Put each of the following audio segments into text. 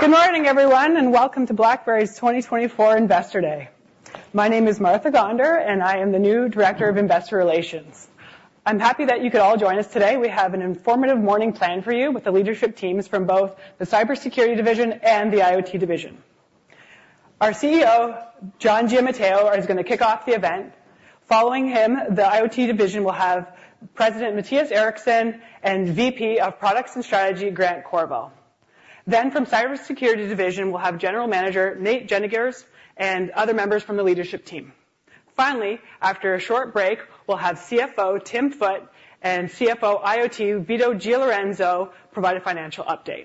Good morning, everyone, and welcome to BlackBerry's twenty twenty-four Investor Day. My name is Martha Gonder, and I am the new Director of Investor Relations. I'm happy that you could all join us today. We have an informative morning planned for you with the leadership teams from both the cybersecurity division and the IoT division. Our CEO, John Giamatteo, is gonna kick off the event. Following him, the IoT division will have President Mattias Eriksson and VP of Products and Strategy, Grant Courville. Then from cybersecurity division, we'll have General Manager Nate Jenniges and other members from the leadership team. Finally, after a short break, we'll have CFO Tim Foote and CFO, IoT, Vito Giallorenzo, provide a financial update.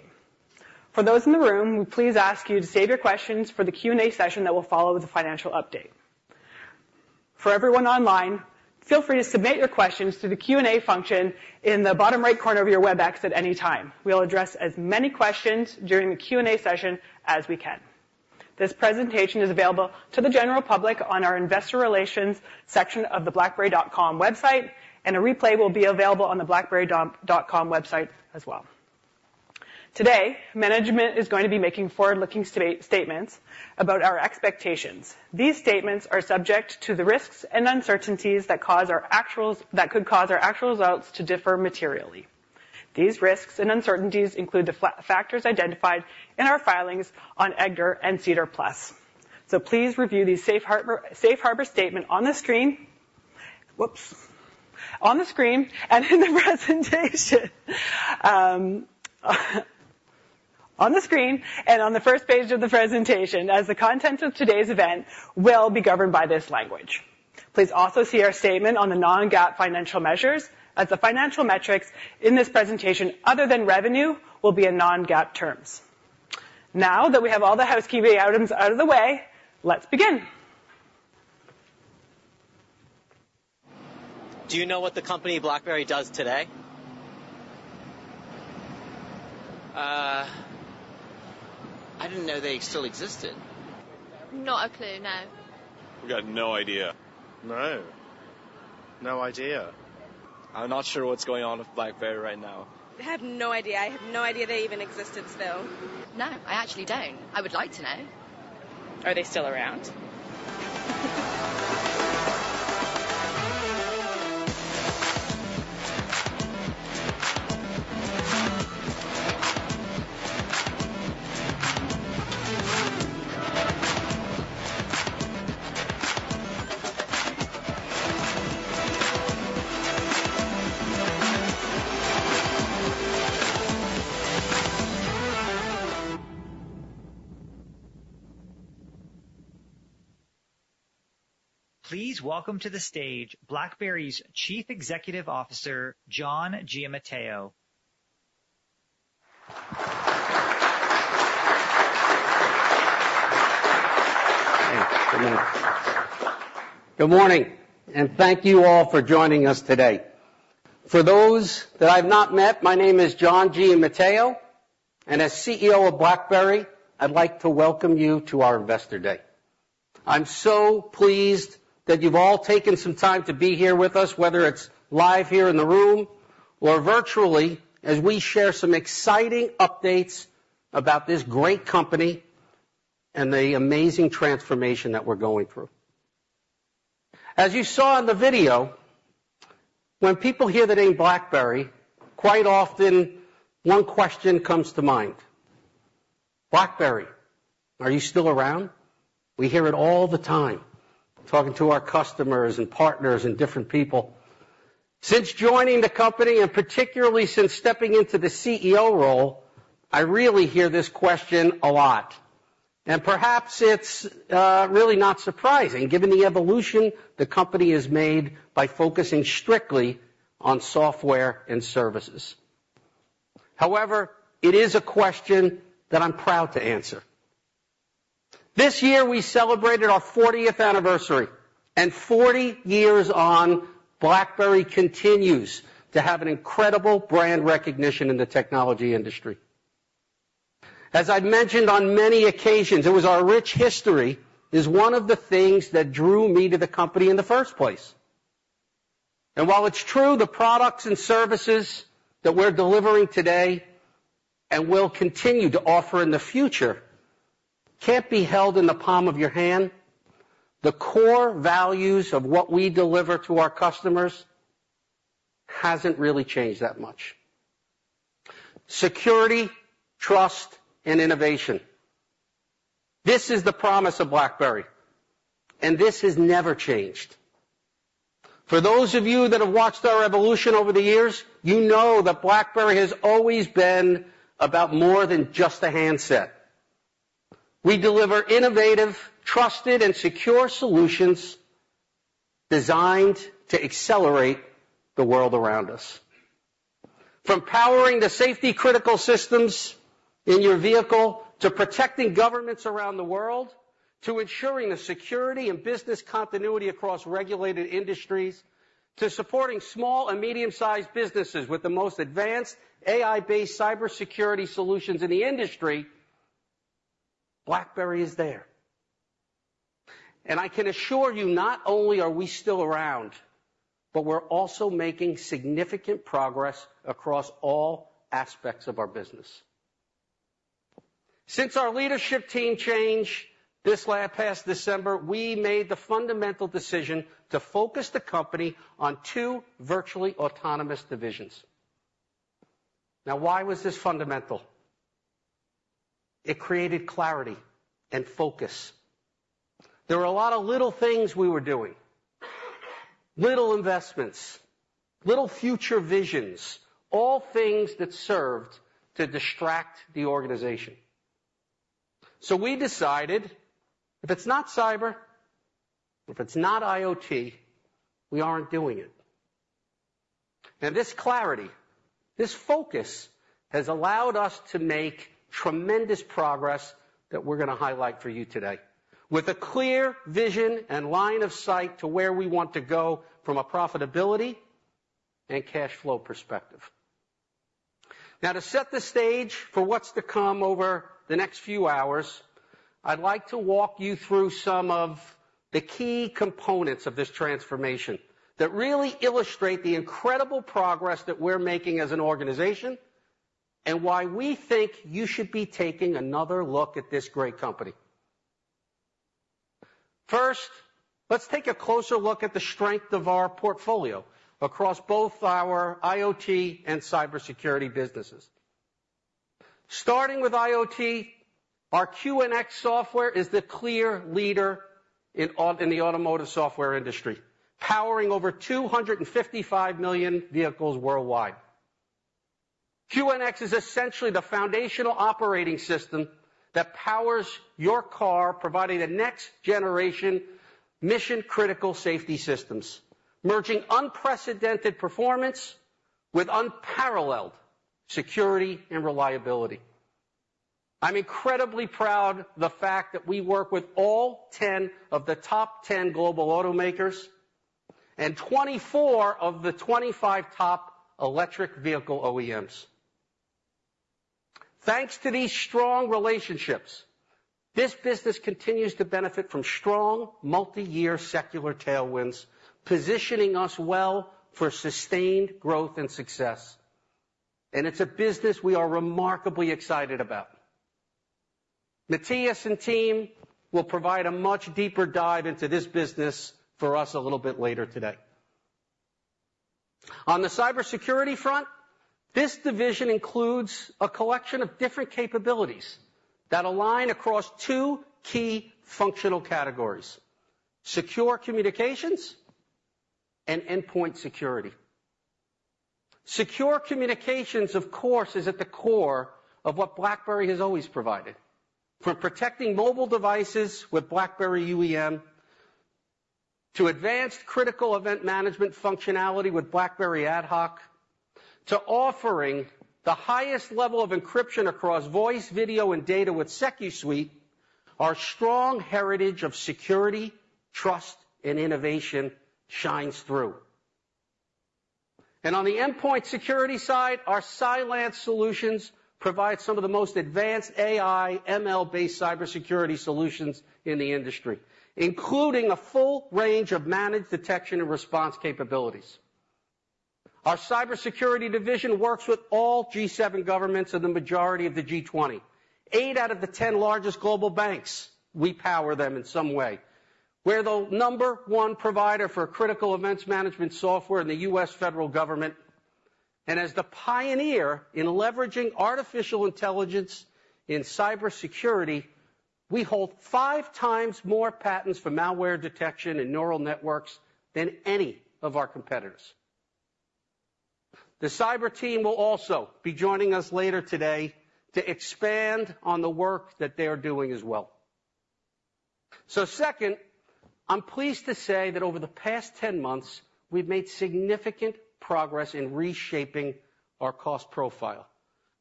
For those in the room, we please ask you to save your questions for the Q&A session that will follow the financial update. For everyone online, feel free to submit your questions through the Q&A function in the bottom right corner of your WebEx at any time. We'll address as many questions during the Q&A session as we can. This presentation is available to the general public on our investor relations section of the BlackBerry.com website, and a replay will be available on the BlackBerry.com website as well. Today, management is going to be making forward-looking statements about our expectations. These statements are subject to the risks and uncertainties that could cause our actual results to differ materially. These risks and uncertainties include the factors identified in our filings on EDGAR and SEDAR+. So please review these safe harbor statement on the screen. Whoops! On the screen and in the presentation. On the screen and on the first page of the presentation, as the content of today's event will be governed by this language. Please also see our statement on the non-GAAP financial measures, as the financial metrics in this presentation, other than revenue, will be in non-GAAP terms. Now that we have all the housekeeping items out of the way, let's begin. Do you know what the company BlackBerry does today? I didn't know they still existed. Not a clue. No. I've got no idea. No. No idea. I'm not sure what's going on with BlackBerry right now. I have no idea. I had no idea they even existed still. No, I actually don't. I would like to know. Are they still around? Please welcome to the stage BlackBerry's Chief Executive Officer, John Giamatteo. Good morning, and thank you all for joining us today. For those that I've not met, my name is John Giamatteo, and as CEO of BlackBerry, I'd like to welcome you to our Investor Day. I'm so pleased that you've all taken some time to be here with us, whether it's live here in the room or virtually, as we share some exciting updates about this great company and the amazing transformation that we're going through. As you saw in the video, when people hear the name BlackBerry, quite often one question comes to mind: "BlackBerry, are you still around?" We hear it all the time, talking to our customers and partners and different people. Since joining the company, and particularly since stepping into the CEO role, I really hear this question a lot, and perhaps it's really not surprising given the evolution the company has made by focusing strictly on software and services. However, it is a question that I'm proud to answer. This year, we celebrated our fortieth anniversary, and forty years on, BlackBerry continues to have an incredible brand recognition in the technology industry. As I've mentioned on many occasions, it was our rich history is one of the things that drew me to the company in the first place. And while it's true, the products and services that we're delivering today and will continue to offer in the future can't be held in the palm of your hand, the core values of what we deliver to our customers hasn't really changed that much. Security, trust, and innovation. This is the promise of BlackBerry, and this has never changed. For those of you that have watched our evolution over the years, you know that BlackBerry has always been about more than just a handset. We deliver innovative, trusted, and secure solutions designed to accelerate the world around us. From powering the safety-critical systems in your vehicle, to protecting governments around the world, to ensuring the security and business continuity across regulated industries, to supporting small and medium-sized businesses with the most advanced AI-based cybersecurity solutions in the industry, BlackBerry is there. and I can assure you, not only are we still around, but we're also making significant progress across all aspects of our business. Since our leadership team changed this last December, we made the fundamental decision to focus the company on two virtually autonomous divisions. Now, why was this fundamental? It created clarity and focus. There were a lot of little things we were doing, little investments, little future visions, all things that served to distract the organization. So we decided, if it's not cyber, if it's not IoT, we aren't doing it. Now, this clarity, this focus, has allowed us to make tremendous progress that we're gonna highlight for you today, with a clear vision and line of sight to where we want to go from a profitability and cash flow perspective. Now, to set the stage for what's to come over the next few hours, I'd like to walk you through some of the key components of this transformation that really illustrate the incredible progress that we're making as an organization, and why we think you should be taking another look at this great company. First, let's take a closer look at the strength of our portfolio across both our IoT and cybersecurity businesses. Starting with IoT, our QNX software is the clear leader in the automotive software industry, powering over 255 million vehicles worldwide. QNX is essentially the foundational operating system that powers your car, providing next-generation, mission-critical safety systems, merging unprecedented performance with unparalleled security and reliability. I'm incredibly proud of the fact that we work with all 10 of the top 10 global automakers, and 24 of the 25 top electric vehicle OEMs. Thanks to these strong relationships, this business continues to benefit from strong, multiyear secular tailwinds, positioning us well for sustained growth and success. And it's a business we are remarkably excited about. Mattias and team will provide a much deeper dive into this business for us a little bit later today. On the cybersecurity front, this division includes a collection of different capabilities that align across two key functional categories: secure communications and endpoint security. Secure communications, of course, is at the core of what BlackBerry has always provided. From protecting mobile devices with BlackBerry UEM, to advanced critical event management functionality with BlackBerry AtHoc, to offering the highest level of encryption across voice, video, and data with SecuSUITE, our strong heritage of security, trust, and innovation shines through. And on the endpoint security side, our Cylance solutions provide some of the most advanced AI, ML-based cybersecurity solutions in the industry, including a full range of managed detection and response capabilities. Our cybersecurity division works with all G7 governments and the majority of the G20. Eight out of the 10 largest global banks, we power them in some way. We're the number one provider for critical events management software in the U.S. federal government, and as the pioneer in leveraging artificial intelligence in cybersecurity, we hold five times more patents for malware detection and neural networks than any of our competitors. The cyber team will also be joining us later today to expand on the work that they are doing as well. So second, I'm pleased to say that over the past ten months, we've made significant progress in reshaping our cost profile,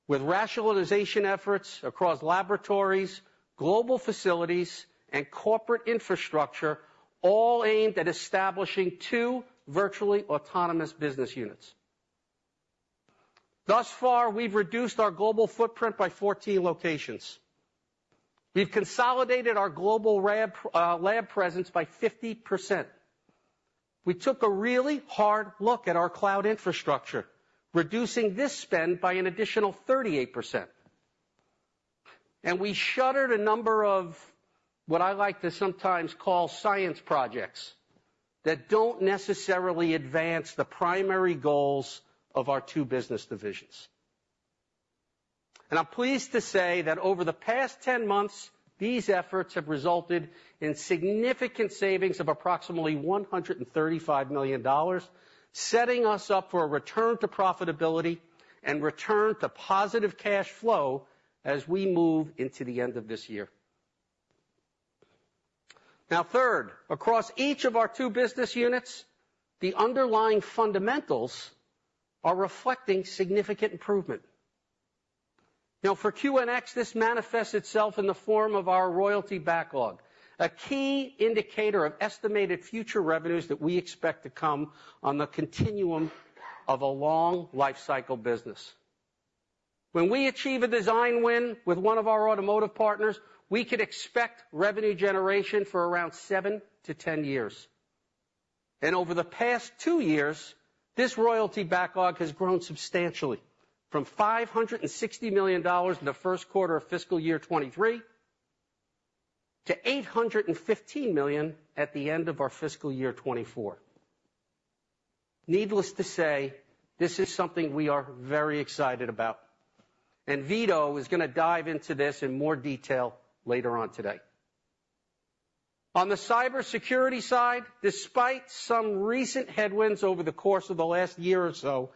with rationalization efforts across laboratories, global facilities, and corporate infrastructure, all aimed at establishing two virtually autonomous business units. Thus far, we've reduced our global footprint by fourteen locations. We've consolidated our global lab, lab presence by 50%. We took a really hard look at our cloud infrastructure, reducing this spend by an additional 38%. And we shuttered a number of what I like to sometimes call science projects, that don't necessarily advance the primary goals of our two business divisions. I'm pleased to say that over the past 10 months, these efforts have resulted in significant savings of approximately $135 million, setting us up for a return to profitability and return to positive cash flow as we move into the end of this year. Now, third, across each of our 2 business units, the underlying fundamentals are reflecting significant improvement. Now, for QNX, this manifests itself in the form of our royalty backlog, a key indicator of estimated future revenues that we expect to come on the continuum of a long lifecycle business. When we achieve a design win with one of our automotive partners, we could expect revenue generation for around 7-10 years. Over the past two years, this royalty backlog has grown substantially from $560 million in the first quarter of fiscal year 2023, to $815 million at the end of our fiscal year 2024. Needless to say, this is something we are very excited about, and Vito is gonna dive into this in more detail later on today. On the cybersecurity side, despite some recent headwinds over the course of the last year or so,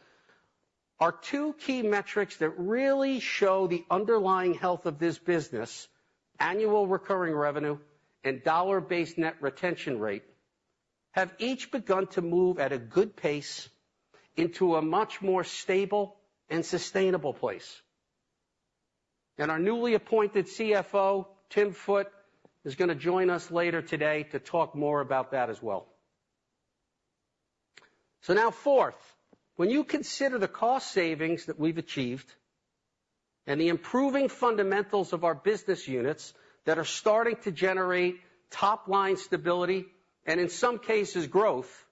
our two key metrics that really show the underlying health of this business, annual recurring revenue and dollar-based net retention rate, have each begun to move at a good pace into a much more stable and sustainable place. Our newly appointed CFO, Tim Foote, is gonna join us later today to talk more about that as well. So now fourth, when you consider the cost savings that we've achieved and the improving fundamentals of our business units that are starting to generate top line stability, and in some cases, growth,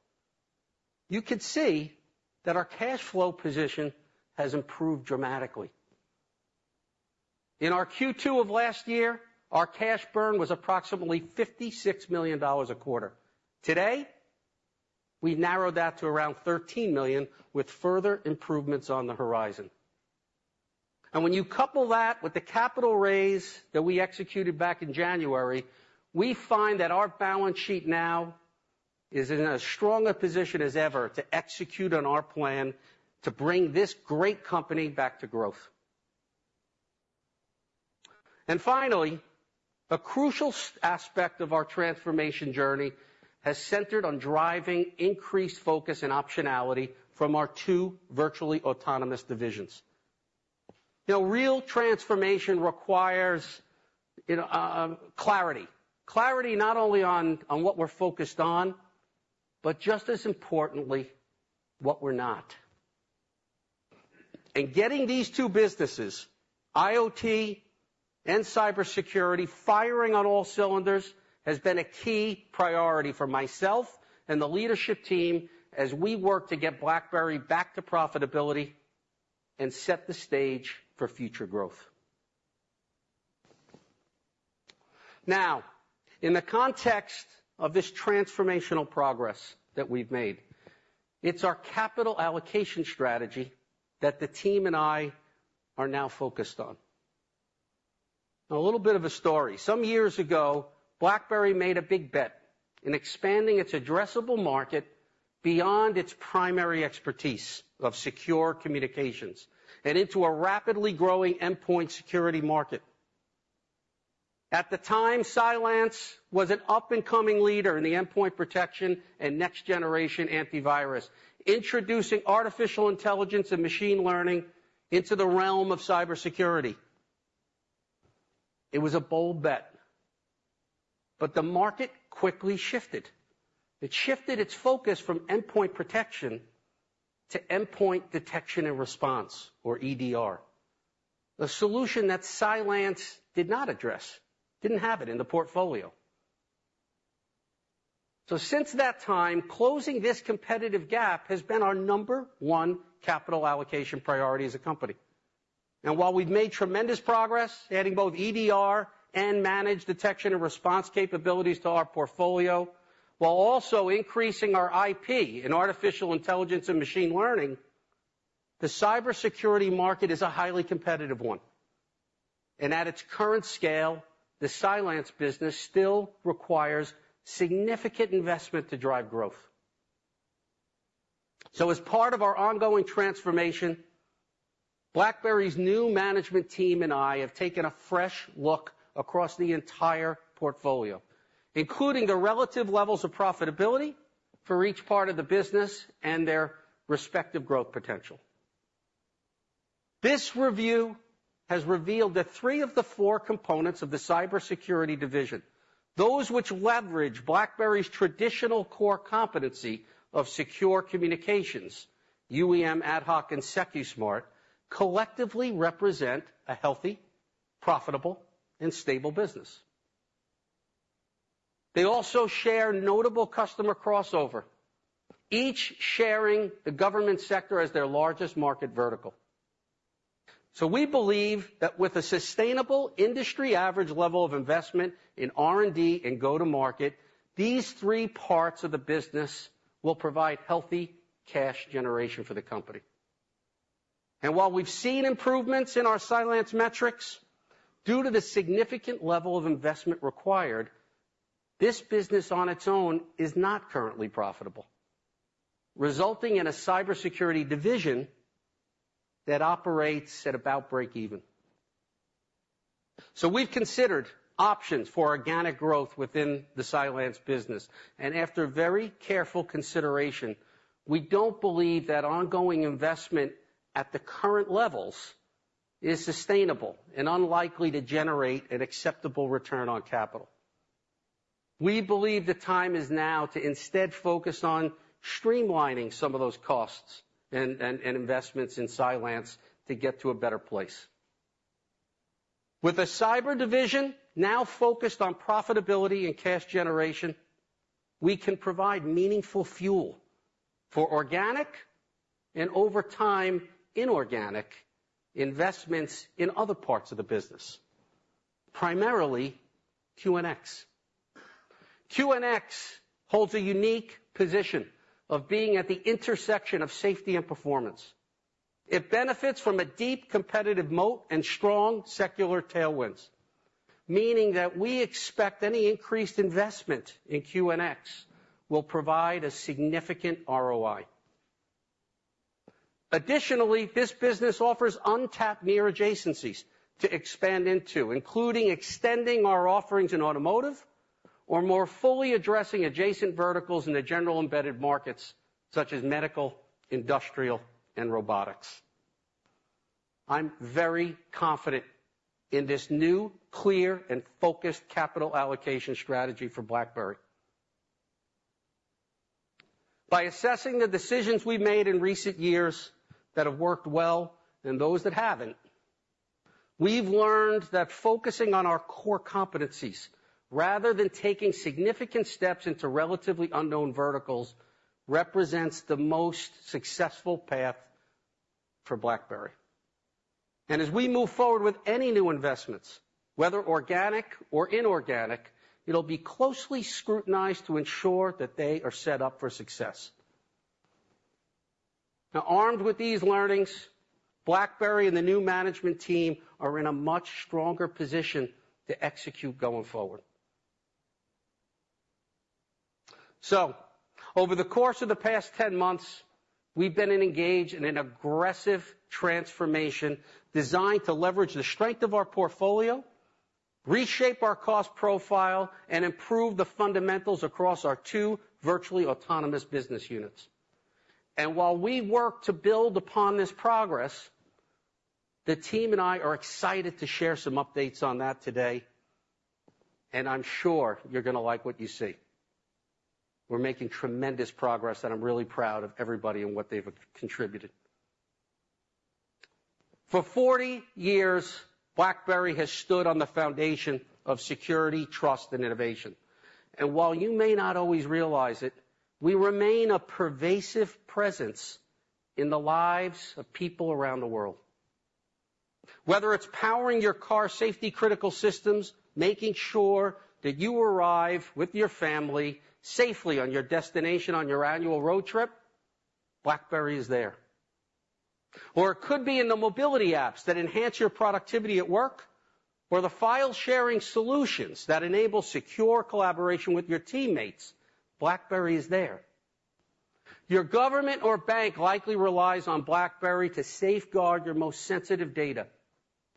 you could see that our cash flow position has improved dramatically. In our Q2 of last year, our cash burn was approximately $56 million a quarter. Today, we've narrowed that to around $13 million, with further improvements on the horizon. And when you couple that with the capital raise that we executed back in January, we find that our balance sheet now is in as strong a position as ever to execute on our plan to bring this great company back to growth. And finally, a crucial aspect of our transformation journey has centered on driving increased focus and optionality from our two virtually autonomous divisions. You know, real transformation requires, you know, clarity. Clarity not only on what we're focused on, but just as importantly, what we're not. And getting these two businesses, IoT and cybersecurity, firing on all cylinders, has been a key priority for myself and the leadership team as we work to get BlackBerry back to profitability and set the stage for future growth. Now, in the context of this transformational progress that we've made, it's our capital allocation strategy that the team and I are now focused on. Now, a little bit of a story. Some years ago, BlackBerry made a big bet in expanding its addressable market beyond its primary expertise of secure communications and into a rapidly growing endpoint security market. At the time, Cylance was an up-and-coming leader in the endpoint protection and next-generation antivirus, introducing artificial intelligence and machine learning into the realm of cybersecurity. It was a bold bet, but the market quickly shifted. It shifted its focus from endpoint protection to endpoint detection and response, or EDR, a solution that Cylance did not address, didn't have it in the portfolio. So since that time, closing this competitive gap has been our number one capital allocation priority as a company. And while we've made tremendous progress, adding both EDR and managed detection and response capabilities to our portfolio, while also increasing our IP in artificial intelligence and machine learning, the cybersecurity market is a highly competitive one, and at its current scale, the Cylance business still requires significant investment to drive growth. So as part of our ongoing transformation, BlackBerry's new management team and I have taken a fresh look across the entire portfolio, including the relative levels of profitability for each part of the business and their respective growth potential. This review has revealed that three of the four components of the cybersecurity division, those which leverage BlackBerry's traditional core competency of secure communications, UEM, AtHoc, and Secusmart, collectively represent a healthy, profitable, and stable business. They also share notable customer crossover, each sharing the government sector as their largest market vertical. So we believe that with a sustainable industry average level of investment in R&D and go-to-market, these three parts of the business will provide healthy cash generation for the company. And while we've seen improvements in our Cylance metrics, due to the significant level of investment required, this business on its own is not currently profitable, resulting in a cybersecurity division that operates at about break even. We've considered options for organic growth within the Cylance business, and after very careful consideration, we don't believe that ongoing investment at the current levels is sustainable and unlikely to generate an acceptable return on capital. We believe the time is now to instead focus on streamlining some of those costs and investments in Cylance to get to a better place. With a cyber division now focused on profitability and cash generation, we can provide meaningful fuel for organic, and over time, inorganic investments in other parts of the business, primarily QNX. QNX holds a unique position of being at the intersection of safety and performance. It benefits from a deep competitive moat and strong secular tailwinds, meaning that we expect any increased investment in QNX will provide a significant ROI. Additionally, this business offers untapped near adjacencies to expand into, including extending our offerings in automotive or more fully addressing adjacent verticals in the general embedded markets, such as medical, industrial, and robotics. I'm very confident in this new, clear, and focused capital allocation strategy for BlackBerry. By assessing the decisions we've made in recent years that have worked well and those that haven't, we've learned that focusing on our core competencies rather than taking significant steps into relatively unknown verticals represents the most successful path for BlackBerry. And as we move forward with any new investments, whether organic or inorganic, it'll be closely scrutinized to ensure that they are set up for success. Now, armed with these learnings, BlackBerry and the new management team are in a much stronger position to execute going forward. Over the course of the past ten months, we've been engaged in an aggressive transformation designed to leverage the strength of our portfolio, reshape our cost profile, and improve the fundamentals across our two virtually autonomous business units. While we work to build upon this progress, the team and I are excited to share some updates on that today, and I'm sure you're gonna like what you see. We're making tremendous progress, and I'm really proud of everybody and what they've contributed. For 40 years, BlackBerry has stood on the foundation of security, trust, and innovation. While you may not always realize it, we remain a pervasive presence in the lives of people around the world. Whether it's powering your car safety critical systems, making sure that you arrive with your family safely on your destination on your annual road trip, BlackBerry is there. Or it could be in the mobility apps that enhance your productivity at work, or the file-sharing solutions that enable secure collaboration with your teammates. BlackBerry is there. Your government or bank likely relies on BlackBerry to safeguard your most sensitive data.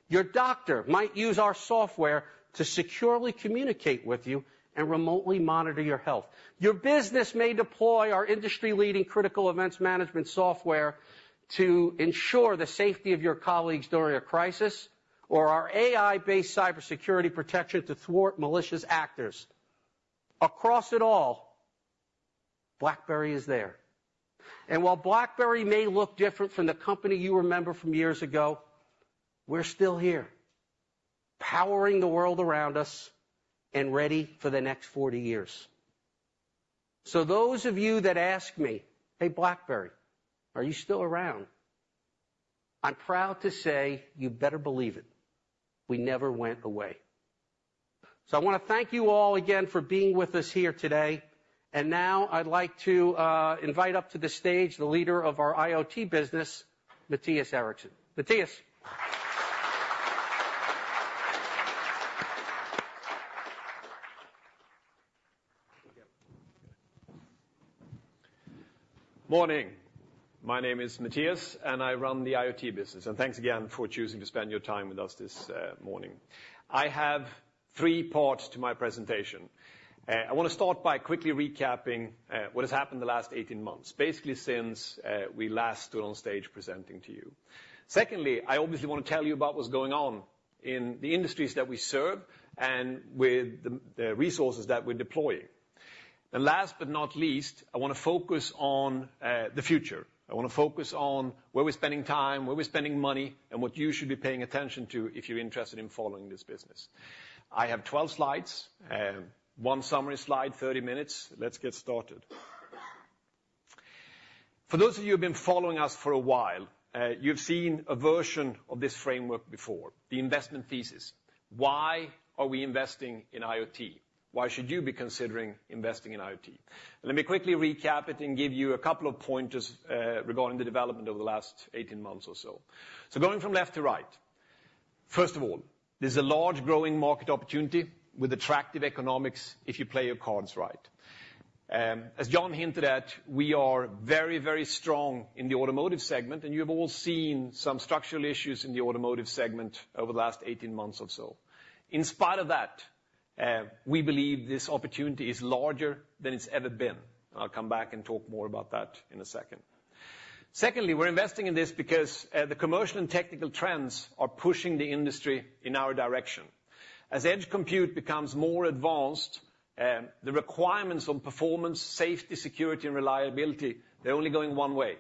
Your doctor might use our software to securely communicate with you and remotely monitor your health. Your business may deploy our industry-leading critical events management software to ensure the safety of your colleagues during a crisis, or our AI-based cybersecurity protection to thwart malicious actors. Across it all, BlackBerry is there. And while BlackBerry may look different from the company you remember from years ago, we're still here, powering the world around us and ready for the next 40 years. So those of you that ask me, "Hey, BlackBerry, are you still around?" I'm proud to say, "You better believe it. We never went away." So I wanna thank you all again for being with us here today. And now I'd like to invite up to the stage the leader of our IoT business, Mattias Eriksson. Mattias? Morning. My name is Mattias, and I run the IoT business. Thanks again for choosing to spend your time with us this morning. I have three parts to my presentation. I wanna start by quickly recapping what has happened in the last 18 months, basically since we last stood on stage presenting to you. Secondly, I obviously wanna tell you about what's going on in the industries that we serve and with the resources that we're deploying. Last but not least, I wanna focus on the future. I wanna focus on where we're spending time, where we're spending money, and what you should be paying attention to if you're interested in following this business. I have 12 slides, one summary slide, 30 minutes. Let's get started. For those of you who have been following us for a while, you've seen a version of this framework before, the investment thesis. Why are we investing in IoT? Why should you be considering investing in IoT? Let me quickly recap it and give you a couple of pointers regarding the development over the last eighteen months or so. So going from left to right, first of all, there's a large growing market opportunity with attractive economics if you play your cards right. As John hinted at, we are very, very strong in the automotive segment, and you have all seen some structural issues in the automotive segment over the last eighteen months or so. In spite of that, we believe this opportunity is larger than it's ever been. I'll come back and talk more about that in a second... Secondly, we're investing in this because the commercial and technical trends are pushing the industry in our direction. As edge compute becomes more advanced, the requirements on performance, safety, security, and reliability, they're only going one way,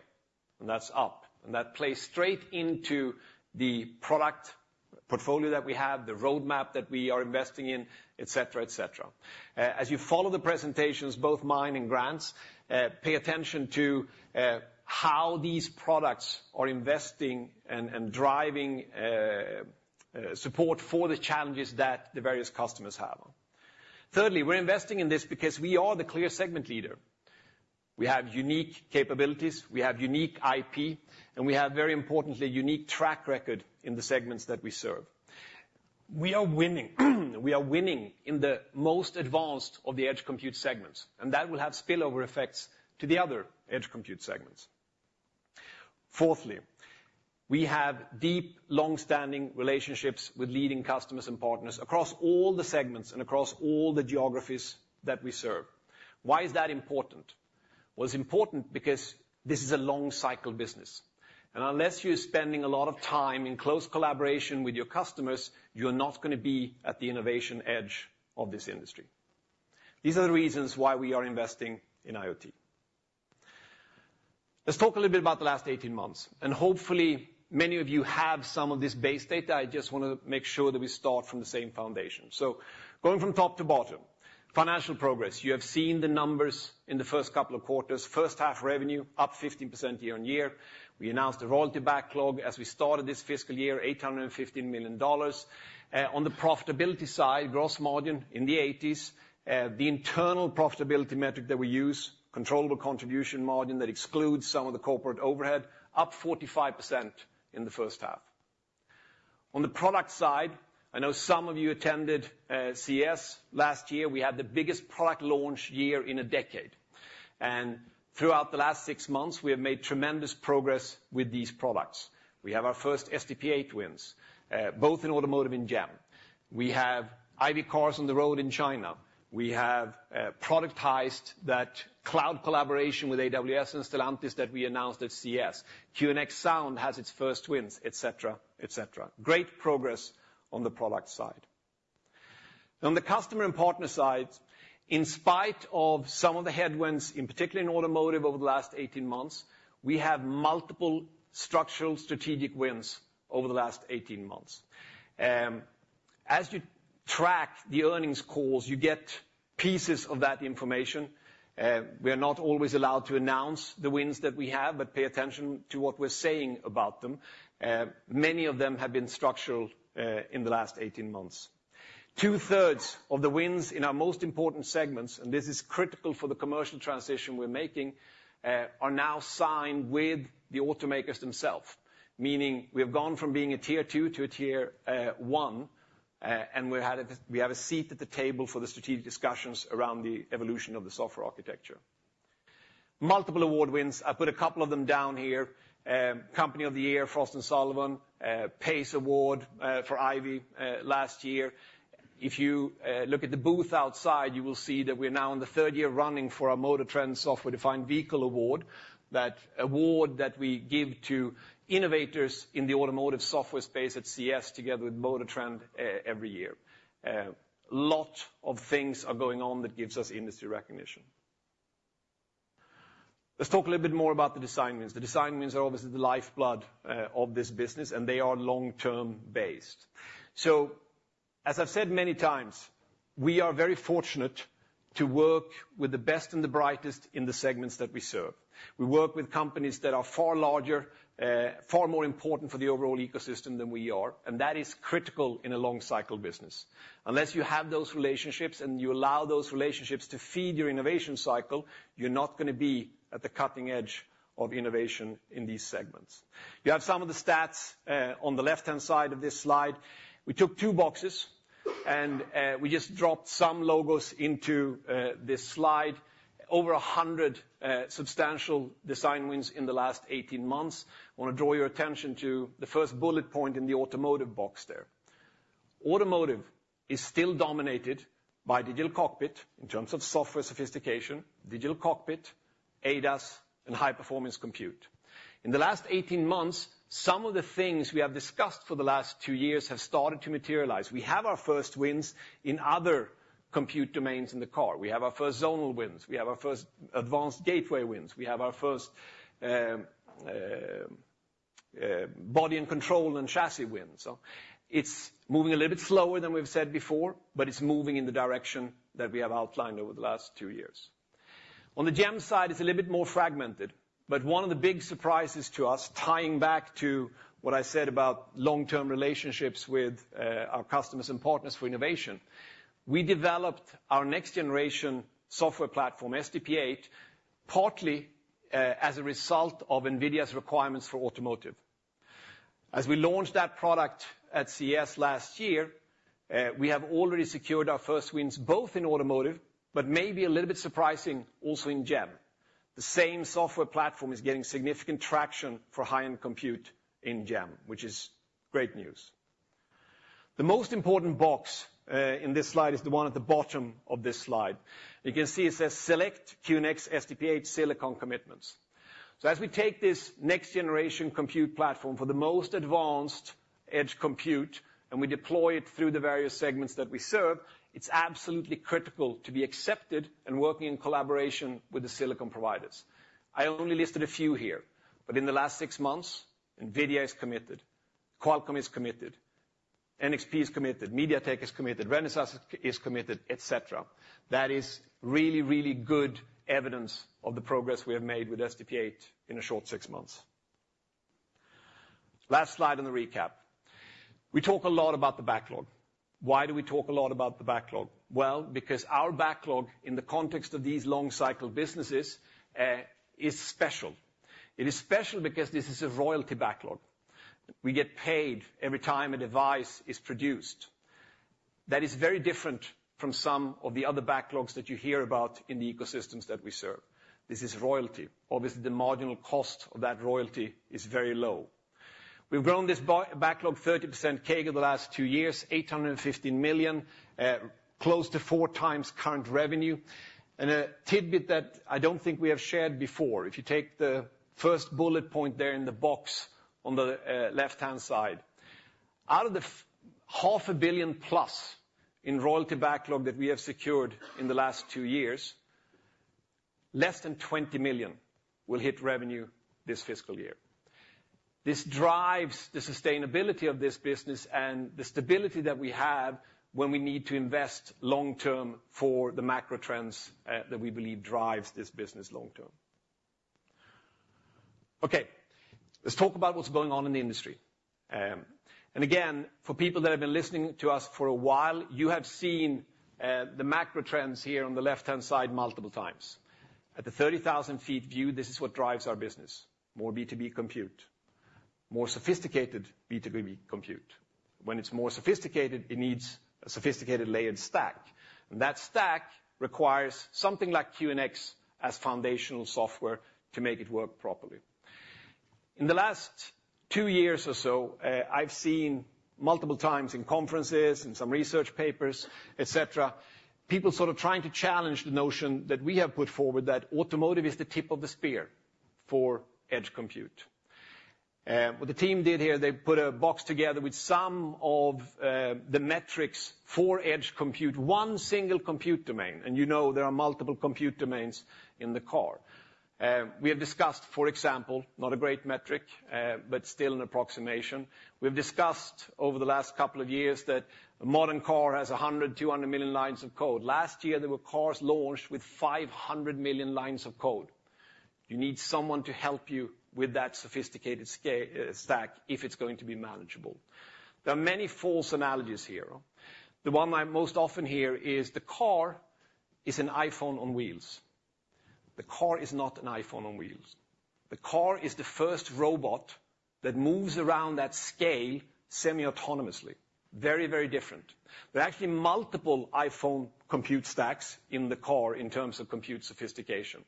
and that's up, and that plays straight into the product portfolio that we have, the roadmap that we are investing in, et cetera, et cetera. As you follow the presentations, both mine and Grant's, pay attention to how these products are investing and driving support for the challenges that the various customers have. Thirdly, we're investing in this because we are the clear segment leader. We have unique capabilities, we have unique IP, and we have, very importantly, a unique track record in the segments that we serve. We are winning. We are winning in the most advanced of the edge compute segments, and that will have spillover effects to the other edge compute segments. Fourthly, we have deep, long-standing relationships with leading customers and partners across all the segments and across all the geographies that we serve. Why is that important? Well, it's important because this is a long-cycle business, and unless you're spending a lot of time in close collaboration with your customers, you're not gonna be at the innovation edge of this industry. These are the reasons why we are investing in IoT. Let's talk a little bit about the last 18 months, and hopefully, many of you have some of this base data. I just wanna make sure that we start from the same foundation. So going from top to bottom, financial progress. You have seen the numbers in the first couple of quarters. First half revenue, up 15% year on year. We announced a royalty backlog as we started this fiscal year, $815 million. On the profitability side, gross margin in the 80s, the internal profitability metric that we use, controllable contribution margin that excludes some of the corporate overhead, up 45% in the first half. On the product side, I know some of you attended CES last year. We had the biggest product launch year in a decade, and throughout the last six months, we have made tremendous progress with these products. We have our first SDP 8 wins, both in automotive and GEM. We have IVY cars on the road in China. We have productized that cloud collaboration with AWS and Stellantis that we announced at CES. QNX Sound has its first wins, et cetera, et cetera. Great progress on the product side. On the customer and partner side, in spite of some of the headwinds, in particular in automotive over the last 18 months, we have multiple structural strategic wins over the last 18 months. As you track the earnings calls, you get pieces of that information. We are not always allowed to announce the wins that we have, but pay attention to what we're saying about them. Many of them have been structural in the last 18 months. Two-thirds of the wins in our most important segments, and this is critical for the commercial transition we're making, are now signed with the automakers themselves, meaning we have gone from being a tier two to a tier one, and we have a seat at the table for the strategic discussions around the evolution of the software architecture. Multiple award wins. I put a couple of them down here. Company of the Year, Frost & Sullivan, PACE Award for IVY last year. If you look at the booth outside, you will see that we're now in the third year running for our MotorTrend Software-Defined Vehicle Award. That award that we give to innovators in the automotive software space at CES together with MotorTrend every year. Lot of things are going on that gives us industry recognition. Let's talk a little bit more about the design wins. The design wins are obviously the lifeblood of this business, and they are long-term based. So, as I've said many times, we are very fortunate to work with the best and the brightest in the segments that we serve. We work with companies that are far larger, far more important for the overall ecosystem than we are, and that is critical in a long-cycle business. Unless you have those relationships, and you allow those relationships to feed your innovation cycle, you're not gonna be at the cutting edge of innovation in these segments. You have some of the stats on the left-hand side of this slide. We took two boxes, and we just dropped some logos into this slide. Over a hundred substantial design wins in the last eighteen months. to draw your attention to the first bullet point in the automotive box there. Automotive is still dominated by digital cockpit in terms of software sophistication, digital cockpit, ADAS, and high-performance compute. In the last 18 months, some of the things we have discussed for the last two years have started to materialize. We have our first wins in other compute domains in the car. We have our first zonal wins, we have our first advanced gateway wins, we have our first body and control and chassis wins. So it's moving a little bit slower than we've said before, but it's moving in the direction that we have outlined over the last two years. On the GEM side, it's a little bit more fragmented, but one of the big surprises to us, tying back to what I said about long-term relationships with our customers and partners for innovation, we developed our next-generation software platform, SDP 8, partly as a result of NVIDIA's requirements for automotive. As we launched that product at CES last year, we have already secured our first wins, both in automotive, but maybe a little bit surprising, also in GEM. The same software platform is getting significant traction for high-end compute in GEM, which is great news... The most important box in this slide is the one at the bottom of this slide. You can see it says, "Select QNX SDP 8 Silicon commitments." So as we take this next generation compute platform for the most advanced edge compute, and we deploy it through the various segments that we serve, it's absolutely critical to be accepted and working in collaboration with the silicon providers. I only listed a few here, but in the last six months, NVIDIA is committed, Qualcomm is committed, NXP is committed, MediaTek is committed, Renesas is committed, etc. That is really, really good evidence of the progress we have made with SDP 8 in a short six months. Last slide on the recap. We talk a lot about the backlog. Why do we talk a lot about the backlog? Well, because our backlog, in the context of these long cycle businesses, is special. It is special because this is a royalty backlog. We get paid every time a device is produced. That is very different from some of the other backlogs that you hear about in the ecosystems that we serve. This is royalty. Obviously, the marginal cost of that royalty is very low. We've grown this backlog 30% CAGR the last two years, $815 million, close to four times current revenue. And a tidbit that I don't think we have shared before, if you take the first bullet point there in the box on the left-hand side, out of the $500 million+ in royalty backlog that we have secured in the last two years, less than $20 million will hit revenue this fiscal year. This drives the sustainability of this business and the stability that we have when we need to invest long-term for the macro trends that we believe drives this business long term. Okay, let's talk about what's going on in the industry. And again, for people that have been listening to us for a while, you have seen the macro trends here on the left-hand side multiple times. At the thirty thousand feet view, this is what drives our business. More B2B compute, more sophisticated B2B compute. When it's more sophisticated, it needs a sophisticated layered stack, and that stack requires something like QNX as foundational software to make it work properly. In the last two years or so, I've seen multiple times in conferences, in some research papers, etc, people sort of trying to challenge the notion that we have put forward that automotive is the tip of the spear for edge compute. What the team did here, they put a box together with some of the metrics for edge compute, one single compute domain, and you know, there are multiple compute domains in the car. We have discussed, for example, not a great metric, but still an approximation. We've discussed over the last couple of years that a modern car has a hundred, 200 million lines of code. Last year, there were cars launched with five hundred million lines of code. You need someone to help you with that sophisticated stack if it's going to be manageable. There are many false analogies here. The one I most often hear is the car is an iPhone on wheels. The car is not an iPhone on wheels. The car is the first robot that moves around that scale semi-autonomously. Very, very different. There are actually multiple iPhone compute stacks in the car in terms of compute sophistication.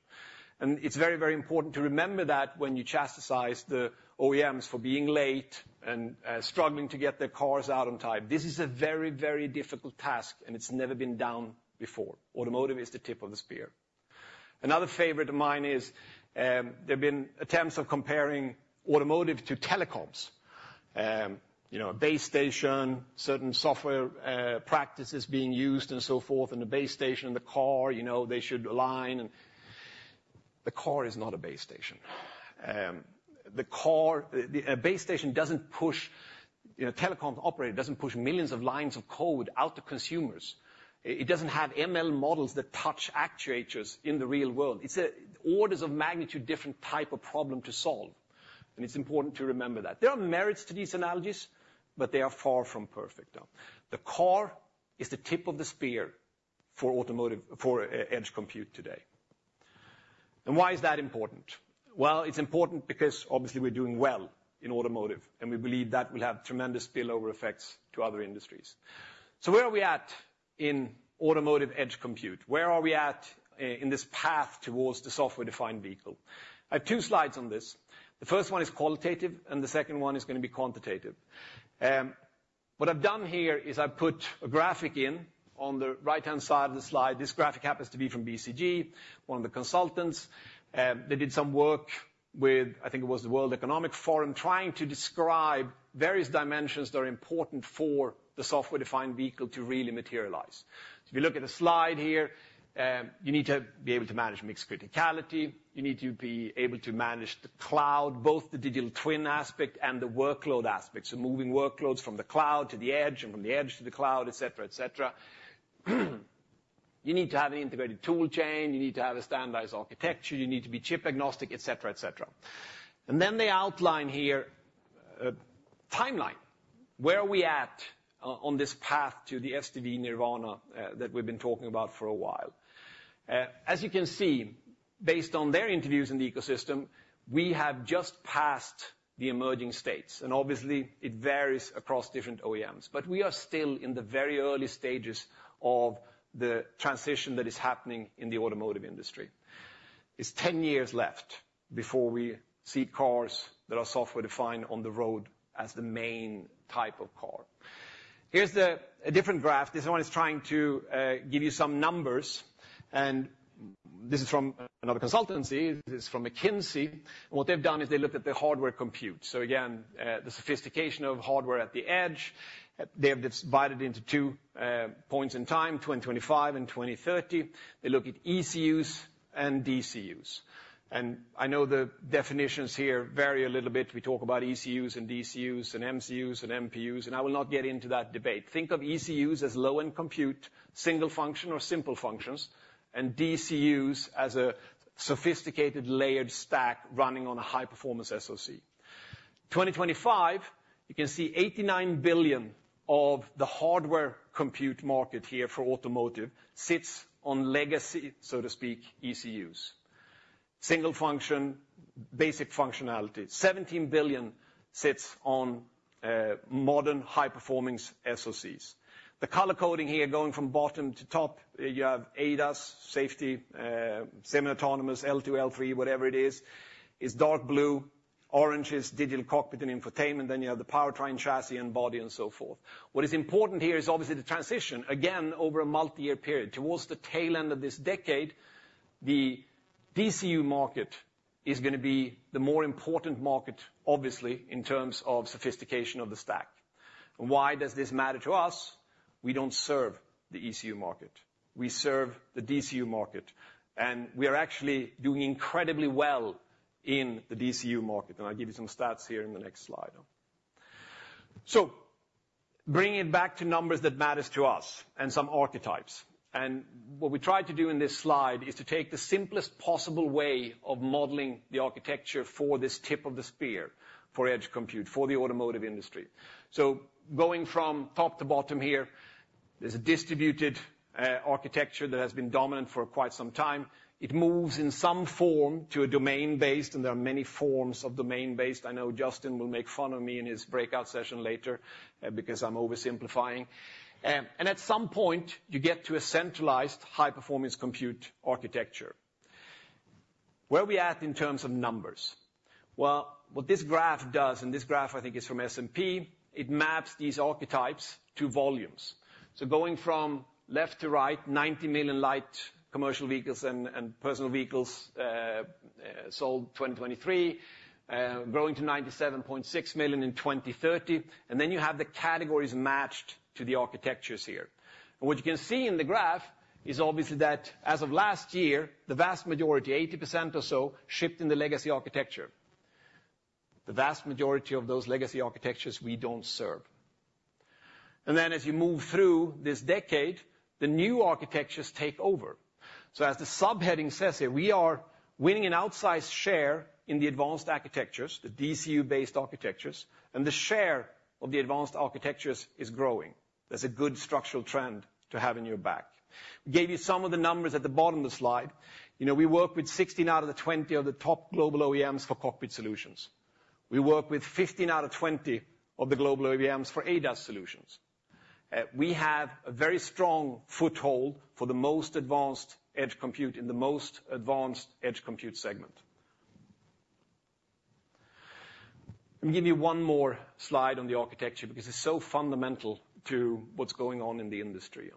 And it's very, very important to remember that when you chastise the OEMs for being late and struggling to get their cars out on time. This is a very, very difficult task, and it's never been done before. Automotive is the tip of the spear. Another favorite of mine is there have been attempts of comparing automotive to telecoms. You know, a base station, certain software practices being used, and so forth, and the base station, the car, you know, they should align and... The car is not a base station. The car, a base station doesn't push, you know, telecom operator doesn't push millions of lines of code out to consumers. It doesn't have ML models that touch actuators in the real world. It's a orders of magnitude different type of problem to solve, and it's important to remember that. There are merits to these analogies, but they are far from perfect, though. The car is the tip of the spear for automotive, for edge compute today. And why is that important? Well, it's important because obviously we're doing well in automotive, and we believe that will have tremendous spillover effects to other industries. So where are we at in automotive edge compute? Where are we at in this path towards the software-defined vehicle? I have two slides on this. The first one is qualitative, and the second one is gonna be quantitative. What I've done here is I've put a graphic in on the right-hand side of the slide. This graphic happens to be from BCG, one of the consultants. They did some work with, I think it was the World Economic Forum, trying to describe various dimensions that are important for the software-defined vehicle to really materialize. If you look at the slide here, you need to be able to manage mixed criticality, you need to be able to manage the cloud, both the digital twin aspect and the workload aspect, so moving workloads from the cloud to the edge and from the edge to the cloud, etc, etc. You need to have an integrated tool chain, you need to have a standardized architecture, you need to be chip agnostic, etc, etc. And then they outline here a timeline. Where are we at on this path to the SDV Nirvana that we've been talking about for a while? As you can see, based on their interviews in the ecosystem, we have just passed the emerging stage, and obviously, it varies across different OEMs. But we are still in the very early stages of the transition that is happening in the automotive industry. It's ten years left before we see cars that are software-defined on the road as the main type of car. Here's a different graph. This one is trying to give you some numbers, and this is from another consultancy. This is from McKinsey, and what they've done is they looked at the hardware compute. So again, the sophistication of hardware at the edge. They have divided into two points in time, 2025 and 2030. They look at ECUs and DCUs. And I know the definitions here vary a little bit. We talk about ECUs and DCUs, and MCUs and MPUs, and I will not get into that debate. Think of ECUs as low-end compute, single function or simple functions, and DCUs as a sophisticated layered stack running on a high-performance SoC. 2025, you can see $89 billion of the hardware compute market here for automotive sits on legacy, so to speak, ECUs. Single function, basic functionality. $17 billion sits on modern, high-performance SoCs. The color coding here, going from bottom to top, you have ADAS, safety, semi-autonomous, L2, L3, whatever it is, is dark blue. Orange is digital cockpit and infotainment, then you have the powertrain, chassis, and body, and so forth. What is important here is obviously the transition, again, over a multi-year period. Towards the tail end of this decade, the DCU market is gonna be the more important market, obviously, in terms of sophistication of the stack. Why does this matter to us? We don't serve the ECU market. We serve the DCU market, and we are actually doing incredibly well in the DCU market, and I'll give you some stats here in the next slide, bringing it back to numbers that matters to us and some archetypes. And what we tried to do in this slide is to take the simplest possible way of modeling the architecture for this tip of the spear, for edge compute, for the automotive industry. So going from top to bottom here, there's a distributed architecture that has been dominant for quite some time. It moves in some form to a domain-based, and there are many forms of domain-based. I know Justin will make fun of me in his breakout session later, because I'm oversimplifying. And at some point, you get to a centralized high-performance compute architecture. Where are we at in terms of numbers? Well, what this graph does, and this graph I think is from S&P, it maps these archetypes to volumes. So going from left to right, 90 million light commercial vehicles and personal vehicles sold in 2023, growing to 97.6 million in 2030, and then you have the categories matched to the architectures here. And what you can see in the graph is obviously that as of last year, the vast majority, 80% or so, shipped in the legacy architecture. The vast majority of those legacy architectures we don't serve. And then as you move through this decade, the new architectures take over. So as the subheading says here, we are winning an outsized share in the advanced architectures, the DCU-based architectures, and the share of the advanced architectures is growing. That's a good structural trend to have in your back. We gave you some of the numbers at the bottom of the slide. You know, we work with sixteen out of the twenty of the top global OEMs for cockpit solutions. We work with fifteen out of twenty of the global OEMs for ADAS solutions. We have a very strong foothold for the most advanced edge compute in the most advanced edge compute segment. Let me give you one more slide on the architecture, because it's so fundamental to what's going on in the industry.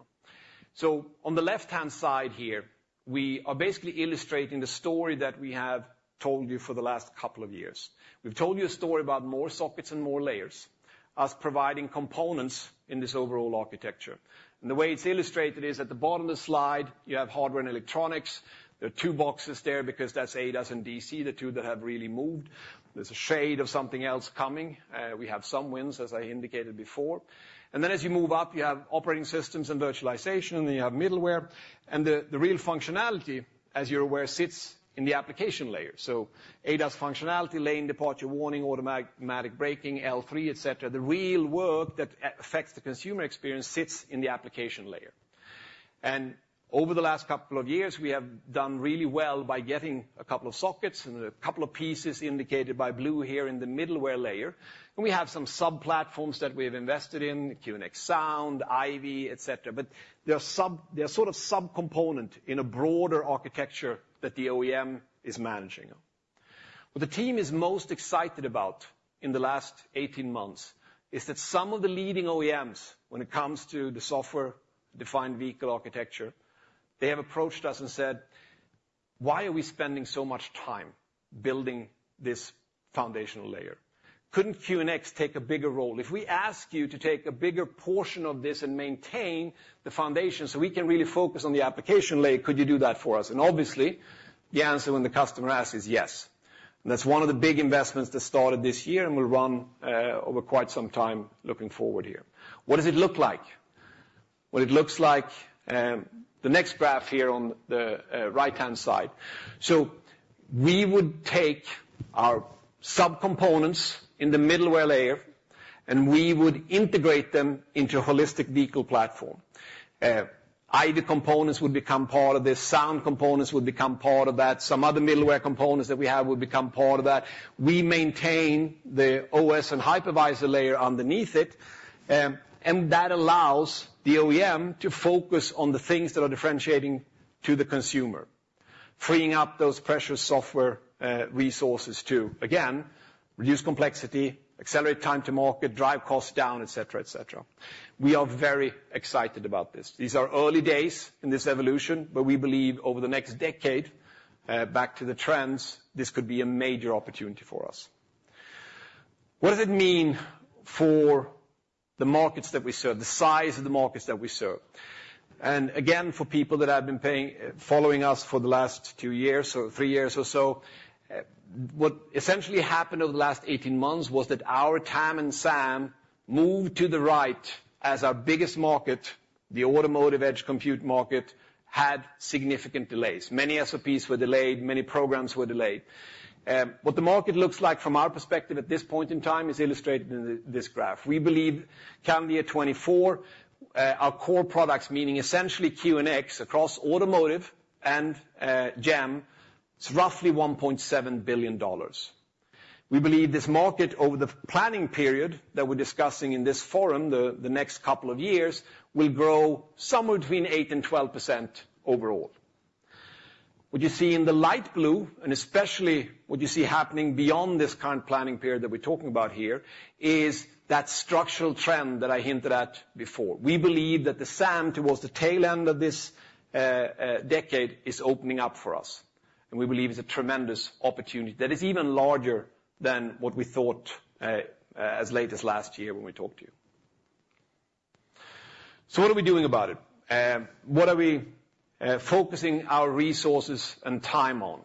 So on the left-hand side here, we are basically illustrating the story that we have told you for the last couple of years. We've told you a story about more sockets and more layers, us providing components in this overall architecture. And the way it's illustrated is at the bottom of the slide, you have hardware and electronics. There are two boxes there because that's ADAS and DC, the two that have really moved. There's a shade of something else coming. We have some wins, as I indicated before, and then as you move up, you have operating systems and virtualization, and then you have middleware, and the real functionality, as you're aware, sits in the application layer, so ADAS functionality, lane departure, warning, automatic braking, L3, etc. The real work that affects the consumer experience sits in the application layer, and over the last couple of years, we have done really well by getting a couple of sockets and a couple of pieces indicated by blue here in the middleware layer, and we have some sub-platforms that we have invested in, QNX Sound, IVY, etc. But they are sort of subcomponent in a broader architecture that the OEM is managing. What the team is most excited about in the last eighteen months is that some of the leading OEMs, when it comes to the software-defined vehicle architecture, they have approached us and said: "Why are we spending so much time building this foundational layer? Couldn't QNX take a bigger role? If we ask you to take a bigger portion of this and maintain the foundation so we can really focus on the application layer, could you do that for us?" And obviously, the answer when the customer asks is yes. That's one of the big investments that started this year and will run over quite some time looking forward here. What does it look like? What it looks like, the next graph here on the right-hand side. So we would take our subcomponents in the middleware layer, and we would integrate them into a holistic vehicle platform. Ivy components would become part of this, Sound components would become part of that, some other middleware components that we have would become part of that. We maintain the OS and hypervisor layer underneath it, and that allows the OEM to focus on the things that are differentiating to the consumer... freeing up those precious software resources to, again, reduce complexity, accelerate time to market, drive costs down, etc, etc. We are very excited about this. These are early days in this evolution, but we believe over the next decade, back to the trends, this could be a major opportunity for us. What does it mean for the markets that we serve, the size of the markets that we serve? And again, for people that have been following us for the last two years or three years or so, what essentially happened over the last eighteen months was that our TAM and SAM moved to the right as our biggest market, the automotive edge compute market, had significant delays. Many SOPs were delayed, many programs were delayed. What the market looks like from our perspective at this point in time is illustrated in this graph. We believe calendar year 2024, our core products, meaning essentially QNX across automotive and GEM, is roughly $1.7 billion. We believe this market, over the planning period that we're discussing in this forum, the next couple of years, will grow somewhere between 8% and 12% overall. What you see in the light blue, and especially what you see happening beyond this current planning period that we're talking about here, is that structural trend that I hinted at before. We believe that the SAM towards the tail end of this decade is opening up for us, and we believe it's a tremendous opportunity that is even larger than what we thought as late as last year when we talked to you. So what are we doing about it? What are we focusing our resources and time on?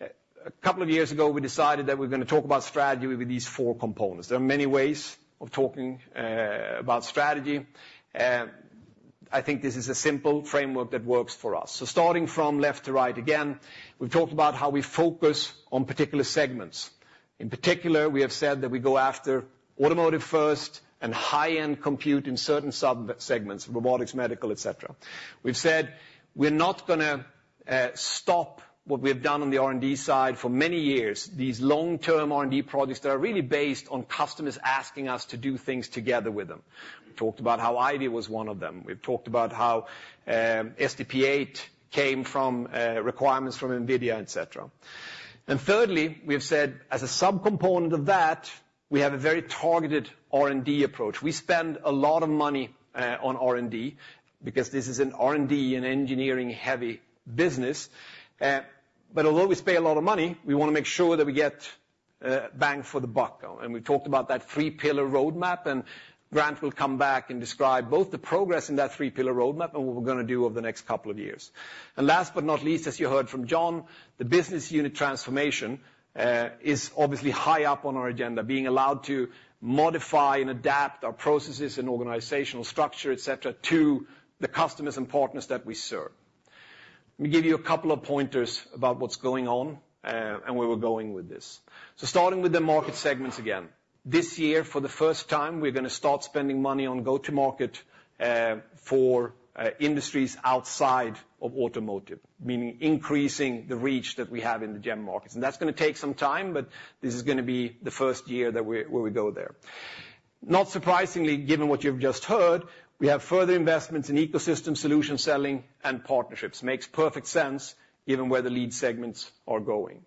A couple of years ago, we decided that we're gonna talk about strategy with these four components. There are many ways of talking about strategy. I think this is a simple framework that works for us. So starting from left to right, again, we've talked about how we focus on particular segments. In particular, we have said that we go after automotive first and high-end compute in certain subsegments, robotics, medical, et cetera. We've said we're not gonna stop what we've done on the R&D side for many years, these long-term R&D projects that are really based on customers asking us to do things together with them. We talked about how IVY was one of them. We've talked about how SDP8 came from requirements from NVIDIA, et cetera. And thirdly, we've said, as a subcomponent of that, we have a very targeted R&D approach. We spend a lot of money on R&D because this is an R&D and engineering-heavy business. But although we spend a lot of money, we wanna make sure that we get bang for the buck. And we talked about that three-pillar roadmap, and Grant will come back and describe both the progress in that three-pillar roadmap and what we're gonna do over the next couple of years. And last but not least, as you heard from John, the business unit transformation is obviously high up on our agenda, being allowed to modify and adapt our processes and organizational structure, etc, to the customers and partners that we serve. Let me give you a couple of pointers about what's going on and where we're going with this. So starting with the market segments again. This year, for the first time, we're gonna start spending money on go-to-market for industries outside of automotive, meaning increasing the reach that we have in the GEM markets. That's gonna take some time, but this is gonna be the first year that we're where we go there. Not surprisingly, given what you've just heard, we have further investments in ecosystem solution selling and partnerships. Makes perfect sense, given where the lead segments are going.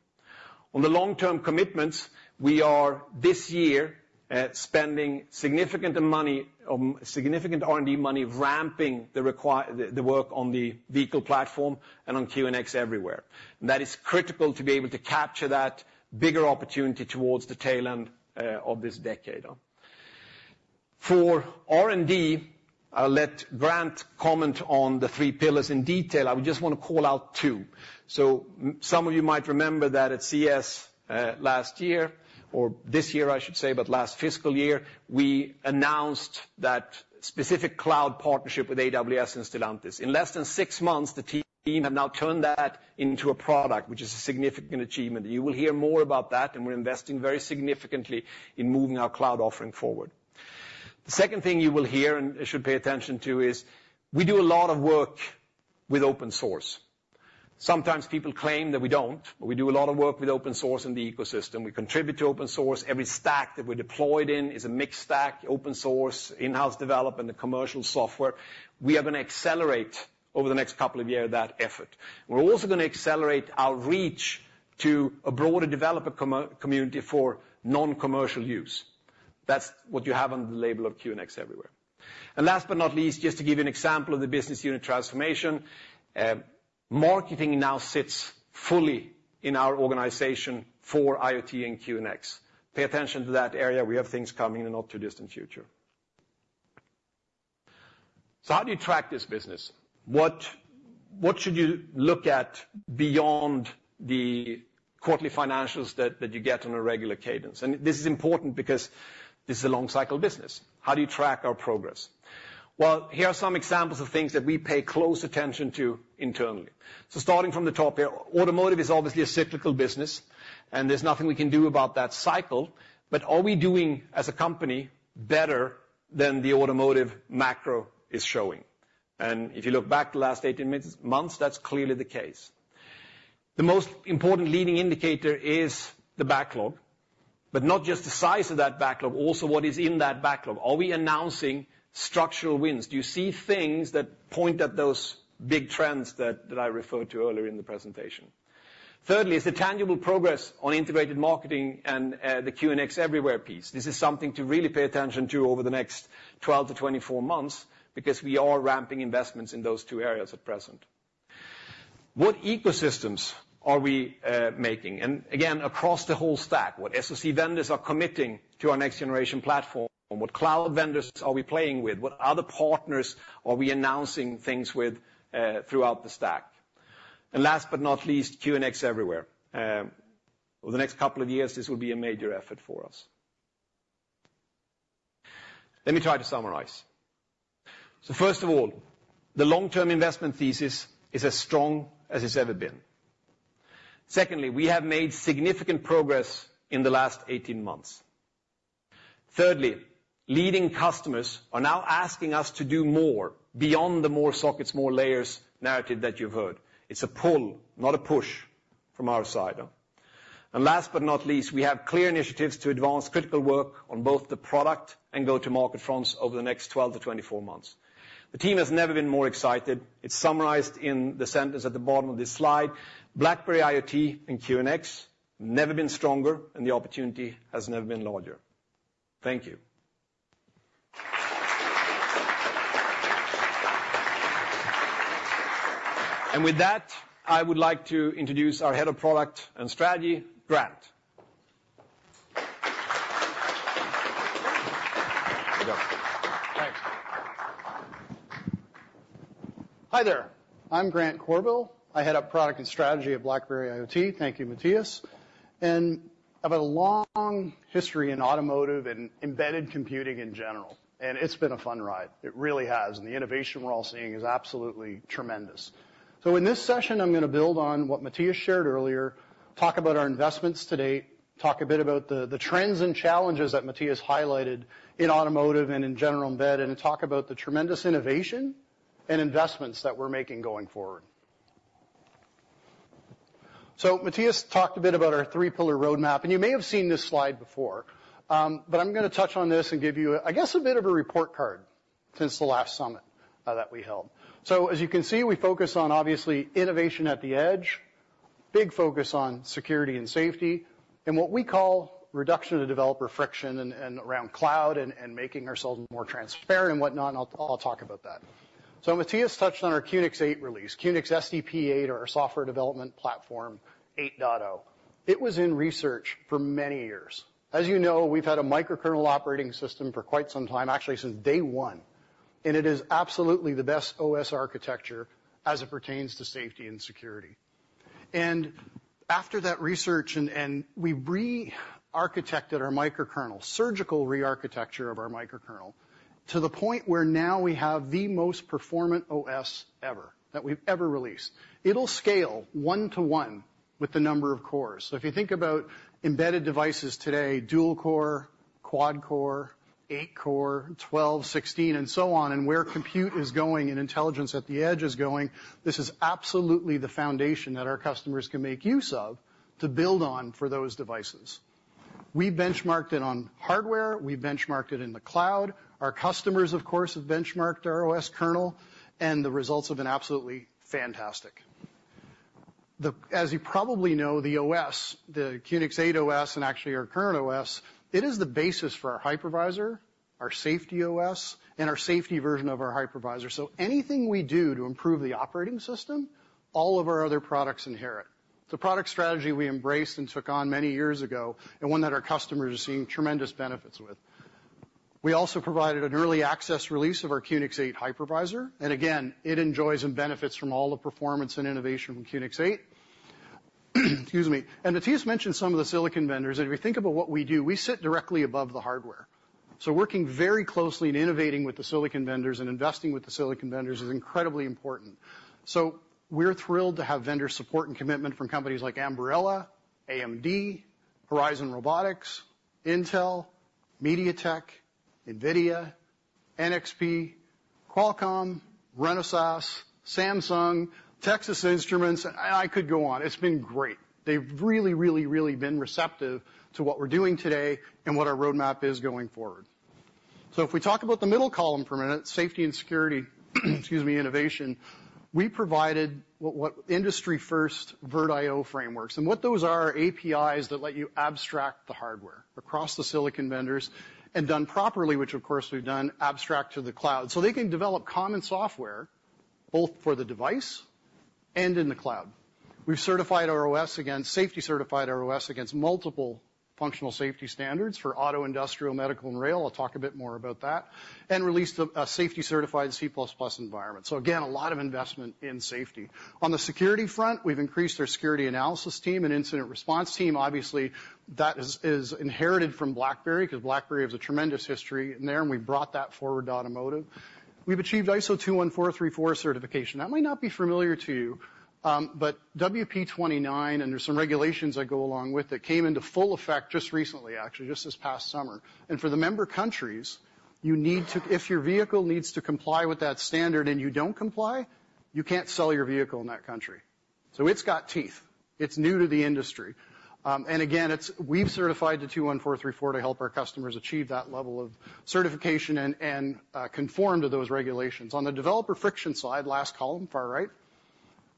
On the long-term commitments, we are, this year, spending significant money, significant R&D money, ramping the work on the vehicle platform and on QNX Everywhere. That is critical to be able to capture that bigger opportunity towards the tail end of this decade. For R&D, I'll let Grant comment on the three pillars in detail. I would just wanna call out two. Some of you might remember that at CS last year, or this year, I should say, but last fiscal year, we announced that specific cloud partnership with AWS and Stellantis. In less than six months, the team have now turned that into a product, which is a significant achievement. You will hear more about that, and we're investing very significantly in moving our cloud offering forward. The second thing you will hear, and should pay attention to, is we do a lot of work with open source. Sometimes people claim that we don't, but we do a lot of work with open source in the ecosystem. We contribute to open source. Every stack that we're deployed in is a mixed stack, open source, in-house development, and commercial software. We are gonna accelerate, over the next couple of years, that effort. We're also gonna accelerate our reach to a broader developer community for non-commercial use. That's what you have on the label of QNX Everywhere. Last but not least, just to give you an example of the business unit transformation, marketing now sits fully in our organization for IoT and QNX. Pay attention to that area. We have things coming in the not-too-distant future. How do you track this business? What should you look at beyond the quarterly financials that you get on a regular cadence? This is important because this is a long-cycle business. How do you track our progress? Here are some examples of things that we pay close attention to internally. Starting from the top here, automotive is obviously a cyclical business, and there's nothing we can do about that cycle, but are we doing, as a company, better than the automotive macro is showing? If you look back the last eighteen months, that's clearly the case. The most important leading indicator is the backlog, but not just the size of that backlog, also what is in that backlog. Are we announcing structural wins? Do you see things that point at those big trends that I referred to earlier in the presentation? Thirdly, is the tangible progress on integrated marketing and the QNX Everywhere piece. This is something to really pay attention to over the next 12- 24 months, because we are ramping investments in those two areas at present. What ecosystems are we making? And again, across the whole stack, what SoC vendors are committing to our next generation platform? What cloud vendors are we playing with? What other partners are we announcing things with throughout the stack? And last but not least, QNX Everywhere. Over the next couple of years, this will be a major effort for us. Let me try to summarize. So first of all, the long-term investment thesis is as strong as it's ever been. Secondly, we have made significant progress in the last eighteen months. Thirdly, leading customers are now asking us to do more beyond the more sockets, more layers narrative that you've heard. It's a pull, not a push from our side. And last but not least, we have clear initiatives to advance critical work on both the product and go-to-market fronts over the next 12-24 months. The team has never been more excited. It's summarized in the sentence at the bottom of this slide, BlackBerry IoT and QNX, never been stronger, and the opportunity has never been larger. Thank you. And with that, I would like to introduce our Head of Product and Strategy, Grant. Thanks. Hi there, I'm Grant Courville. I head up Product and Strategy at BlackBerry IoT. Thank you, Mattias, and I've had a long history in automotive and embedded computing in general, and it's been a fun ride. It really has, and the innovation we're all seeing is absolutely tremendous, so in this session, I'm gonna build on what Mattias shared earlier, talk about our investments to date, talk a bit about the trends and challenges that Mattias highlighted in automotive and in general embedded, and talk about the tremendous innovation and investments that we're making going forward, so Mattias talked a bit about our three-pillar roadmap, and you may have seen this slide before, but I'm gonna touch on this and give you, I guess, a bit of a report card since the last summit that we held. So as you can see, we focus on, obviously, innovation at the edge, big focus on security and safety, and what we call reduction to developer friction and, and around cloud and, and making ourselves more transparent and whatnot, and I'll, I'll talk about that. Mattias touched on our QNX 8 release, QNX SDP 8, or our software development platform, 8.0. It was in research for many years. As you know, we've had a microkernel operating system for quite some time, actually, since day one, and it is absolutely the best OS architecture as it pertains to safety and security. And after that research and, and we re-architected our microkernel, surgical rearchitecture of our microkernel, to the point where now we have the most performant OS ever, that we've ever released. It'll scale one to one with the number of cores. So if you think about embedded devices today, dual core, quad core, eight core, twelve, sixteen, and so on, and where compute is going and intelligence at the edge is going, this is absolutely the foundation that our customers can make use of to build on for those devices. We benchmarked it on hardware, we benchmarked it in the cloud. Our customers, of course, have benchmarked our OS kernel, and the results have been absolutely fantastic. As you probably know, the OS, the QNX eight OS, and actually our current OS, it is the basis for our hypervisor, our safety OS, and our safety version of our hypervisor. So anything we do to improve the operating system, all of our other products inherit. It's a product strategy we embraced and took on many years ago, and one that our customers are seeing tremendous benefits with. We also provided an early access release of our QNX 8 Hypervisor, and again, it enjoys and benefits from all the performance and innovation from QNX 8. Excuse me. And Matthias mentioned some of the silicon vendors. If you think about what we do, we sit directly above the hardware. So working very closely and innovating with the silicon vendors and investing with the silicon vendors is incredibly important. So we're thrilled to have vendor support and commitment from companies like Ambarella, AMD, Horizon Robotics, Intel, MediaTek, NVIDIA, NXP, Qualcomm, Renesas, Samsung, Texas Instruments, and I could go on. It's been great. They've really, really, really been receptive to what we're doing today and what our roadmap is going forward. So if we talk about the middle column for a minute, safety and security, excuse me, innovation, we provided what industry first VirtIO frameworks. And what those are are APIs that let you abstract the hardware across the silicon vendors and, done properly, which of course we've done, abstract to the cloud. So they can develop common software, both for the device and in the cloud. We've safety certified our OS against multiple functional safety standards for auto, industrial, medical, and rail. I'll talk a bit more about that, and released a safety certified C++ environment. So again, a lot of investment in safety. On the security front, we've increased our security analysis team and incident response team. Obviously, that is inherited from BlackBerry, because BlackBerry has a tremendous history in there, and we brought that forward to automotive. We've achieved ISO 21434 certification. That might not be familiar to you, but WP.29, and there's some regulations that go along with it, came into full effect just recently, actually, just this past summer. For the member countries, you need to. If your vehicle needs to comply with that standard and you don't comply, you can't sell your vehicle in that country. So it's got teeth. It's new to the industry. And again, it's. We've certified to 21434 to help our customers achieve that level of certification and conform to those regulations. On the developer friction side, last column, far right,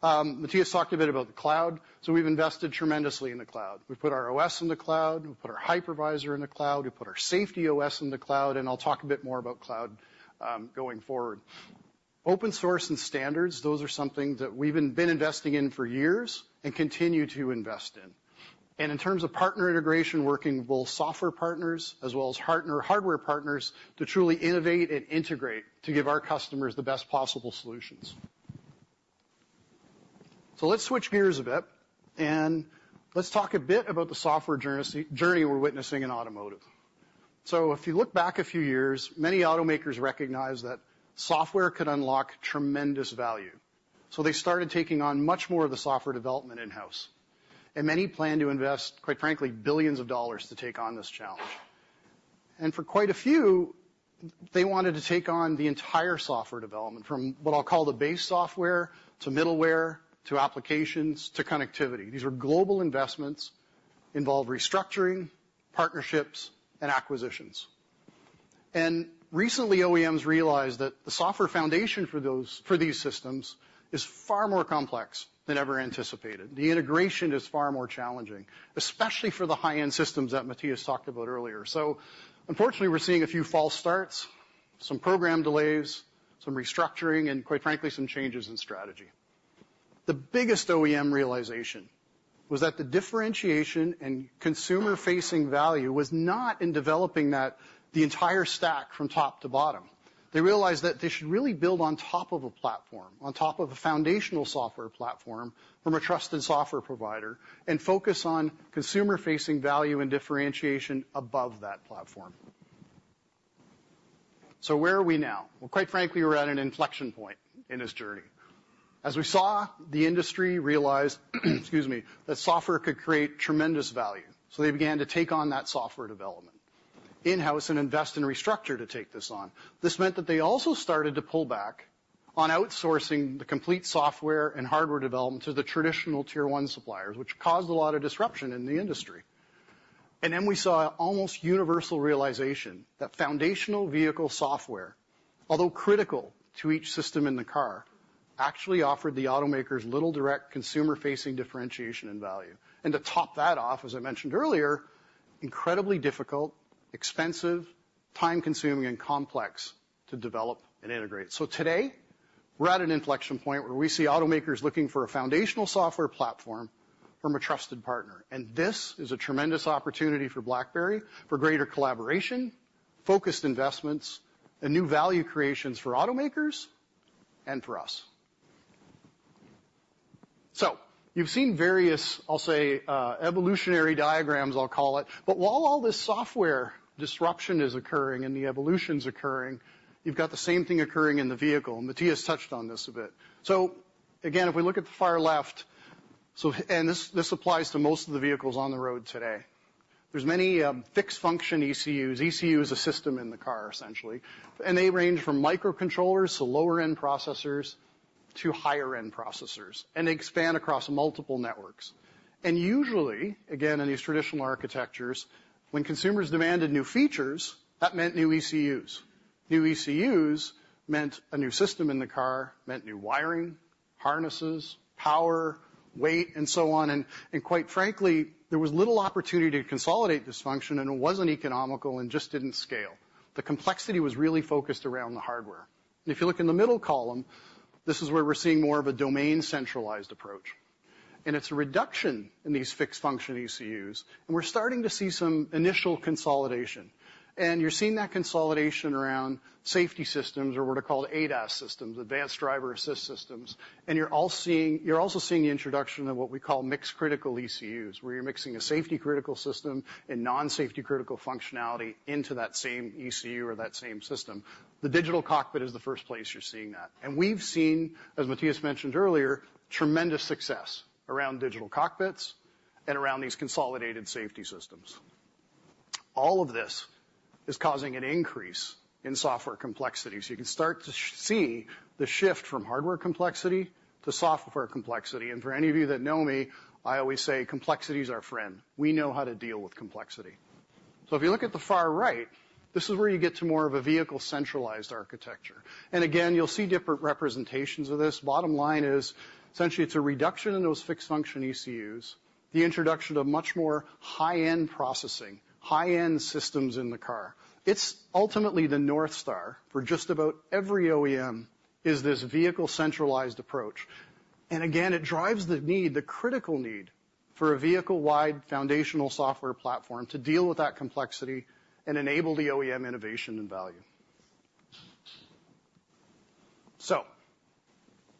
Matthias talked a bit about the cloud. So we've invested tremendously in the cloud. We've put our OS in the cloud. We've put our hypervisor in the cloud. We put our safety OS in the cloud, and I'll talk a bit more about cloud going forward. Open source and standards are something that we've been investing in for years and continue to invest in. In terms of partner integration, working with both software partners as well as hardware partners to truly innovate and integrate to give our customers the best possible solutions. Let's switch gears a bit, and let's talk a bit about the software journey we're witnessing in automotive. If you look back a few years, many automakers recognized that software could unlock tremendous value, so they started taking on much more of the software development in-house. Many plan to invest, quite frankly, billions of dollars to take on this challenge. For quite a few, they wanted to take on the entire software development, from what I'll call the base software to middleware, to applications, to connectivity. These are global investments, involve restructuring, partnerships, and acquisitions. Recently, OEMs realized that the software foundation for those, for these systems is far more complex than ever anticipated. The integration is far more challenging, especially for the high-end systems that Mattias talked about earlier. Unfortunately, we're seeing a few false starts, some program delays, some restructuring, and quite frankly, some changes in strategy. The biggest OEM realization was that the differentiation and consumer-facing value was not in developing that, the entire stack from top to bottom. They realized that they should really build on top of a platform, on top of a foundational software platform from a trusted software provider, and focus on consumer-facing value and differentiation above that platform. So where are we now? Well, quite frankly, we're at an inflection point in this journey. As we saw, the industry realized, excuse me, that software could create tremendous value, so they began to take on that software development in-house and invest and restructure to take this on. This meant that they also started to pull back on outsourcing the complete software and hardware development to the traditional Tier One suppliers, which caused a lot of disruption in the industry. And then we saw an almost universal realization that foundational vehicle software, although critical to each system in the car, actually offered the automakers little direct consumer-facing differentiation and value. And to top that off, as I mentioned earlier, incredibly difficult, expensive, time-consuming, and complex to develop and integrate. So today, we're at an inflection point where we see automakers looking for a foundational software platform from a trusted partner. This is a tremendous opportunity for BlackBerry, for greater collaboration, focused investments, and new value creations for automakers and for us. You've seen various, I'll say, evolutionary diagrams, I'll call it. But while all this software disruption is occurring and the evolution's occurring, you've got the same thing occurring in the vehicle, and Matthias touched on this a bit. Again, if we look at the far left. This applies to most of the vehicles on the road today. There's many fixed function ECUs. ECU is a system in the car, essentially, and they range from microcontrollers to lower-end processors to higher-end processors, and they expand across multiple networks. Usually, again, in these traditional architectures, when consumers demanded new features, that meant new ECUs. New ECUs meant a new system in the car, meant new wiring, harnesses, power, weight, and so on. Quite frankly, there was little opportunity to consolidate this function, and it wasn't economical and just didn't scale. The complexity was really focused around the hardware. If you look in the middle column, this is where we're seeing more of a domain-centralized approach, and it's a reduction in these fixed function ECUs, and we're starting to see some initial consolidation, and you're seeing that consolidation around safety systems or what are called ADAS systems, Advanced Driver Assistance Systems. You're also seeing the introduction of what we call mixed-critical ECUs, where you're mixing a safety-critical system and non-safety-critical functionality into that same ECU or that same system. The digital cockpit is the first place you're seeing that, and we've seen, as Matthias mentioned earlier, tremendous success around digital cockpits and around these consolidated safety systems. All of this is causing an increase in software complexity. So you can start to see the shift from hardware complexity to software complexity. And for any of you that know me, I always say, complexity is our friend. We know how to deal with complexity. So if you look at the far right, this is where you get to more of a vehicle-centralized architecture. And again, you'll see different representations of this. Bottom line is, essentially, it's a reduction in those fixed function ECUs, the introduction of much more high-end processing, high-end systems in the car. It's ultimately the North Star for just about every OEM, is this vehicle-centralized approach. And again, it drives the need, the critical need, for a vehicle-wide foundational software platform to deal with that complexity and enable the OEM innovation and value. So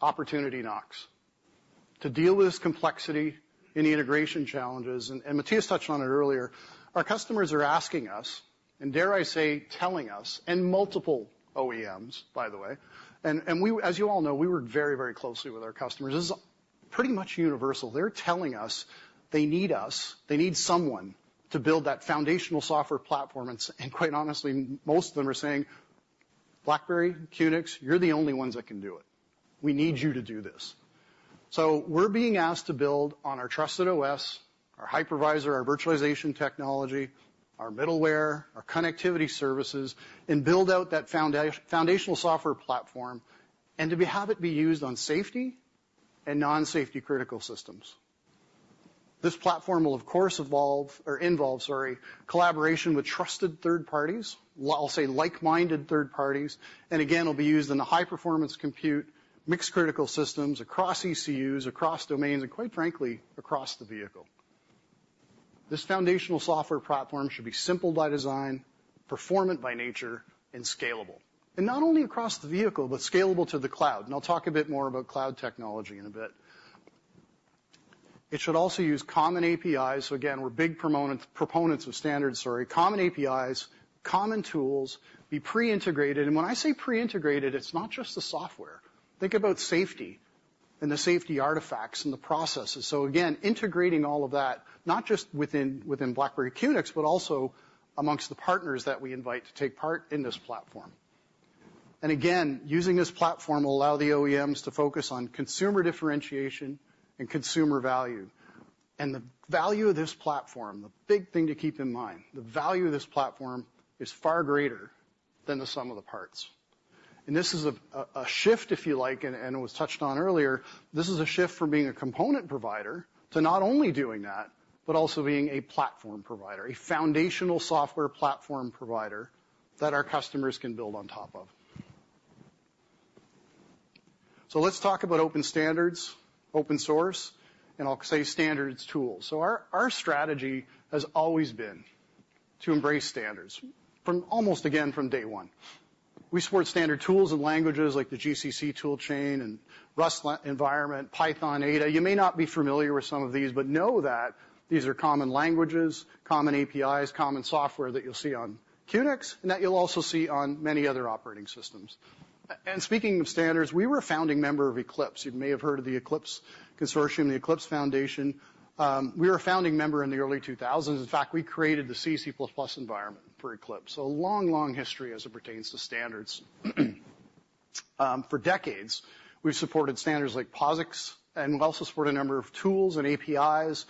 opportunity knocks. To deal with this complexity and the integration challenges, and Mattias touched on it earlier, our customers are asking us, and dare I say, telling us, and multiple OEMs, by the way, and as you all know, we work very, very closely with our customers. This is pretty much universal. They're telling us they need us, they need someone to build that foundational software platform. Quite honestly, most of them are saying BlackBerry QNX, you're the only ones that can do it. We need you to do this. We're being asked to build on our trusted OS, our hypervisor, our virtualization technology, our middleware, our connectivity services, and build out that foundational software platform, and to have it be used on safety and non-safety critical systems. This platform will, of course, evolve or involve, sorry, collaboration with trusted third parties, well, I'll say like-minded third parties, and again, will be used in the high-performance compute, mixed critical systems across ECUs, across domains, and quite frankly, across the vehicle. This foundational software platform should be simple by design, performant by nature, and scalable, and not only across the vehicle, but scalable to the cloud, and I'll talk a bit more about cloud technology in a bit. It should also use common APIs, so again, we're big promonents, proponents of standards, sorry, common APIs, common tools, be pre-integrated. And when I say pre-integrated, it's not just the software. Think about safety and the safety artifacts and the processes, so again, integrating all of that, not just within BlackBerry QNX, but also amongst the partners that we invite to take part in this platform. Again, using this platform will allow the OEMs to focus on consumer differentiation and consumer value. The value of this platform, the big thing to keep in mind, the value of this platform is far greater than the sum of the parts. This is a shift, if you like, and it was touched on earlier. This is a shift from being a component provider to not only doing that, but also being a platform provider, a foundational software platform provider that our customers can build on top of. So let's talk about open standards, open source, and I'll say standards tools. Our strategy has always been to embrace standards from almost, again, from day one. We support standard tools and languages like the GCC tool chain and Rust environment, Python, Ada. You may not be familiar with some of these, but know that these are common languages, common APIs, common software that you'll see on QNX and that you'll also see on many other operating systems. And speaking of standards, we were a founding member of Eclipse. You may have heard of the Eclipse Consortium, the Eclipse Foundation. We were a founding member in the early 2000s. In fact, we created the C, C++ environment for Eclipse. So a long, long history as it pertains to standards. For decades, we've supported standards like POSIX, and we also support a number of tools and APIs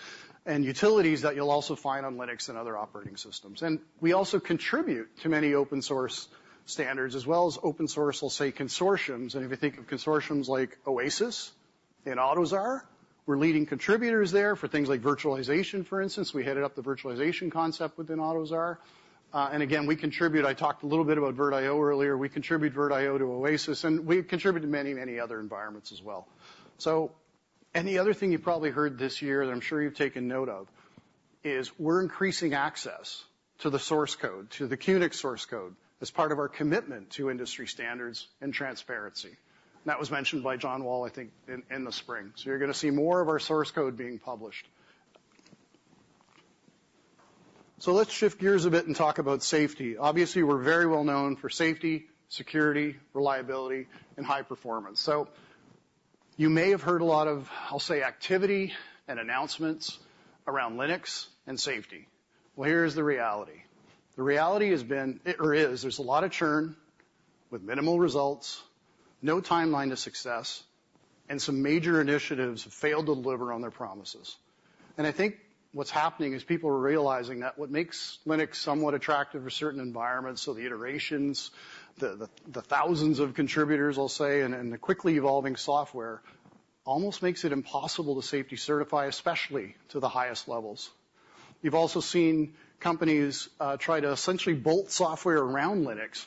and utilities that you'll also find on Linux and other operating systems. And we also contribute to many open-source standards as well as open-source, we'll say, consortiums. If you think of consortiums like OASIS and AUTOSAR, we're leading contributors there for things like virtualization, for instance. We headed up the virtualization concept within AUTOSAR. And again, we contribute... I talked a little bit about VirtIO earlier. We contribute VirtIO to OASIS, and we contribute to many, many other environments as well. The other thing you probably heard this year, and I'm sure you've taken note of, is we're increasing access to the source code, to the QNX source code, as part of our commitment to industry standards and transparency. That was mentioned by John Wall, I think, in the spring. You're gonna see more of our source code being published. Let's shift gears a bit and talk about safety. Obviously, we're very well known for safety, security, reliability, and high performance. So you may have heard a lot of, I'll say, activity and announcements around Linux and safety. Well, here's the reality. The reality has been, or is, there's a lot of churn with minimal results, no timeline to success, and some major initiatives have failed to deliver on their promises. And I think what's happening is people are realizing that what makes Linux somewhat attractive for certain environments, so the iterations, the thousands of contributors, I'll say, and the quickly evolving software, almost makes it impossible to safety certify, especially to the highest levels. You've also seen companies try to essentially bolt software around Linux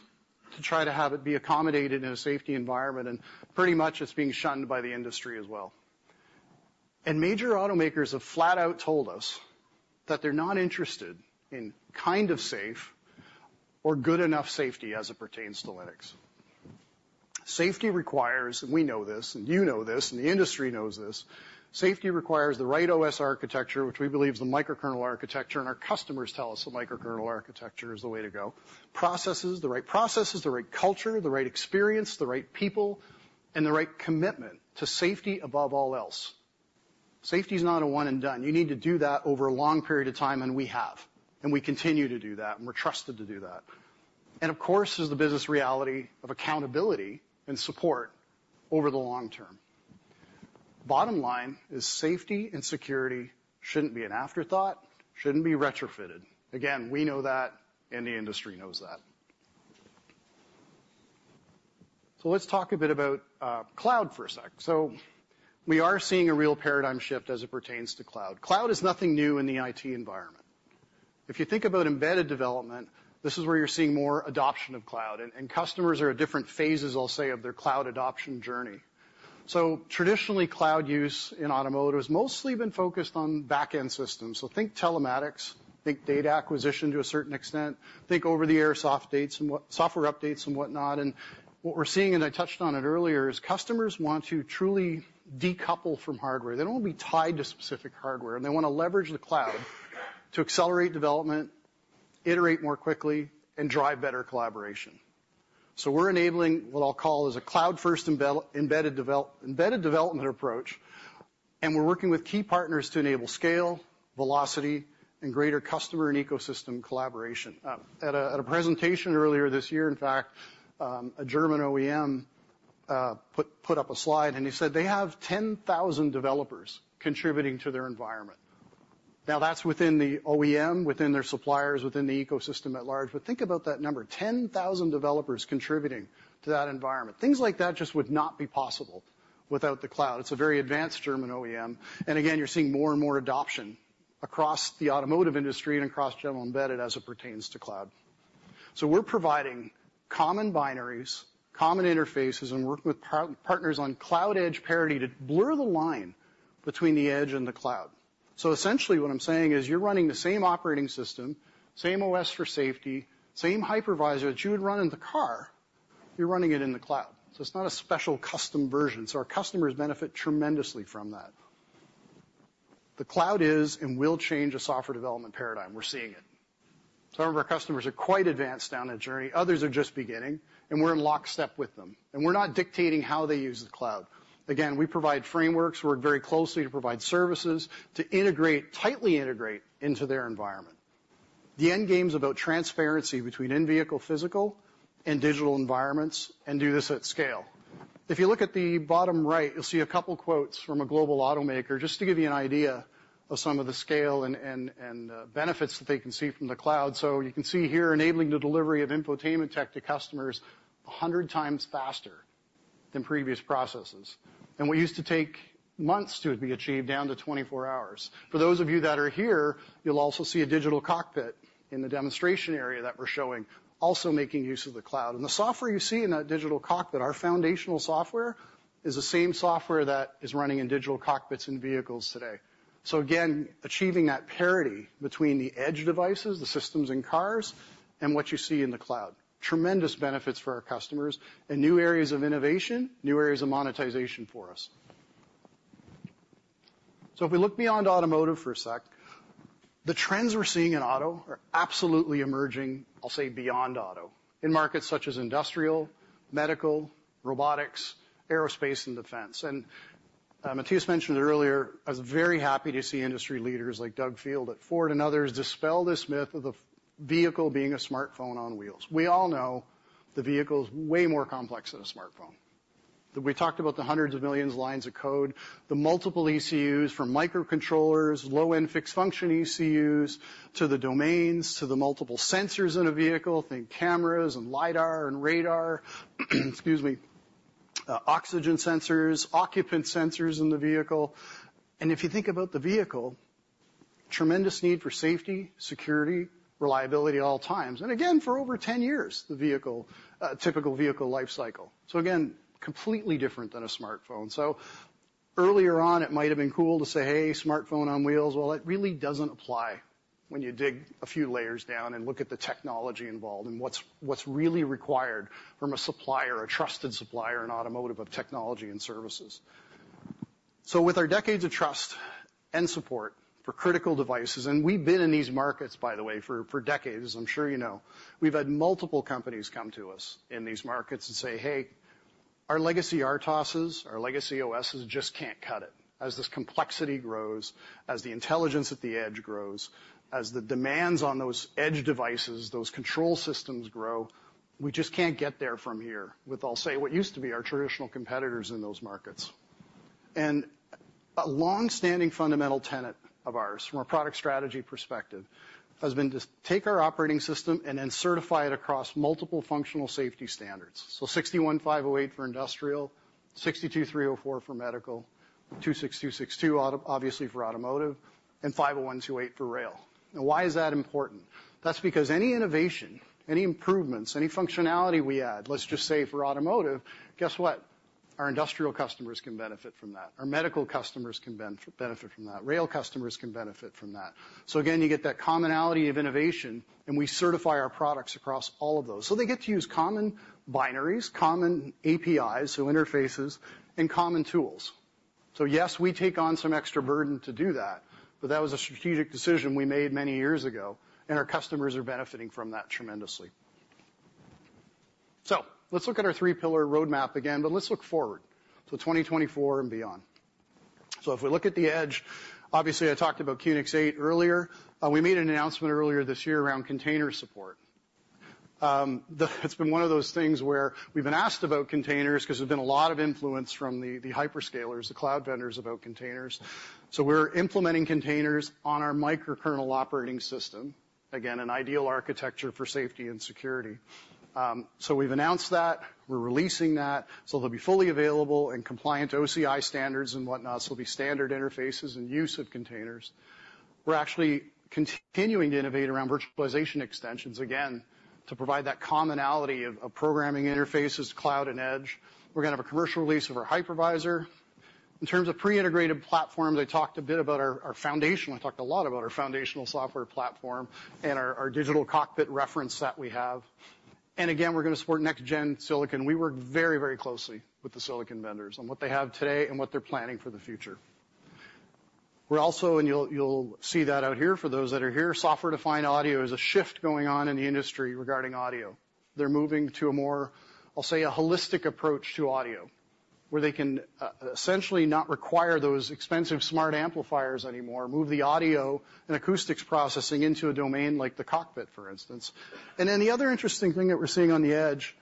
to try to have it be accommodated in a safety environment, and pretty much it's being shunned by the industry as well. And major automakers have flat out told us that they're not interested in kind of safe or good enough safety as it pertains to Linux. Safety requires, and we know this, and you know this, and the industry knows this, safety requires the right OS architecture, which we believe is the microkernel architecture, and our customers tell us the microkernel architecture is the way to go. Processes, the right processes, the right culture, the right experience, the right people, and the right commitment to safety above all else. Safety is not a one and done. You need to do that over a long period of time, and we have, and we continue to do that, and we're trusted to do that. And, of course, there's the business reality of accountability and support over the long term. Bottom line is safety and security shouldn't be an afterthought, shouldn't be retrofitted. Again, we know that, and the industry knows that. So let's talk a bit about cloud for a sec. So we are seeing a real paradigm shift as it pertains to cloud. Cloud is nothing new in the IT environment. If you think about embedded development, this is where you're seeing more adoption of cloud, and customers are at different phases, I'll say, of their cloud adoption journey. So traditionally, cloud use in automotive has mostly been focused on back-end systems. So think telematics, think data acquisition to a certain extent, think over-the-air software updates and whatnot. And what we're seeing, and I touched on it earlier, is customers want to truly decouple from hardware. They don't want to be tied to specific hardware, and they wanna leverage the cloud to accelerate development, iterate more quickly, and drive better collaboration. So we're enabling what I'll call is a cloud-first embedded development approach. And we're working with key partners to enable scale, velocity, and greater customer and ecosystem collaboration. At a presentation earlier this year, in fact, a German OEM put up a slide, and he said they have 10,000 developers contributing to their environment. Now, that's within the OEM, within their suppliers, within the ecosystem at large, but think about that number, 10,000 developers contributing to that environment. Things like that just would not be possible without the cloud. It's a very advanced German OEM, and again, you're seeing more and more adoption across the automotive industry and across general embedded as it pertains to cloud. So we're providing common binaries, common interfaces, and working with partners on cloud edge parity to blur the line between the edge and the cloud. So essentially, what I'm saying is you're running the same operating system, same OS for safety, same hypervisor that you would run in the car, you're running it in the cloud. So it's not a special custom version. So our customers benefit tremendously from that. The cloud is and will change the software development paradigm. We're seeing it. Some of our customers are quite advanced down that journey, others are just beginning, and we're in lockstep with them, and we're not dictating how they use the cloud. Again, we provide frameworks. We work very closely to provide services, to integrate, tightly integrate into their environment. The end game is about transparency between in-vehicle, physical, and digital environments, and do this at scale. If you look at the bottom right, you'll see a couple quotes from a global automaker, just to give you an idea of some of the scale and benefits that they can see from the cloud. So you can see here, enabling the delivery of infotainment tech to customers a hundred times faster than previous processes. And what used to take months to be achieved, down to 24 hours. For those of you that are here, you'll also see a Digital Cockpit in the demonstration area that we're showing, also making use of the cloud. And the software you see in that Digital Cockpit, our foundational software, is the same software that is running in Digital Cockpits in vehicles today. So again, achieving that parity between the edge devices, the systems in cars, and what you see in the cloud. Tremendous benefits for our customers and new areas of innovation, new areas of monetization for us, so if we look beyond automotive for a sec, the trends we're seeing in auto are absolutely emerging, I'll say, beyond auto, in markets such as industrial, medical, robotics, aerospace, and defense, and Matthias mentioned earlier, I was very happy to see industry leaders like Doug Field at Ford and others dispel this myth of the vehicle being a smartphone on wheels. We all know the vehicle is way more complex than a smartphone. We talked about the hundreds of millions lines of code, the multiple ECUs from microcontrollers, low-end fixed function ECUs, to the domains, to the multiple sensors in a vehicle, think cameras and LIDAR and radar, excuse me, oxygen sensors, occupant sensors in the vehicle. And if you think about the vehicle, tremendous need for safety, security, reliability at all times, and again, for over 10 years, the vehicle, typical vehicle life cycle. So again, completely different than a smartphone. So earlier on, it might have been cool to say, "Hey, smartphone on wheels." Well, it really doesn't apply when you dig a few layers down and look at the technology involved and what's really required from a supplier, a trusted supplier, in automotive of technology and services. So with our decades of trust and support for critical devices, and we've been in these markets, by the way, for decades, I'm sure you know. We've had multiple companies come to us in these markets and say, "Hey, our legacy RTOSes, our legacy OSes just can't cut it. As this complexity grows, as the intelligence at the edge grows, as the demands on those edge devices, those control systems grow, we just can't get there from here with, I'll say, what used to be our traditional competitors in those markets. And a long-standing fundamental tenet of ours from a product strategy perspective has been to take our operating system and then certify it across multiple functional safety standards. So 61508 for industrial, 62304 for medical, 26262, obviously for automotive, and 50128 for rail. Now, why is that important? That's because any innovation, any improvements, any functionality we add, let's just say for automotive, guess what? Our industrial customers can benefit from that. Our medical customers can benefit from that. Rail customers can benefit from that. So again, you get that commonality of innovation, and we certify our products across all of those. So they get to use common binaries, common APIs, so interfaces, and common tools. So yes, we take on some extra burden to do that, but that was a strategic decision we made many years ago, and our customers are benefiting from that tremendously. So let's look at our three-pillar roadmap again, but let's look forward to 2024 and beyond. So if we look at the edge, obviously, I talked about QNX Eight earlier. We made an announcement earlier this year around container support. It's been one of those things where we've been asked about containers 'cause there's been a lot of influence from the hyperscalers, the cloud vendors, about containers. So we're implementing containers on our microkernel operating system, again, an ideal architecture for safety and security. So we've announced that. We're releasing that, so they'll be fully available and compliant to OCI standards and whatnot. So it'll be standard interfaces and use of containers. We're actually continuing to innovate around virtualization extensions, again, to provide that commonality of programming interfaces, cloud and edge. We're gonna have a commercial release of our hypervisor. In terms of pre-integrated platforms, I talked a lot about our foundational software platform and our digital cockpit reference that we have. And again, we're gonna support next-gen silicon. We work very, very closely with the silicon vendors on what they have today and what they're planning for the future. We're also, and you'll see that out here, for those that are here, software-defined audio is a shift going on in the industry regarding audio. They're moving to a more, I'll say, a holistic approach to audio, where they can essentially not require those expensive smart amplifiers anymore, move the audio and acoustics processing into a domain like the cockpit, for instance. And then the other interesting thing that we're seeing on the edge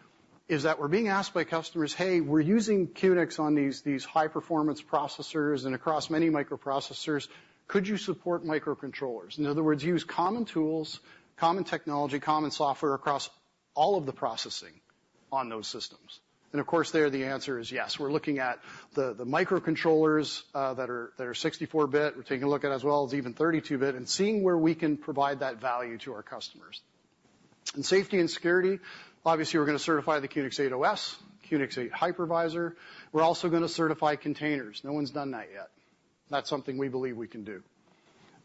is that we're being asked by customers, "Hey, we're using QNX on these high-performance processors and across many microprocessors, could you support microcontrollers?" In other words, use common tools, common technology, common software across all of the processing on those systems. And of course, there, the answer is yes. We're looking at the microcontrollers that are 64-bit. We're taking a look at as well as even 32-bit, and seeing where we can provide that value to our customers. In safety and security, obviously, we're gonna certify the QNX OS, QNX Hypervisor. We're also gonna certify containers. No one's done that yet. That's something we believe we can do.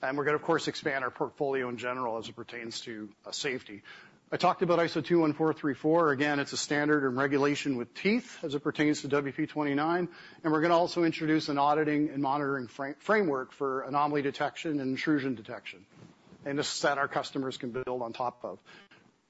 And we're gonna, of course, expand our portfolio in general as it pertains to safety. I talked about ISO 21434. Again, it's a standard and regulation with teeth as it pertains to WP.29, and we're gonna also introduce an auditing and monitoring framework for anomaly detection and intrusion detection, and just that our customers can build on top of.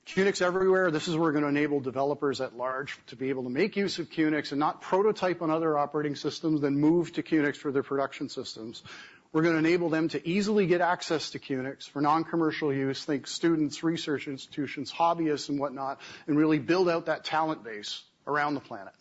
QNX Everywhere, this is where we're gonna enable developers at large to be able to make use of QNX and not prototype on other operating systems, then move to QNX for their production systems. We're gonna enable them to easily get access to QNX for non-commercial use, think students, research institutions, hobbyists, and whatnot, and really build out that talent base around the planet.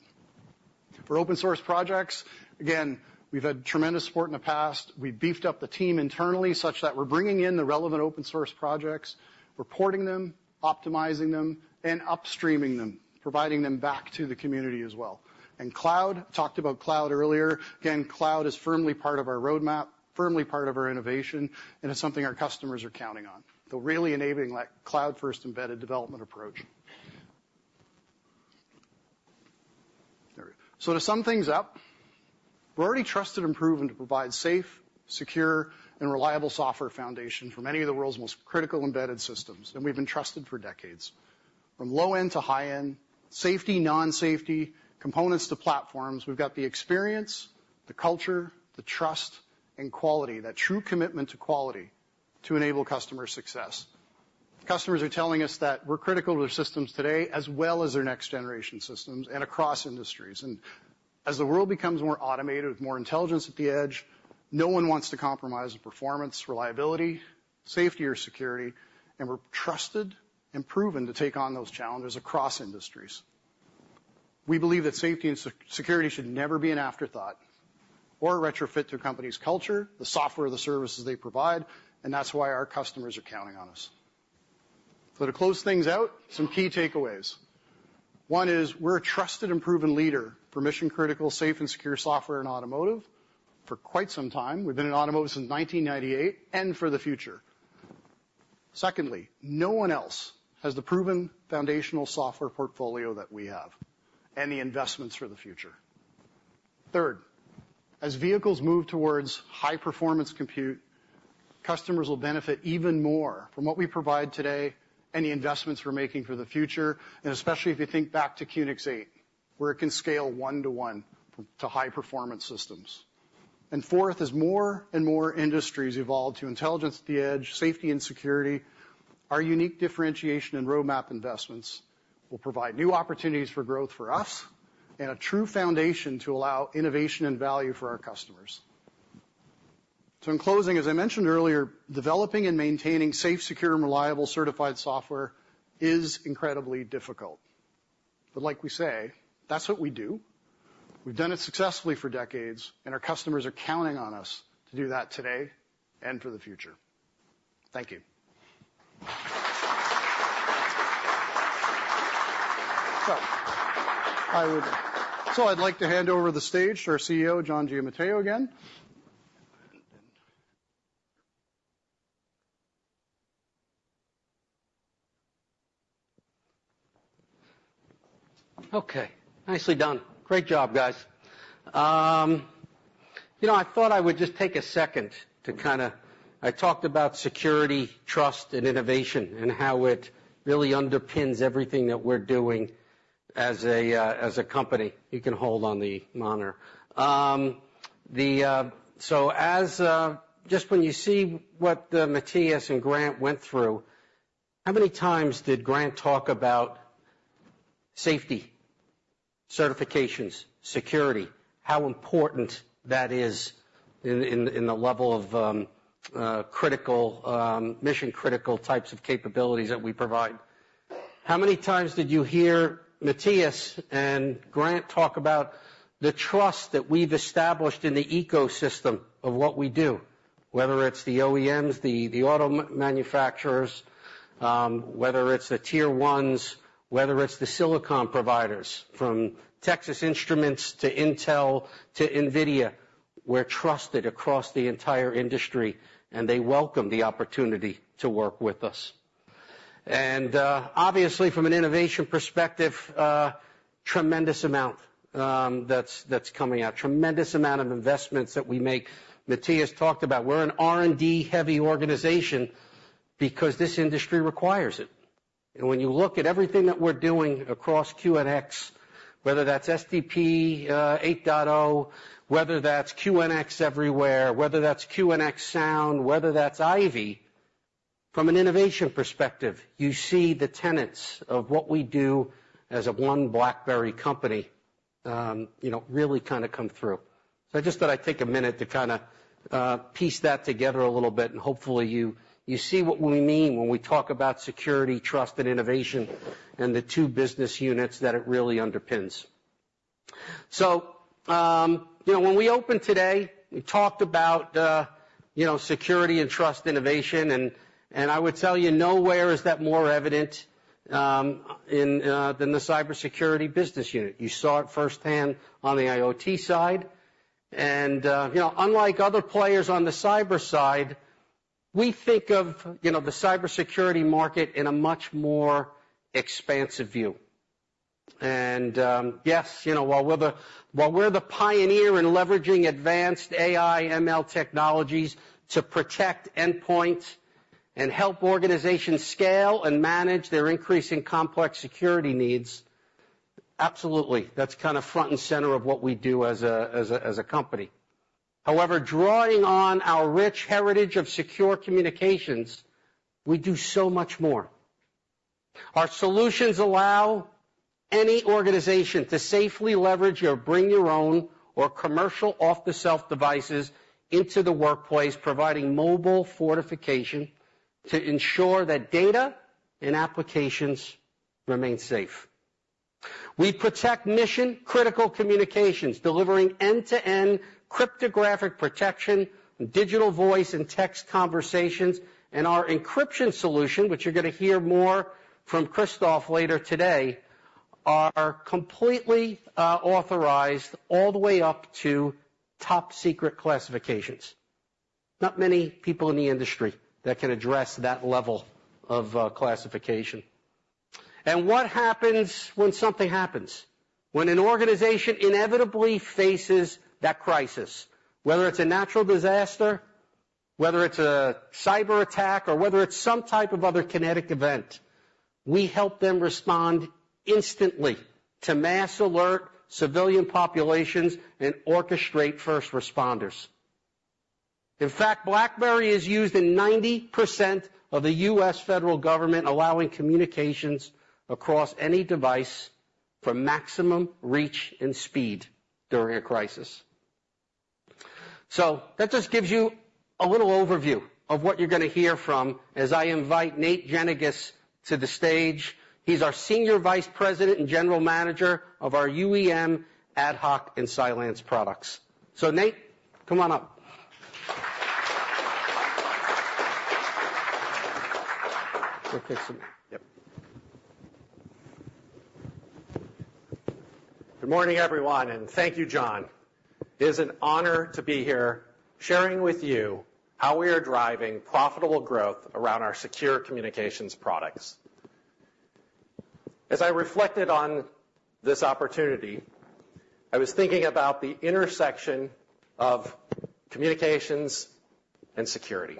For open source projects, again, we've had tremendous support in the past. We've beefed up the team internally such that we're bringing in the relevant open source projects, reporting them, optimizing them, and upstreaming them, providing them back to the community as well, and cloud, talked about cloud earlier. Again, cloud is firmly part of our roadmap, firmly part of our innovation, and it's something our customers are counting on, so really enabling that cloud-first embedded development approach, so to sum things up, we're already trusted and proven to provide safe, secure, and reliable software foundation for many of the world's most critical embedded systems, and we've been trusted for decades. From low-end to high-end, safety, non-safety, components to platforms, we've got the experience, the culture, the trust, and quality, that true commitment to quality, to enable customer success. Customers are telling us that we're critical to their systems today as well as their next-generation systems and across industries. And as the world becomes more automated with more intelligence at the edge, no one wants to compromise the performance, reliability, safety, or security, and we're trusted and proven to take on those challenges across industries. We believe that safety and security should never be an afterthought or a retrofit to a company's culture, the software, the services they provide, and that's why our customers are counting on us. So to close things out, some key takeaways. One is we're a trusted and proven leader for mission-critical, safe, and secure software and automotive for quite some time. We've been in automotive since 1998 and for the future. Secondly, no one else has the proven foundational software portfolio that we have and the investments for the future. Third, as vehicles move towards high-performance compute, customers will benefit even more from what we provide today and the investments we're making for the future, and especially if you think back to QNX Hypervisor, where it can scale one to one to high-performance systems. And fourth, as more and more industries evolve to intelligence at the edge, safety and security, our unique differentiation and roadmap investments will provide new opportunities for growth for us and a true foundation to allow innovation and value for our customers. So in closing, as I mentioned earlier, developing and maintaining safe, secure, and reliable certified software is incredibly difficult. But like we say, that's what we do. We've done it successfully for decades, and our customers are counting on us to do that today and for the future. Thank you. I'd like to hand over the stage to our CEO, John Giamatteo, again. Okay, nicely done. Great job, guys. You know, I thought I would just take a second to kinda... I talked about security, trust, and innovation, and how it really underpins everything that we're doing as a company. You can hold on the monitor. So as just when you see what Matthias and Grant went through, how many times did Grant talk about safety, certifications, security, how important that is in the level of critical mission-critical types of capabilities that we provide? How many times did you hear Matthias and Grant talk about the trust that we've established in the ecosystem of what we do, whether it's the OEMs, the auto manufacturing, whether it's the tier ones, whether it's the silicon providers, from Texas Instruments to Intel to NVIDIA? We're trusted across the entire industry, and they welcome the opportunity to work with us. And, obviously, from an innovation perspective, tremendous amount, that's coming out. Tremendous amount of investments that we make. Mattias talked about, we're an R&D-heavy organization because this industry requires it. And when you look at everything that we're doing across QNX, whether that's SDP 8.0, whether that's QNX Everywhere, whether that's QNX Sound, whether that's Ivy, from an innovation perspective, you see the tenets of what we do as a one BlackBerry company, you know, really kinda come through. So I just thought I'd take a minute to kinda piece that together a little bit, and hopefully you see what we mean when we talk about security, trust, and innovation, and the two business units that it really underpins. So, you know, when we opened today, we talked about, you know, security and trust, innovation, and I would tell you, nowhere is that more evident in than the cybersecurity business unit. You saw it firsthand on the IoT side, and, you know, unlike other players on the cyber side, we think of, you know, the cybersecurity market in a much more expansive view. And, yes, you know, while we're the pioneer in leveraging advanced AI ML technologies to protect endpoints and help organizations scale and manage their increasingly complex security needs, absolutely, that's kind of front and center of what we do as a company. However, drawing on our rich heritage of secure communications, we do so much more. Our solutions allow any organization to safely leverage your bring your own or commercial off-the-shelf devices into the workplace, providing mobile fortification to ensure that data and applications remain safe. We protect mission-critical communications, delivering end-to-end cryptographic protection in digital voice and text conversations, and our encryption solution, which you're gonna hear more from Christoph later today, are completely authorized all the way up to top secret classifications. Not many people in the industry that can address that level of classification. And what happens when something happens? When an organization inevitably faces that crisis, whether it's a natural disaster, whether it's a cyberattack, or whether it's some type of other kinetic event, we help them respond instantly to mass alert civilian populations and orchestrate first responders. In fact, BlackBerry is used in 90% of the U.S. federal government, allowing communications across any device for maximum reach and speed during a crisis. So that just gives you a little overview of what you're gonna hear from as I invite Nate Jenniges to the stage. He's our senior vice president and general manager of our UEM, AtHoc, and Cylance products. So Nate, come on up. ... Good morning, everyone, and thank you, John. It is an honor to be here sharing with you how we are driving profitable growth around our secure communications products. As I reflected on this opportunity, I was thinking about the intersection of communications and security.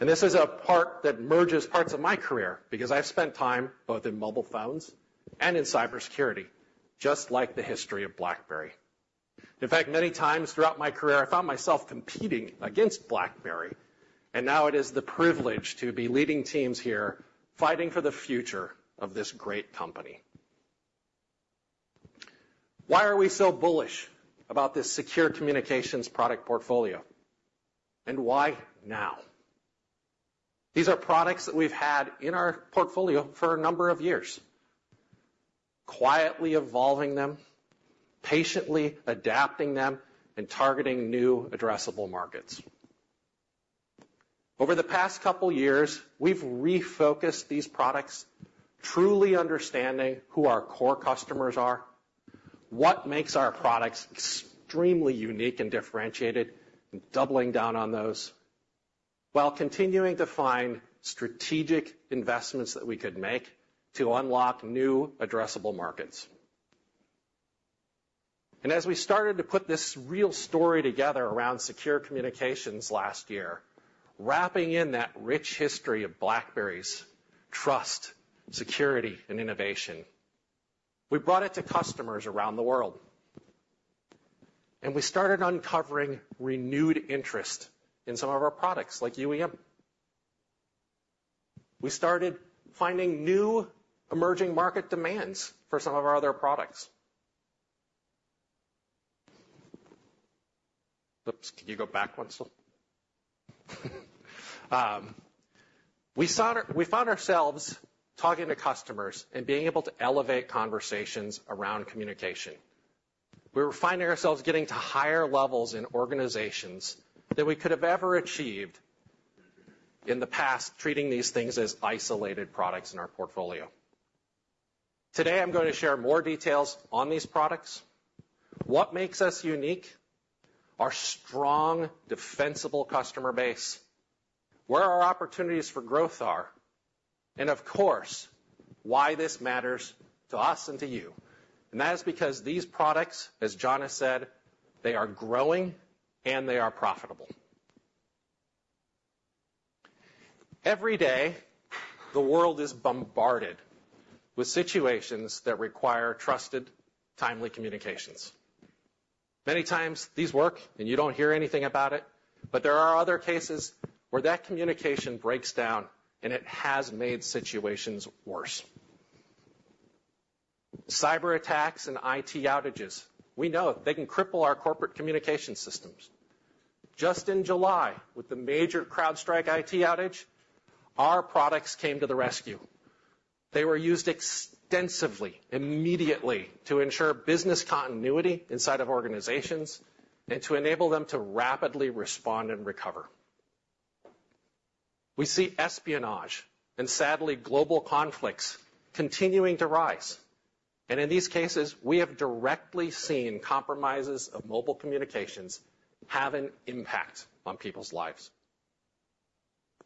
And this is a part that merges parts of my career, because I've spent time both in mobile phones and in cybersecurity, just like the history of BlackBerry. In fact, many times throughout my career, I found myself competing against BlackBerry, and now it is the privilege to be leading teams here, fighting for the future of this great company. Why are we so bullish about this secure communications product portfolio? And why now? These are products that we've had in our portfolio for a number of years, quietly evolving them, patiently adapting them, and targeting new addressable markets. Over the past couple of years, we've refocused these products, truly understanding who our core customers are, what makes our products extremely unique and differentiated, and doubling down on those, while continuing to find strategic investments that we could make to unlock new addressable markets. And as we started to put this real story together around secure communications last year, wrapping in that rich history of BlackBerry's trust, security, and innovation, we brought it to customers around the world, and we started uncovering renewed interest in some of our products, like UEM. We started finding new emerging market demands for some of our other products. We found ourselves talking to customers and being able to elevate conversations around communication. We were finding ourselves getting to higher levels in organizations than we could have ever achieved in the past, treating these things as isolated products in our portfolio. Today, I'm gonna share more details on these products, what makes us unique, our strong, defensible customer base, where our opportunities for growth are, and of course, why this matters to us and to you, and that is because these products, as John has said, they are growing and they are profitable. Every day, the world is bombarded with situations that require trusted, timely communications. Many times these work, and you don't hear anything about it, but there are other cases where that communication breaks down, and it has made situations worse. Cyberattacks and IT outages, we know they can cripple our corporate communication systems. Just in July, with the major CrowdStrike IT outage, our products came to the rescue. They were used extensively, immediately, to ensure business continuity inside of organizations and to enable them to rapidly respond and recover. We see espionage and, sadly, global conflicts continuing to rise, and in these cases, we have directly seen compromises of mobile communications have an impact on people's lives.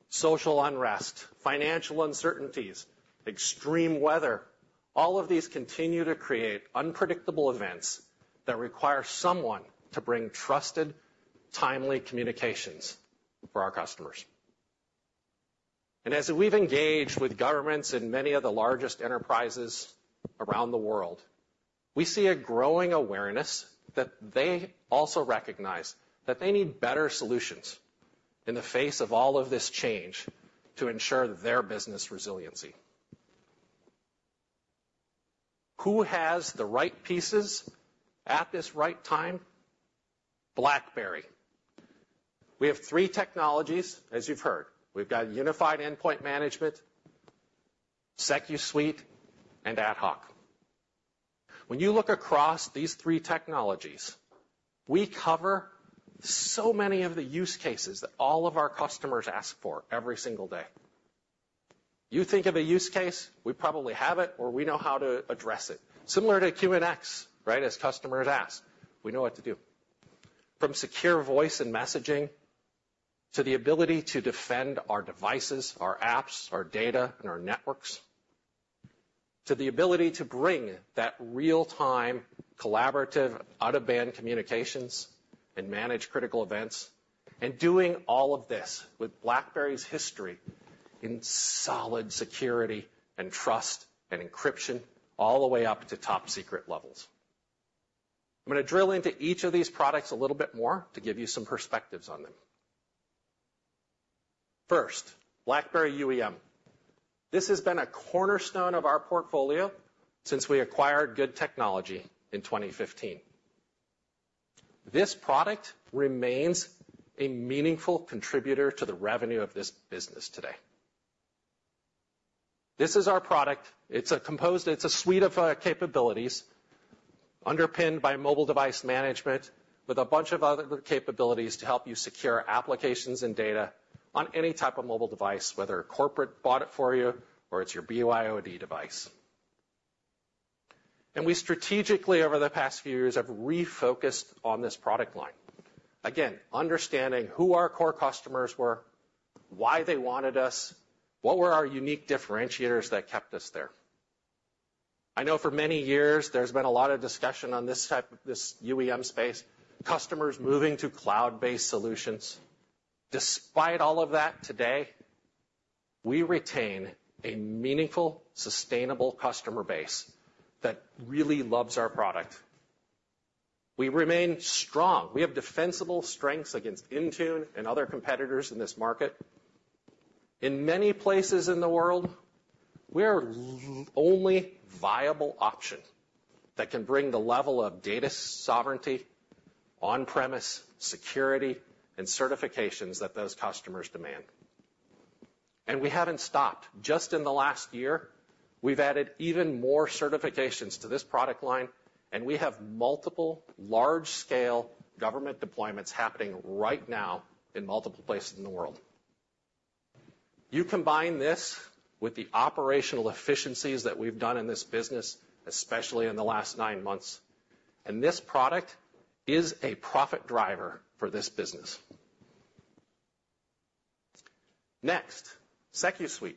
Social unrest, financial uncertainties, extreme weather, all of these continue to create unpredictable events that require someone to bring trusted, timely communications for our customers. And as we've engaged with governments and many of the largest enterprises around the world, we see a growing awareness that they also recognize that they need better solutions in the face of all of this change to ensure their business resiliency. Who has the right pieces at this right time? BlackBerry. We have three technologies, as you've heard. We've got Unified Endpoint Management, SecuSUITE, and AtHoc. When you look across these three technologies, we cover so many of the use cases that all of our customers ask for every single day. You think of a use case, we probably have it, or we know how to address it. Similar to QNX, right? As customers ask, we know what to do. From secure voice and messaging, to the ability to defend our devices, our apps, our data, and our networks, to the ability to bring that real-time collaborative, out-of-band communications and manage critical events, and doing all of this with BlackBerry's history in solid security and trust and encryption, all the way up to top secret levels. I'm gonna drill into each of these products a little bit more to give you some perspectives on them. First, BlackBerry UEM. This has been a cornerstone of our portfolio since we acquired Good Technology in twenty fifteen. This product remains a meaningful contributor to the revenue of this business today. This is our product. It's a suite of capabilities underpinned by mobile device management, with a bunch of other capabilities to help you secure applications and data on any type of mobile device, whether corporate bought it for you or it's your BYOD device. And we strategically, over the past few years, have refocused on this product line. Again, understanding who our core customers were, why they wanted us, what were our unique differentiators that kept us there? I know for many years there's been a lot of discussion on this type, this UEM space, customers moving to cloud-based solutions. Despite all of that, today, we retain a meaningful, sustainable customer base that really loves our product. We remain strong. We have defensible strengths against Intune and other competitors in this market. In many places in the world, we are the only viable option that can bring the level of data sovereignty, on-premise security, and certifications that those customers demand, and we haven't stopped. Just in the last year, we've added even more certifications to this product line, and we have multiple large-scale government deployments happening right now in multiple places in the world. You combine this with the operational efficiencies that we've done in this business, especially in the last nine months, and this product is a profit driver for this business. Next, SecuSUITE.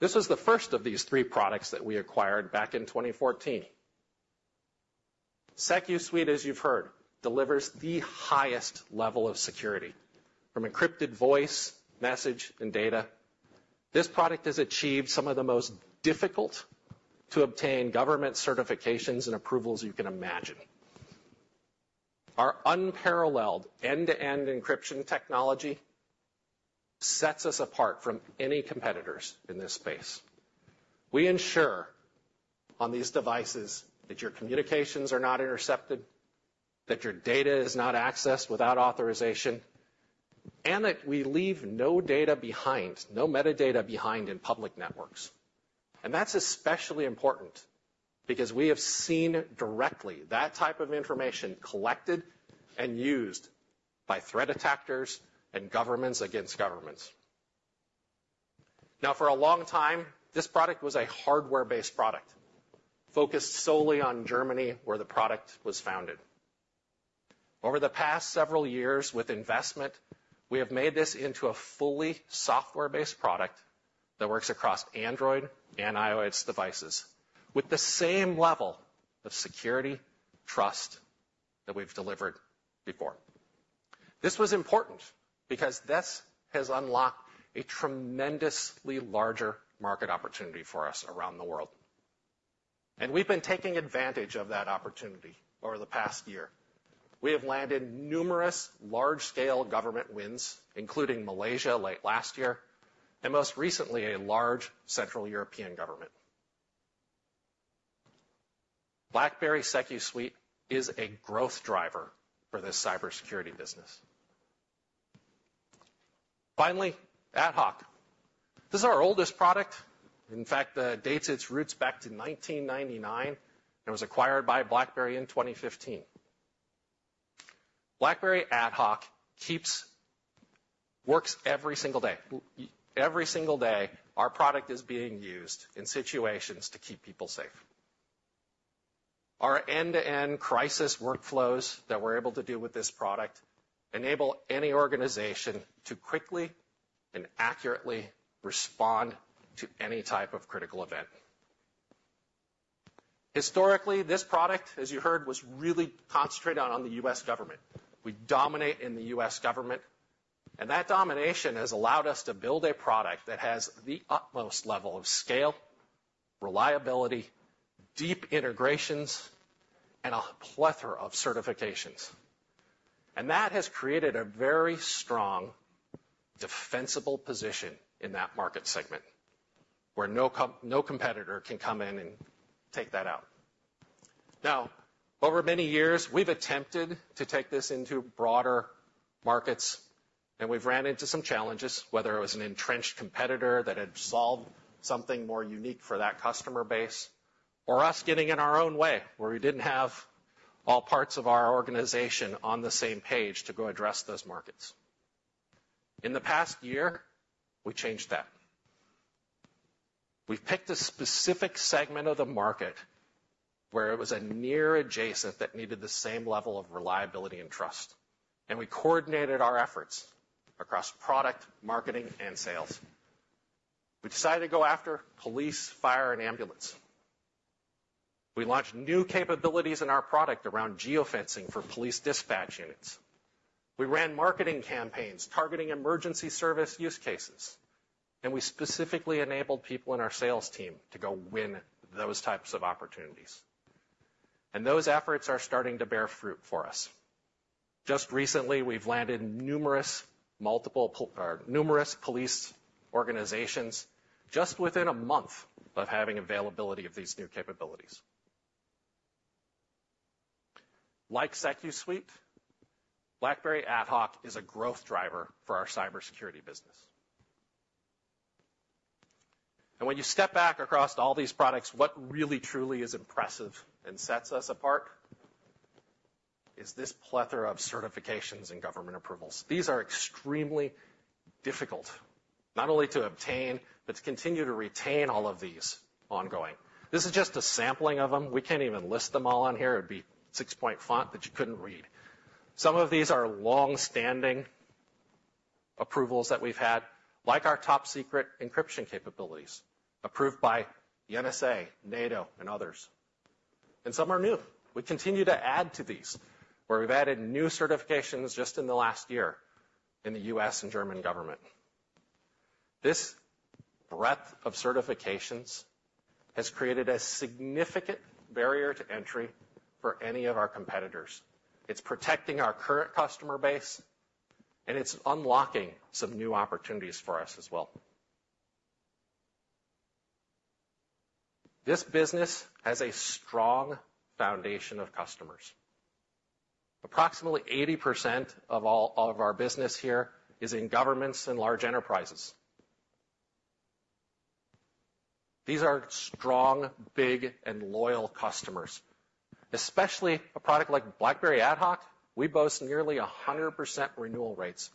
This was the first of these three products that we acquired back in twenty fourteen. SecuSUITE, as you've heard, delivers the highest level of security, from encrypted voice, message, and data. This product has achieved some of the most difficult-to-obtain government certifications and approvals you can imagine. Our unparalleled end-to-end encryption technology sets us apart from any competitors in this space. We ensure on these devices that your communications are not intercepted, that your data is not accessed without authorization, and that we leave no data behind, no metadata behind in public networks, and that's especially important because we have seen directly that type of information collected and used by threat actors and governments against governments. Now, for a long time, this product was a hardware-based product, focused solely on Germany, where the product was founded. Over the past several years, with investment, we have made this into a fully software-based product that works across Android and iOS devices, with the same level of security, trust that we've delivered before. This was important because this has unlocked a tremendously larger market opportunity for us around the world, and we've been taking advantage of that opportunity over the past year. We have landed numerous large-scale government wins, including Malaysia late last year, and most recently, a large central European government. BlackBerry SecuSUITE is a growth driver for this cybersecurity business. Finally, AtHoc. This is our oldest product. In fact, dates its roots back to nineteen ninety-nine, and was acquired by BlackBerry in twenty fifteen. BlackBerry AtHoc works every single day. Every single day, our product is being used in situations to keep people safe. Our end-to-end crisis workflows that we're able to do with this product enable any organization to quickly and accurately respond to any type of critical event. Historically, this product, as you heard, was really concentrated on the U.S. government. We dominate in the U.S. government, and that domination has allowed us to build a product that has the utmost level of scale, reliability, deep integrations, and a plethora of certifications. And that has created a very strong, defensible position in that market segment, where no competitor can come in and take that out. Now, over many years, we've attempted to take this into broader markets, and we've ran into some challenges, whether it was an entrenched competitor that had solved something more unique for that customer base, or us getting in our own way, where we didn't have all parts of our organization on the same page to go address those markets. In the past year, we changed that. We've picked a specific segment of the market where it was a near adjacent that needed the same level of reliability and trust, and we coordinated our efforts across product, marketing, and sales. We decided to go after police, fire, and ambulance. We launched new capabilities in our product around geofencing for police dispatch units. We ran marketing campaigns targeting emergency service use cases, and we specifically enabled people in our sales team to go win those types of opportunities. Those efforts are starting to bear fruit for us. Just recently, we've landed numerous police organizations just within a month of having availability of these new capabilities. Like SecuSUITE, BlackBerry AtHoc is a growth driver for our cybersecurity business. When you step back across all these products, what really truly is impressive and sets us apart is this plethora of certifications and government approvals. These are extremely difficult, not only to obtain, but to continue to retain all of these ongoing. This is just a sampling of them. We can't even list them all on here. It'd be six-point font that you couldn't read. Some of these are long-standing approvals that we've had, like our top-secret encryption capabilities, approved by the NSA, NATO, and others. Some are new. We continue to add to these, where we've added new certifications just in the last year in the U.S. and German government. This breadth of certifications has created a significant barrier to entry for any of our competitors. It's protecting our current customer base, and it's unlocking some new opportunities for us as well. This business has a strong foundation of customers. Approximately 80% of all of our business here is in governments and large enterprises. These are strong, big, and loyal customers. Especially a product like BlackBerry AtHoc, we boast nearly 100% renewal rates.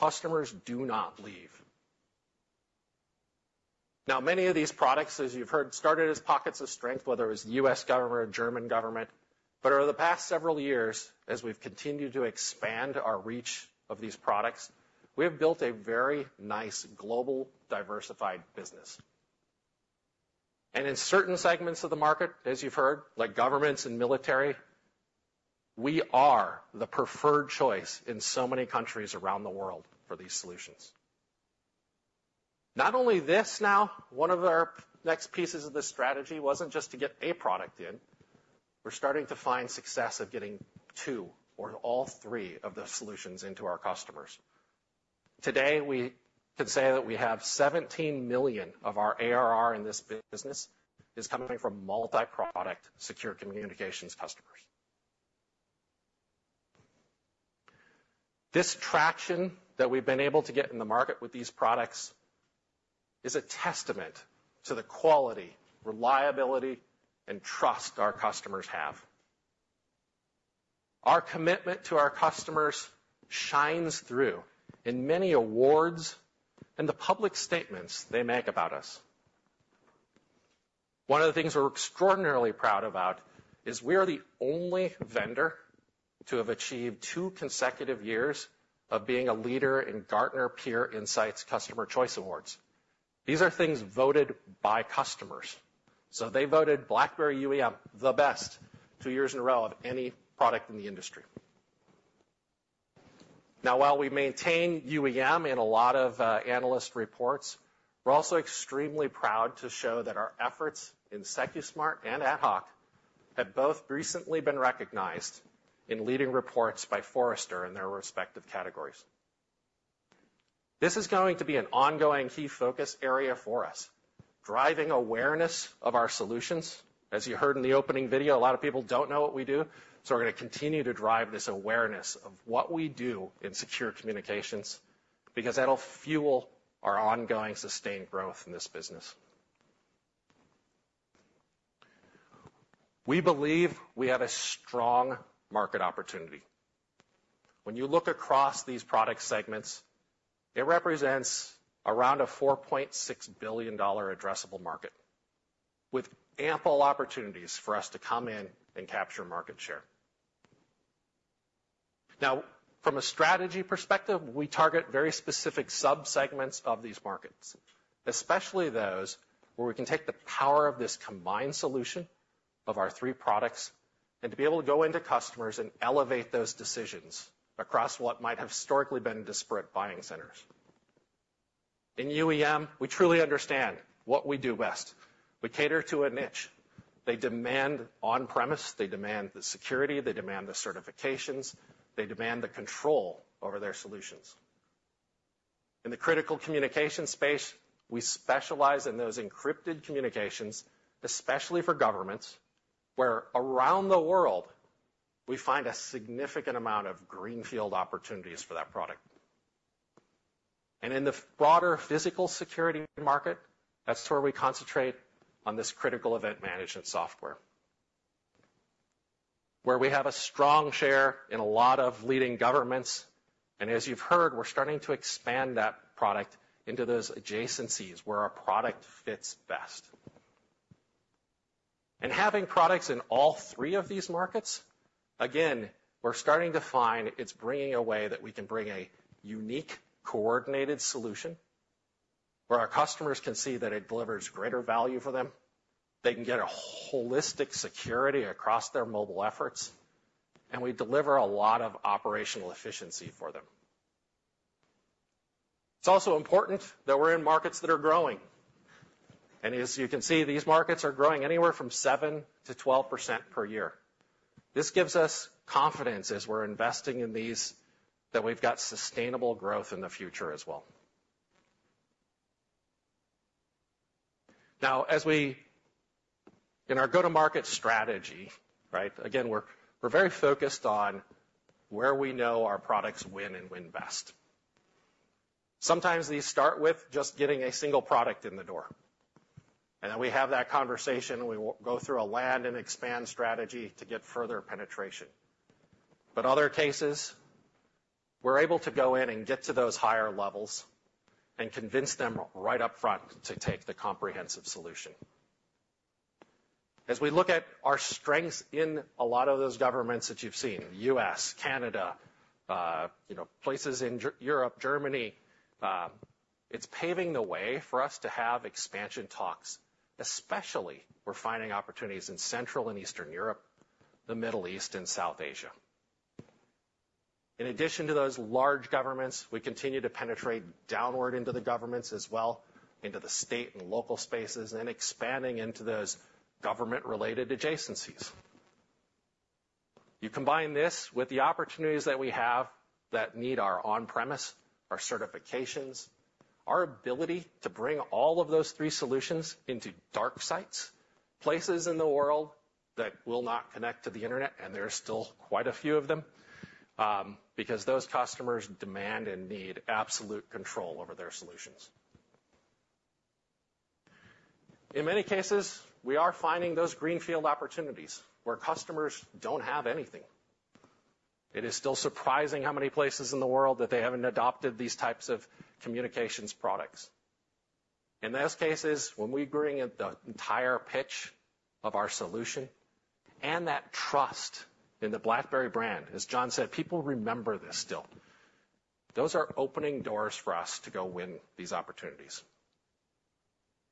Customers do not leave. Now, many of these products, as you've heard, started as pockets of strength, whether it was U.S. government or German government. But over the past several years, as we've continued to expand our reach of these products, we have built a very nice, global, diversified business. And in certain segments of the market, as you've heard, like governments and military, we are the preferred choice in so many countries around the world for these solutions. Not only this now, one of our next pieces of this strategy wasn't just to get a product in. We're starting to find success of getting two or all three of the solutions into our customers. Today, we can say that we have $17 million of our ARR in this business is coming from multi-product secure communications customers. This traction that we've been able to get in the market with these products is a testament to the quality, reliability, and trust our customers have. Our commitment to our customers shines through in many awards and the public statements they make about us. One of the things we're extraordinarily proud about is we are the only vendor to have achieved two consecutive years of being a leader in Gartner Peer Insights Customer Choice Awards. These are things voted by customers. So they voted BlackBerry UEM the best two years in a row of any product in the industry. Now, while we maintain UEM in a lot of analyst reports, we're also extremely proud to show that our efforts in Secusmart and AtHoc have both recently been recognized in leading reports by Forrester in their respective categories. This is going to be an ongoing key focus area for us, driving awareness of our solutions. As you heard in the opening video, a lot of people don't know what we do, so we're gonna continue to drive this awareness of what we do in secure communications, because that'll fuel our ongoing sustained growth in this business. We believe we have a strong market opportunity. When you look across these product segments, it represents around a $4.6 billion addressable market, with ample opportunities for us to come in and capture market share. Now, from a strategy perspective, we target very specific subsegments of these markets, especially those where we can take the power of this combined solution of our three products, and to be able to go into customers and elevate those decisions across what might have historically been disparate buying centers. In UEM, we truly understand what we do best. We cater to a niche. They demand on-premise, they demand the security, they demand the certifications, they demand the control over their solutions. In the critical communication space, we specialize in those encrypted communications, especially for governments, where around the world, we find a significant amount of greenfield opportunities for that product. And in the broader physical security market, that's where we concentrate on this critical event management software, where we have a strong share in a lot of leading governments, and as you've heard, we're starting to expand that product into those adjacencies where our product fits best. And having products in all three of these markets, again, we're starting to find it's bringing a way that we can bring a unique, coordinated solution, where our customers can see that it delivers greater value for them. They can get a holistic security across their mobile efforts, and we deliver a lot of operational efficiency for them. It's also important that we're in markets that are growing. And as you can see, these markets are growing anywhere from 7%-12% per year. This gives us confidence as we're investing in these, that we've got sustainable growth in the future as well. Now, in our go-to-market strategy, right, again, we're very focused on where we know our products win and win best. Sometimes these start with just getting a single product in the door, and then we have that conversation, and we go through a land and expand strategy to get further penetration. But other cases, we're able to go in and get to those higher levels and convince them right up front to take the comprehensive solution. As we look at our strengths in a lot of those governments that you've seen, U.S., Canada, you know, places in Germany, Europe, Germany, it's paving the way for us to have expansion talks, especially. We're finding opportunities in Central and Eastern Europe, the Middle East, and South Asia. In addition to those large governments, we continue to penetrate downward into the governments as well, into the state and local spaces, and expanding into those government-related adjacencies. You combine this with the opportunities that we have that need our on-premise, our certifications, our ability to bring all of those three solutions into dark sites, places in the world that will not connect to the Internet, and there are still quite a few of them, because those customers demand and need absolute control over their solutions. In many cases, we are finding those greenfield opportunities where customers don't have anything. It is still surprising how many places in the world that they haven't adopted these types of communications products. In those cases, when we bring in the entire pitch of our solution and that trust in the BlackBerry brand, as John said, people remember this still. Those are opening doors for us to go win these opportunities.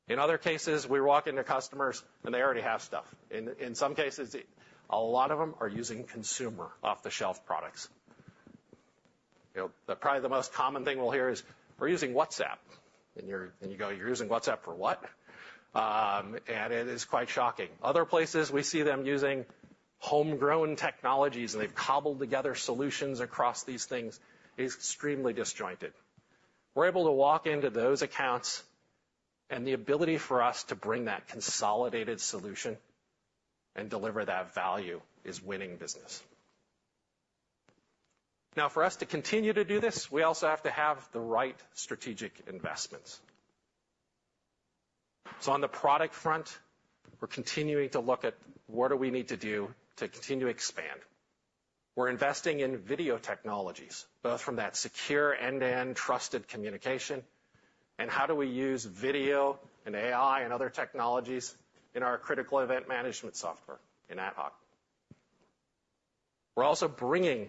In other cases, we walk into customers and they already have stuff. In some cases, a lot of them are using consumer off-the-shelf products. You know, probably the most common thing we'll hear is, "We're using WhatsApp," and you go, "You're using WhatsApp for what?", and it is quite shocking. Other places, we see them using homegrown technologies, and they've cobbled together solutions across these things, extremely disjointed. We're able to walk into those accounts, and the ability for us to bring that consolidated solution and deliver that value is winning business. Now, for us to continue to do this, we also have to have the right strategic investments. So on the product front, we're continuing to look at what do we need to do to continue to expand?... We're investing in video technologies, both from that secure end-to-end trusted communication, and how do we use video and AI and other technologies in our critical event management software in AtHoc? We're also bringing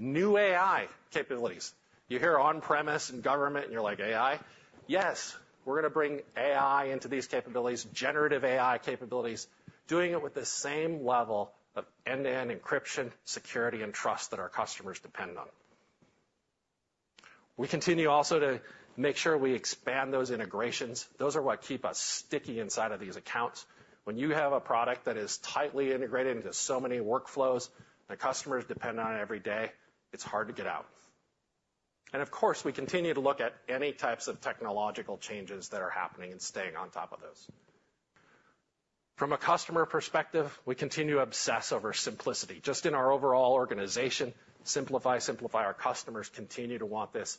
new AI capabilities. You hear on-premise and government, and you're like, AI? Yes, we're gonna bring AI into these capabilities, generative AI capabilities, doing it with the same level of end-to-end encryption, security, and trust that our customers depend on. We continue also to make sure we expand those integrations. Those are what keep us sticky inside of these accounts. When you have a product that is tightly integrated into so many workflows the customers depend on every day, it's hard to get out, and of course, we continue to look at any types of technological changes that are happening and staying on top of those. From a customer perspective, we continue to obsess over simplicity, just in our overall organization, simplify, simplify. Our customers continue to want this,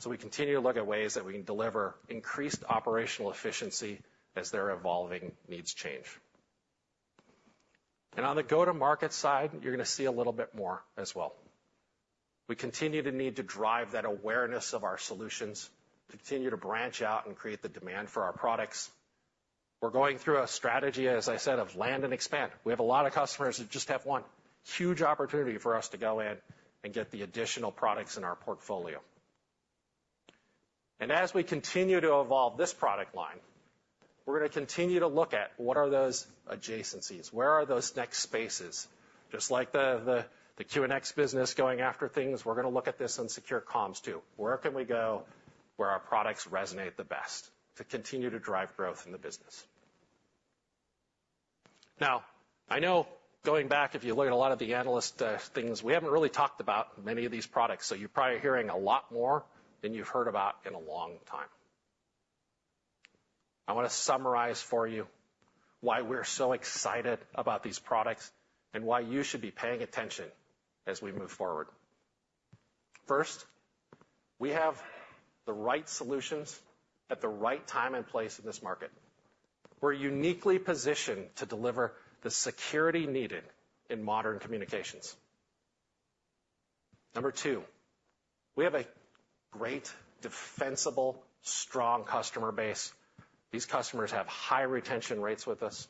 so we continue to look at ways that we can deliver increased operational efficiency as their evolving needs change, and on the go-to-market side, you're gonna see a little bit more as well. We continue to need to drive that awareness of our solutions, continue to branch out and create the demand for our products. We're going through a strategy, as I said, of land and expand. We have a lot of customers who just have one huge opportunity for us to go in and get the additional products in our portfolio, and as we continue to evolve this product line, we're gonna continue to look at what are those adjacencies, where are those next spaces? Just like the QNX business going after things, we're gonna look at this on secure comms, too. Where can we go, where our products resonate the best to continue to drive growth in the business? Now, I know going back, if you look at a lot of the analyst things, we haven't really talked about many of these products, so you're probably hearing a lot more than you've heard about in a long time. I wanna summarize for you why we're so excited about these products and why you should be paying attention as we move forward. First, we have the right solutions at the right time and place in this market. We're uniquely positioned to deliver the security needed in modern communications. Number two, we have a great, defensible, strong customer base. These customers have high retention rates with us.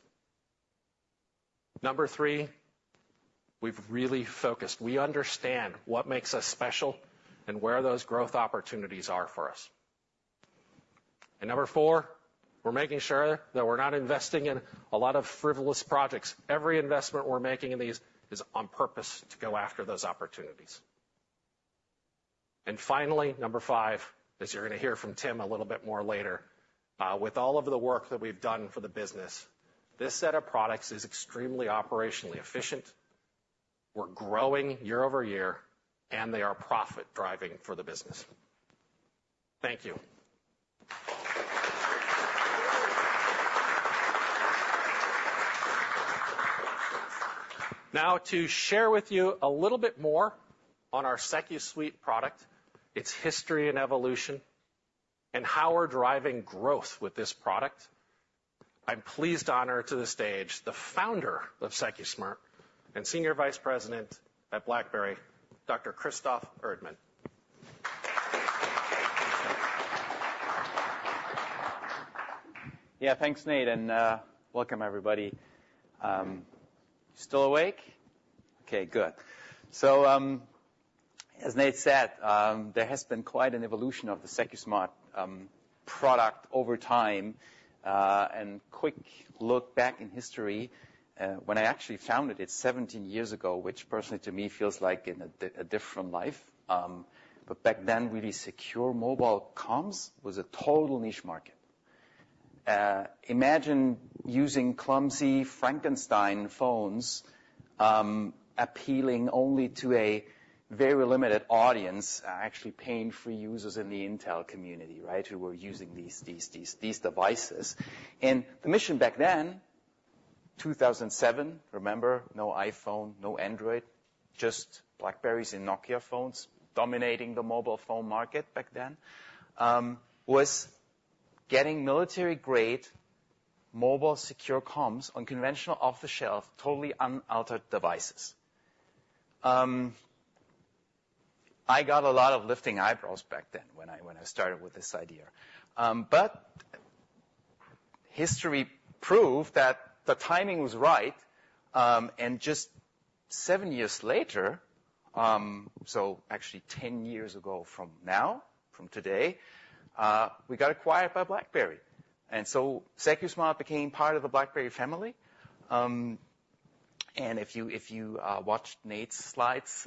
Number three, we've really focused... We understand what makes us special and where those growth opportunities are for us. And number four, we're making sure that we're not investing in a lot of frivolous projects. Every investment we're making in these is on purpose to go after those opportunities. And finally, number five, as you're gonna hear from Tim a little bit more later, with all of the work that we've done for the business, this set of products is extremely operationally efficient. We're growing year over year, and they are profit-driving for the business. Thank you. Now, to share with you a little bit more on our SecuSUITE product, its history and evolution, and how we're driving growth with this product, I'm pleased and honored to bring to the stage the founder of Secusmart and Senior Vice President at BlackBerry, Dr. Christoph Erdmann. Yeah, thanks, Nate, and welcome, everybody. Still awake? Okay, good. So, as Nate said, there has been quite an evolution of the Secusmart product over time, and quick look back in history, when I actually founded it seventeen years ago, which personally to me feels like a different life, but back then, really, secure mobile comms was a total niche market. Imagine using clumsy Frankenstein phones, appealing only to a very limited audience, actually, paying for users in the intelligence community, right, who were using these devices. And the mission back then, two thousand and seven, remember, no iPhone, no Android, just BlackBerrys and Nokia phones dominating the mobile phone market back then, was getting military-grade, mobile, secure comms on conventional, off-the-shelf, totally unaltered devices. I got a lot of lifting eyebrows back then when I started with this idea, but history proved that the timing was right, and just seven years later, so actually ten years ago from now, from today, we got acquired by BlackBerry, and so Secusmart became part of the BlackBerry family, and if you watched Nate's slides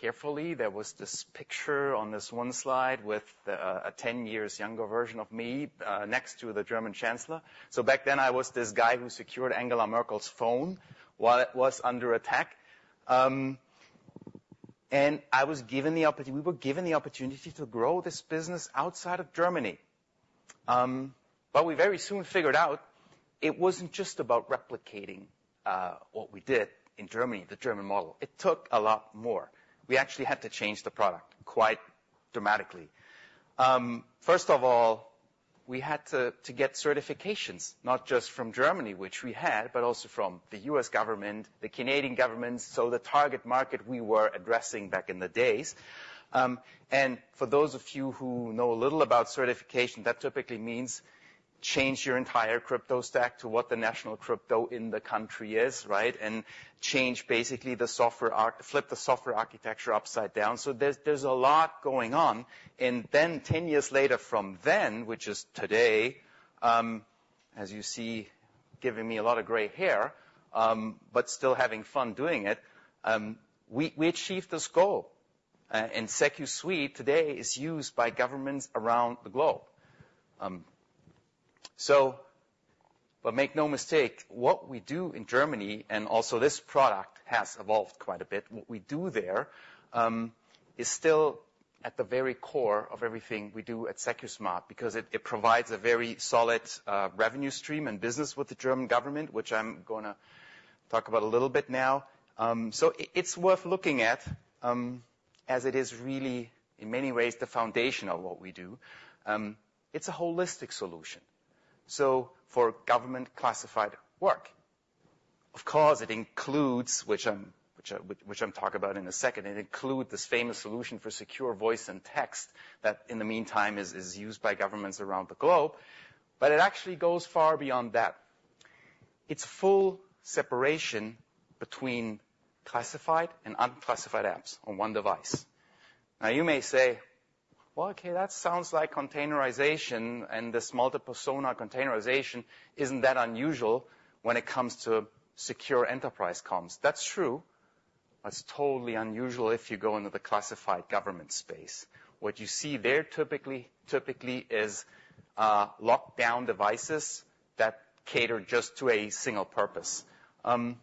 carefully, there was this picture on this one slide with a ten years younger version of me next to the German Chancellor, so back then, I was this guy who secured Angela Merkel's phone while it was under attack, and I was given the opportunity, we were given the opportunity to grow this business outside of Germany, but we very soon figured out it wasn't just about replicating what we did in Germany, the German model. It took a lot more. We actually had to change the product quite dramatically. First of all, we had to get certifications, not just from Germany, which we had, but also from the U.S. government, the Canadian government, so the target market we were addressing back in the days. And for those of you who know a little about certification, that typically means change your entire crypto stack to what the national crypto in the country is, right? And change basically the software architecture upside down. So there's a lot going on. And then ten years later from then, which is today, as you see, giving me a lot of gray hair, but still having fun doing it, we achieved this goal. And SecuSUITE today is used by governments around the globe. But make no mistake, what we do in Germany, and also this product has evolved quite a bit. What we do there is still at the very core of everything we do at Secusmart, because it provides a very solid revenue stream and business with the German government, which I'm gonna talk about a little bit now. So it's worth looking at, as it is really, in many ways, the foundation of what we do. It's a holistic solution, so for government-classified work. Of course, it includes, which I'm talking about in a second, this famous solution for secure voice and text that, in the meantime, is used by governments around the globe. But it actually goes far beyond that. It's full separation between classified and unclassified apps on one device. Now, you may say, "Well, okay, that sounds like containerization, and this multiple persona containerization isn't that unusual when it comes to secure enterprise comms." That's true. That's totally unusual if you go into the classified government space. What you see there typically is locked-down devices that cater just to a single purpose. And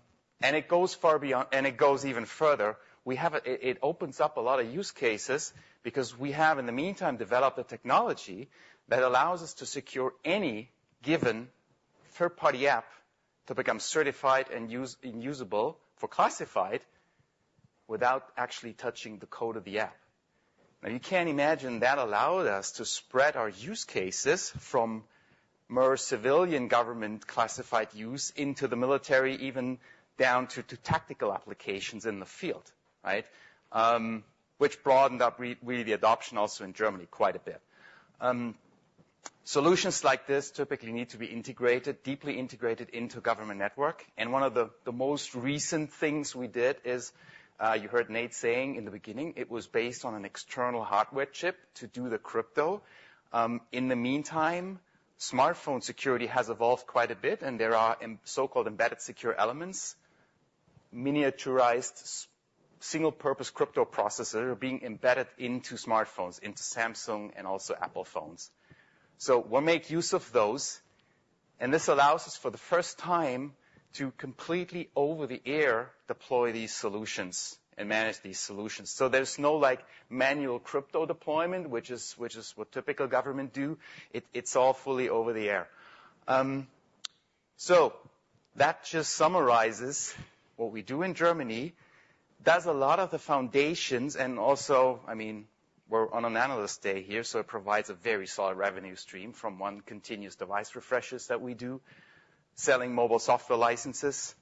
it goes far beyond and it goes even further. We have. It opens up a lot of use cases because we have, in the meantime, developed a technology that allows us to secure any given third-party app to become certified and usable for classified, without actually touching the code of the app. Now, you can imagine that allowed us to spread our use cases from more civilian government classified use into the military, even down to tactical applications in the field, right? which broadened up really the adoption, also in Germany, quite a bit. Solutions like this typically need to be integrated, deeply integrated into government network, and one of the most recent things we did is, you heard Nate saying in the beginning, it was based on an external hardware chip to do the crypto. In the meantime, smartphone security has evolved quite a bit, and there are so-called embedded secure elements, miniaturized single-purpose crypto processors are being embedded into smartphones, into Samsung and also Apple phones. So we'll make use of those, and this allows us, for the first time, to completely over-the-air, deploy these solutions and manage these solutions. So there's no like manual crypto deployment, which is what typical government do. It's all fully over-the-air. So that just summarizes what we do in Germany. That's a lot of the foundations and also, I mean, we're on an analyst day here, so it provides a very solid revenue stream from one continuous device refreshes that we do, selling mobile software licenses.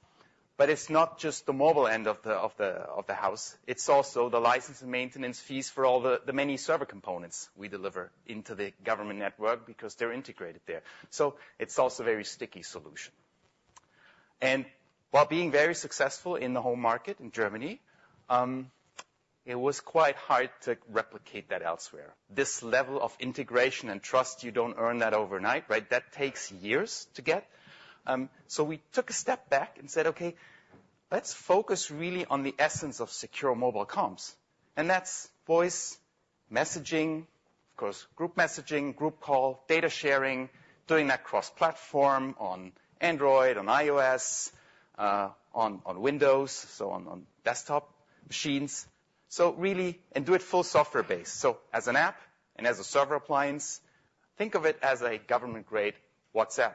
But it's not just the mobile end of the house, it's also the license and maintenance fees for all the many server components we deliver into the government network because they're integrated there. So it's also a very sticky solution. And while being very successful in the home market in Germany, it was quite hard to replicate that elsewhere. This level of integration and trust, you don't earn that overnight, right? That takes years to get. So we took a step back and said: Okay, let's focus really on the essence of secure mobile comms. That's voice messaging, of course, group messaging, group call, data sharing, doing that cross-platform on Android, on iOS, on Windows, so on desktop machines. So really and do it full software-based, so as an app and as a server appliance. Think of it as a government-grade WhatsApp.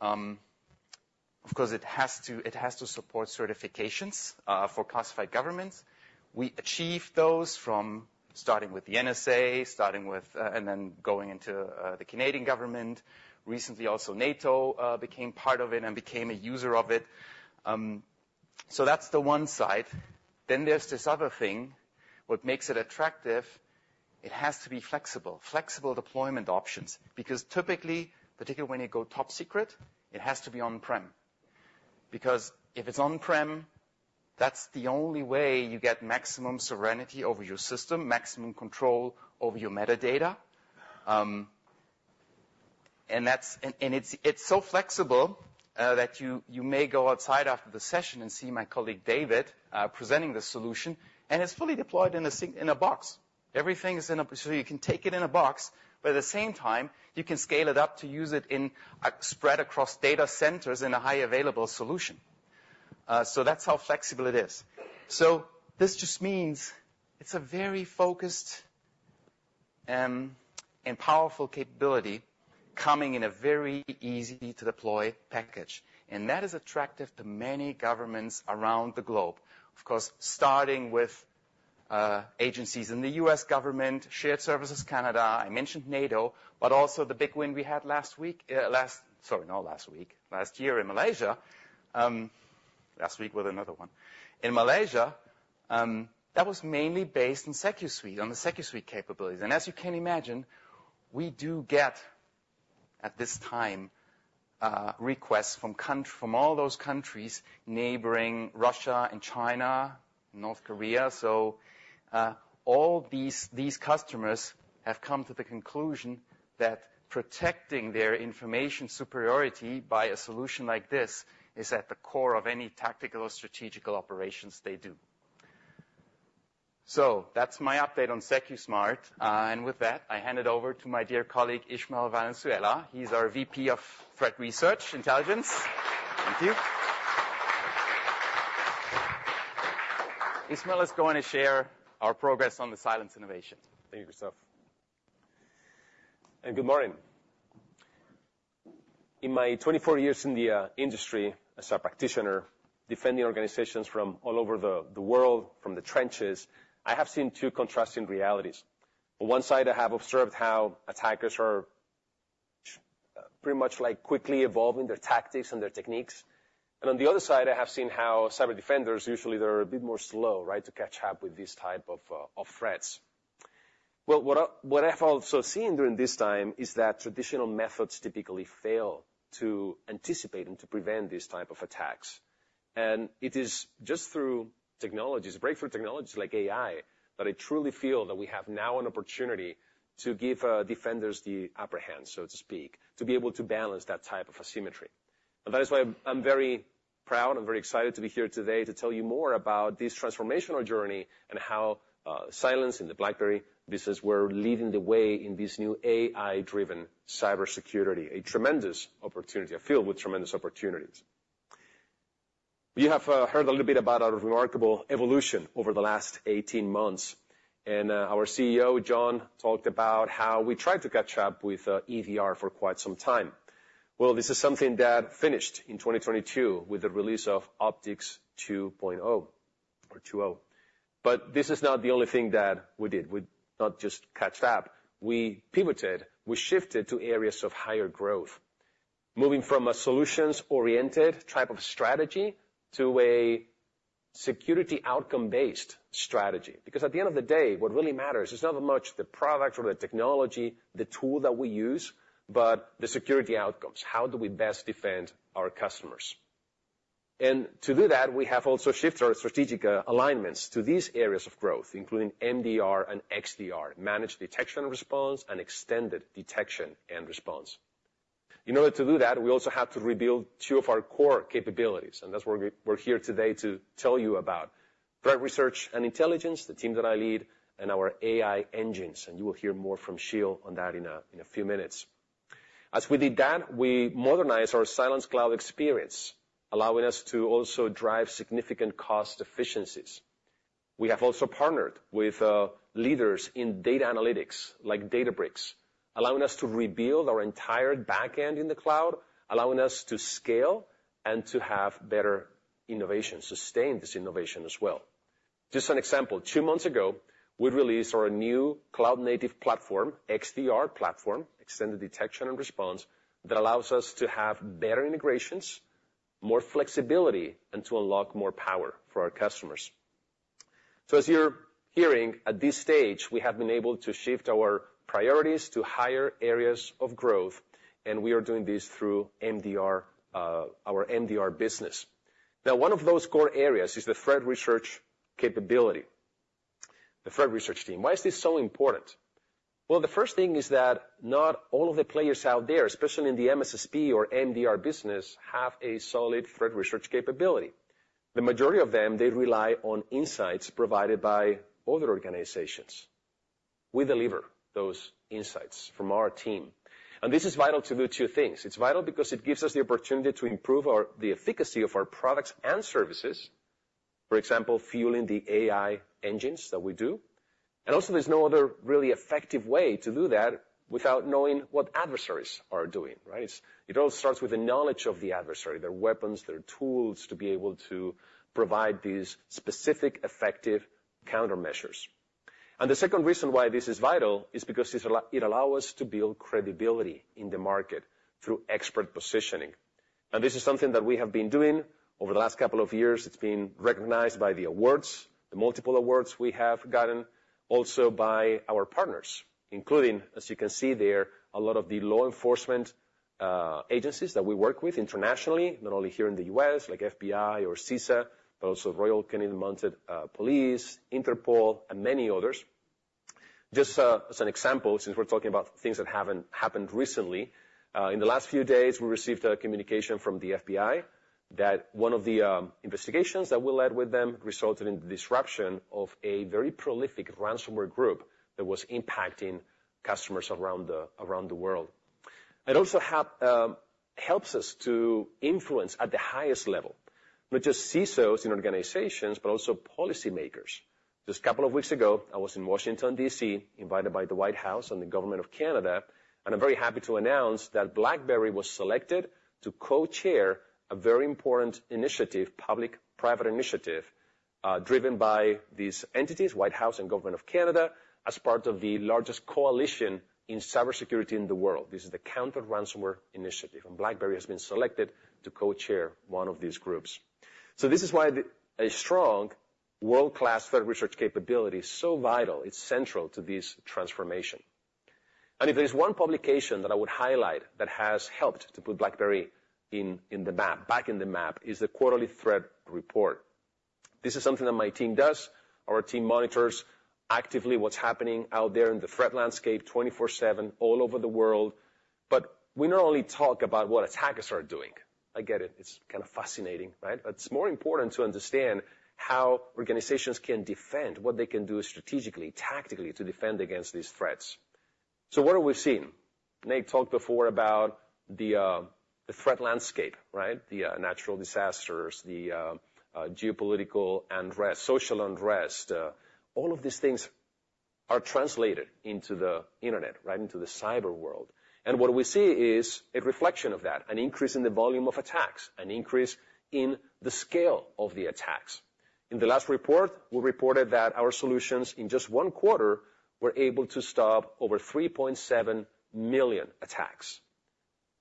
Of course, it has to support certifications for classified governments. We achieved those from starting with the NSA and then going into the Canadian government. Recently, also, NATO became part of it and became a user of it. That's the one side. Then there's this other thing, what makes it attractive. It has to be flexible. Flexible deployment options, because typically, particularly when you go top secret, it has to be on-prem. Because if it's on-prem, that's the only way you get maximum security over your system, maximum control over your metadata. And that's and it's so flexible that you may go outside after the session and see my colleague, David, presenting this solution, and it's fully deployed in a box. Everything is in a box. So you can take it in a box, but at the same time, you can scale it up to use it spread across data centers in a highly available solution. So that's how flexible it is. So this just means it's a very focused and powerful capability coming in a very easy-to-deploy package, and that is attractive to many governments around the globe. Of course, starting with-... agencies in the U.S. government, Shared Services Canada, I mentioned NATO, but also the big win we had last week, sorry, not last week, last year in Malaysia. Last week was another one. In Malaysia, that was mainly based in SecuSUITE, on the SecuSUITE capabilities. And as you can imagine, we do get, at this time, requests from all those countries neighboring Russia and China, North Korea. So, all these customers have come to the conclusion that protecting their information superiority by a solution like this is at the core of any tactical or strategic operations they do. So that's my update on Secusmart. And with that, I hand it over to my dear colleague, Ismael Valenzuela. He's our VP of Threat Research and Intelligence. Thank you. Ismael is going to share our progress on the Cylance innovation. Thank you, Christoph. Good morning. In my 24 years in the industry as a practitioner, defending organizations from all over the world, from the trenches, I have seen two contrasting realities. On one side, I have observed how attackers are pretty much like quickly evolving their tactics and their techniques. On the other side, I have seen how cyber defenders usually they're a bit more slow, right, to catch up with this type of threats. What I've also seen during this time is that traditional methods typically fail to anticipate and to prevent these type of attacks. It is just through technologies, breakthrough technologies like AI, that I truly feel that we have now an opportunity to give defenders the upper hand, so to speak, to be able to balance that type of asymmetry. That is why I'm very proud and very excited to be here today to tell you more about this transformational journey, and how, in the Cylance in the BlackBerry business, we're leading the way in this new AI-driven cybersecurity, a tremendous opportunity. I feel with tremendous opportunities. You have heard a little bit about our remarkable evolution over the last 18 months, and our CEO, John, talked about how we tried to catch up with EDR for quite some time. This is something that finished in 2022 with the release of CylanceOPTICS 2.0. But this is not the only thing that we did. We not just caught up, we pivoted, we shifted to areas of higher growth, moving from a solutions-oriented type of strategy to a security outcome-based strategy. Because at the end of the day, what really matters is not that much the product or the technology, the tool that we use, but the security outcomes. How do we best defend our customers? To do that, we have also shifted our strategic alignments to these areas of growth, including MDR and XDR, Managed Detection Response and Extended Detection and Response. In order to do that, we also had to rebuild two of our core capabilities, and that's what we're here today to tell you about. Threat research and intelligence, the team that I lead, and our AI engines, and you will hear more from Shil on that in a few minutes. As we did that, we modernized our Cylance cloud experience, allowing us to also drive significant cost efficiencies. We have also partnered with leaders in data analytics, like Databricks, allowing us to rebuild our entire back end in the cloud, allowing us to scale and to have better innovation, sustain this innovation as well. Just an example, two months ago, we released our new cloud-native platform, XDR platform, Extended Detection and Response, that allows us to have better integrations, more flexibility, and to unlock more power for our customers. So as you're hearing, at this stage, we have been able to shift our priorities to higher areas of growth, and we are doing this through MDR, our MDR business. Now, one of those core areas is the threat research capability, the threat research team. Why is this so important? Well, the first thing is that not all of the players out there, especially in the MSSP or MDR business, have a solid threat research capability. The majority of them, they rely on insights provided by other organizations. We deliver those insights from our team, and this is vital to do two things. It's vital because it gives us the opportunity to improve the efficacy of our products and services, for example, fueling the AI engines that we do. And also, there's no other really effective way to do that without knowing what adversaries are doing, right? It all starts with the knowledge of the adversary, their weapons, their tools, to be able to provide these specific, effective countermeasures. And the second reason why this is vital is because it allows us to build credibility in the market through expert positioning. And this is something that we have been doing over the last couple of years. It's been recognized by the awards, the multiple awards we have gotten, also by our partners, including, as you can see there, a lot of the law enforcement agencies that we work with internationally, not only here in the U.S., like FBI or CISA, but also Royal Canadian Mounted Police, Interpol, and many others. Just as an example, since we're talking about things that haven't happened recently, in the last few days, we received a communication from the FBI that one of the investigations that we led with them resulted in the disruption of a very prolific ransomware group that was impacting customers around the world. It also have helps us to influence at the highest level, not just CISOs in organizations, but also policymakers. Just a couple of weeks ago, I was in Washington, D.C., invited by the White House and the government of Canada, and I'm very happy to announce that BlackBerry was selected to co-chair a very important initiative, public-private initiative, driven by these entities, White House and government of Canada, as part of the largest coalition in cybersecurity in the world. This is the Counter Ransomware Initiative, and BlackBerry has been selected to co-chair one of these groups, so this is why a strong world-class threat research capability is so vital, it's central to this transformation, and if there's one publication that I would highlight that has helped to put BlackBerry in the map, back in the map, is the quarterly threat report. This is something that my team does. Our team monitors actively what's happening out there in the threat landscape, 24/7, all over the world. But we not only talk about what attackers are doing. I get it, it's kind of fascinating, right? But it's more important to understand how organizations can defend, what they can do strategically, tactically, to defend against these threats. So what have we seen? Nate talked before about the threat landscape, right? The natural disasters, the geopolitical unrest, social unrest, all of these things are translated into the internet, right into the cyber world. And what we see is a reflection of that, an increase in the volume of attacks, an increase in the scale of the attacks. In the last report, we reported that our solutions, in just one quarter, were able to stop over 3.7 million attacks.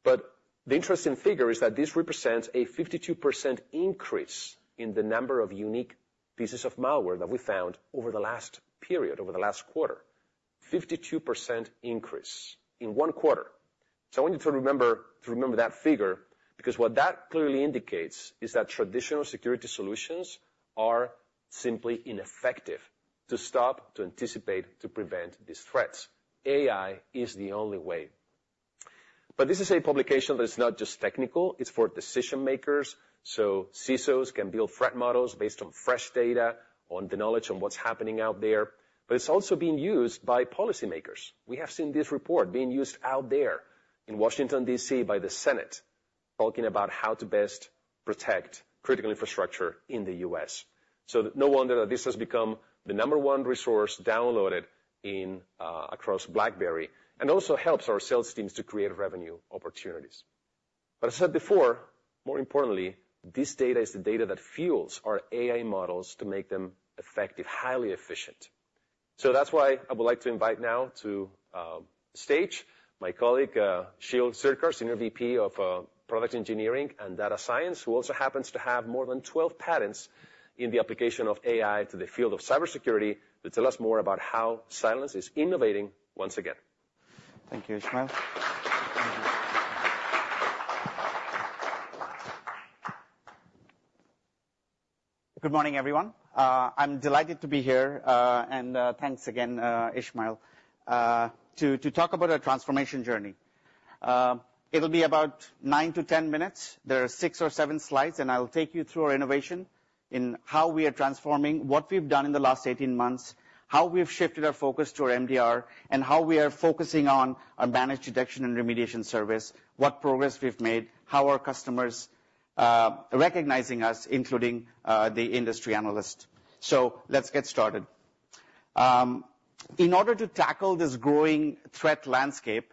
But the interesting figure is that this represents a 52% increase in the number of unique pieces of malware that we found over the last period, over the last quarter. 52% increase in one quarter. So I want you to remember, to remember that figure, because what that clearly indicates is that traditional security solutions are simply ineffective to stop, to anticipate, to prevent these threats. AI is the only way. But this is a publication that is not just technical, it's for decision makers, so CISOs can build threat models based on fresh data, on the knowledge on what's happening out there. But it's also being used by policymakers. We have seen this report being used out there in Washington, D.C., by the Senate, talking about how to best protect critical infrastructure in the U.S. So no wonder that this has become the number one resource downloaded in across BlackBerry, and also helps our sales teams to create revenue opportunities. But I said before, more importantly, this data is the data that fuels our AI models to make them effective, highly efficient. That's why I would like to invite now to stage my colleague, Shil Sircar, Senior VP of Product Engineering and Data Science, who also happens to have more than 12 patents in the application of AI to the field of cybersecurity, to tell us more about how Cylance is innovating once again. Thank you, Ismael. Good morning, everyone. I'm delighted to be here, and thanks again, Ismael, to talk about our transformation journey. It'll be about nine to 10 minutes. There are six or seven slides, and I will take you through our innovation in how we are transforming, what we've done in the last 18 months, how we've shifted our focus to our MDR, and how we are focusing on our managed detection and remediation service, what progress we've made, how our customers are recognizing us, including the industry analyst. Let's get started. In order to tackle this growing threat landscape,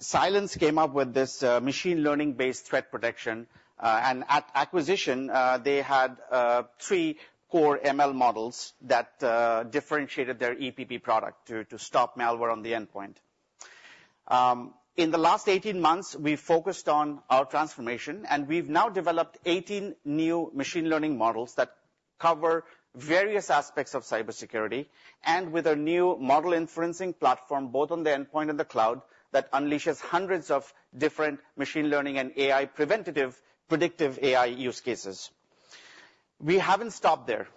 Cylance came up with this machine learning-based threat protection, and at acquisition, they had three core ML models that differentiated their EPP product to stop malware on the endpoint. In the last 18 months, we've focused on our transformation, and we've now developed 18 new machine learning models that cover various aspects of cybersecurity, and with a new model inferencing platform, both on the endpoint and the cloud, that unleashes hundreds of different machine learning and AI preventative, predictive AI use cases. We haven't stopped there.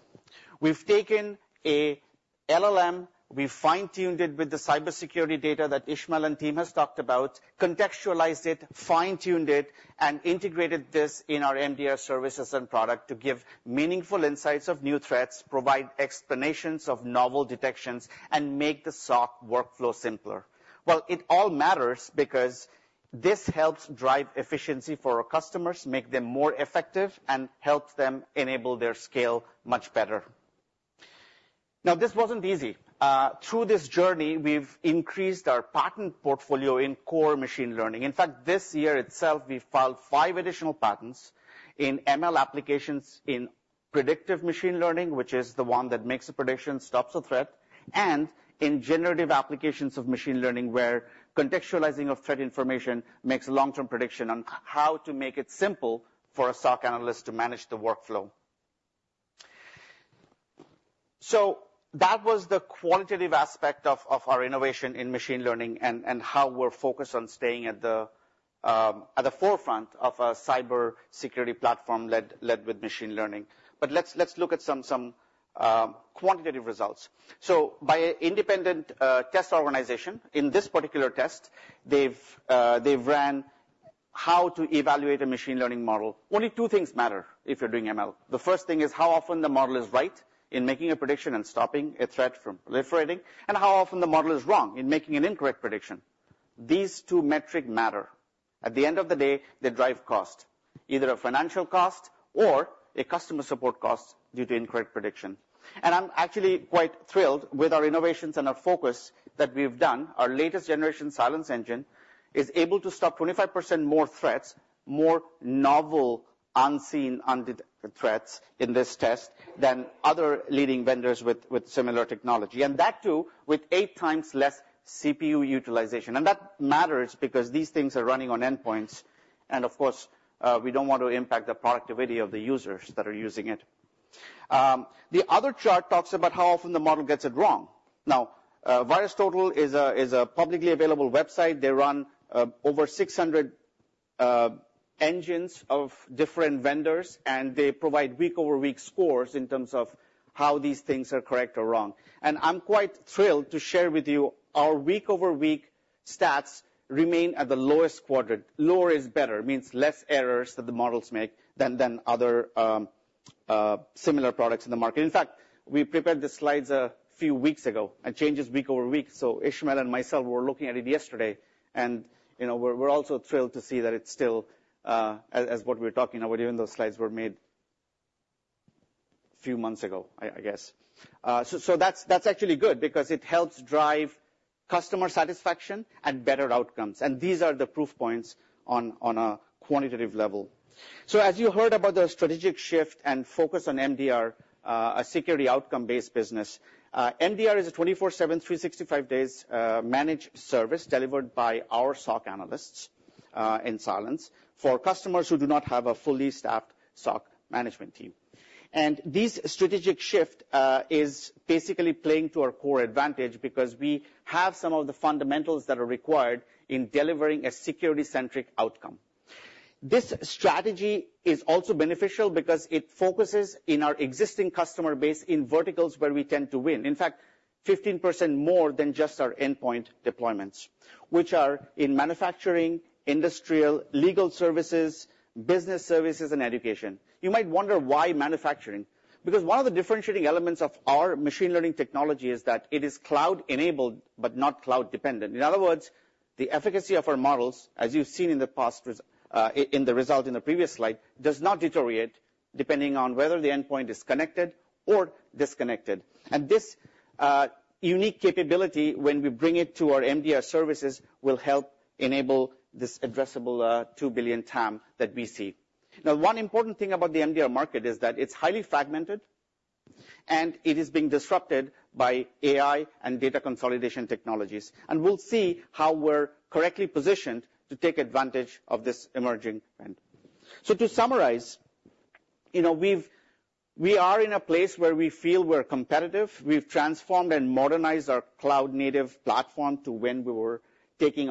We've taken a LLM, we fine-tuned it with the cybersecurity data that Ismael and team has talked about, contextualized it, fine-tuned it, and integrated this in our MDR services and product to give meaningful insights of new threats, provide explanations of novel detections, and make the SOC workflow simpler. Well, it all matters because this helps drive efficiency for our customers, make them more effective, and helps them enable their scale much better. Now, this wasn't easy. Through this journey, we've increased our patent portfolio in core machine learning. In fact, this year itself, we filed five additional patents in ML applications in predictive machine learning, which is the one that makes a prediction, stops a threat, and in generative applications of machine learning, where contextualizing of threat information makes a long-term prediction on how to make it simple for a SOC analyst to manage the workflow. So that was the quantitative aspect of our innovation in machine learning and how we're focused on staying at the forefront of a cybersecurity platform led with machine learning. But let's look at some quantitative results. So by an independent test organization, in this particular test, how to evaluate a machine learning model, only two things matter if you're doing ML. The first thing is how often the model is right in making a prediction and stopping a threat from proliferating, and how often the model is wrong in making an incorrect prediction. These two metric matter. At the end of the day, they drive cost, either a financial cost or a customer support cost due to incorrect prediction. And I'm actually quite thrilled with our innovations and our focus that we've done. Our latest generation Cylance engine is able to stop 25% more threats, more novel, unseen, undetected threats in this test than other leading vendors with similar technology, and that, too, with eight times less CPU utilization. And that matters because these things are running on endpoints, and of course, we don't want to impact the productivity of the users that are using it. The other chart talks about how often the model gets it wrong. Now, VirusTotal is a publicly available website. They run over 600 engines of different vendors, and they provide week-over-week scores in terms of how these things are correct or wrong. I'm quite thrilled to share with you our week-over-week stats remain at the lowest quadrant. Lower is better, means less errors that the models make than other similar products in the market. In fact, we prepared the slides a few weeks ago, and changes week over week, so Ismael and myself were looking at it yesterday, and, you know, we're also thrilled to see that it's still as what we're talking about, even those slides were made few months ago, I guess. So that's actually good because it helps drive customer satisfaction and better outcomes, and these are the proof points on a quantitative level. As you heard about the strategic shift and focus on MDR, a security outcome-based business, MDR is a 24/7, 365 days, managed service delivered by our SOC analysts in Cylance, for customers who do not have a fully staffed SOC management team. This strategic shift is basically playing to our core advantage because we have some of the fundamentals that are required in delivering a security-centric outcome. This strategy is also beneficial because it focuses in our existing customer base in verticals where we tend to win. In fact, 15% more than just our endpoint deployments, which are in manufacturing, industrial, legal services, business services, and education. You might wonder, why manufacturing? Because one of the differentiating elements of our machine learning technology is that it is cloud-enabled, but not cloud-dependent. In other words, the efficacy of our models, as you've seen in the past results in the previous slide, does not deteriorate depending on whether the endpoint is connected or disconnected, and this unique capability, when we bring it to our MDR services, will help enable this addressable two billion TAM that we see. Now, one important thing about the MDR market is that it's highly fragmented, and it is being disrupted by AI and data consolidation technologies, and we'll see how we're correctly positioned to take advantage of this emerging trend, so to summarize, you know, we are in a place where we feel we're competitive. We've transformed and modernized our cloud-native platform from when we were taking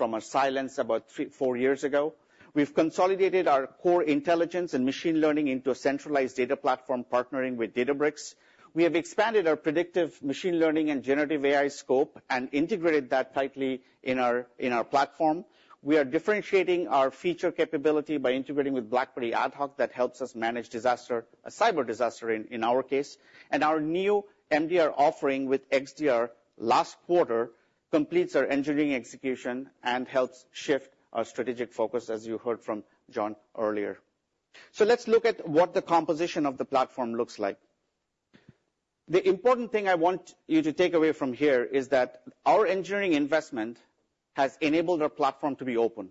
over Cylance about three, four years ago. We've consolidated our core intelligence and machine learning into a centralized data platform, partnering with Databricks. We have expanded our predictive machine learning and generative AI scope and integrated that tightly in our, in our platform. We are differentiating our feature capability by integrating with BlackBerry AtHoc that helps us manage disaster, a cyber disaster in, in our case, and our new MDR offering with XDR last quarter completes our engineering execution and helps shift our strategic focus, as you heard from John earlier, so let's look at what the composition of the platform looks like. The important thing I want you to take away from here is that our engineering investment has enabled our platform to be open.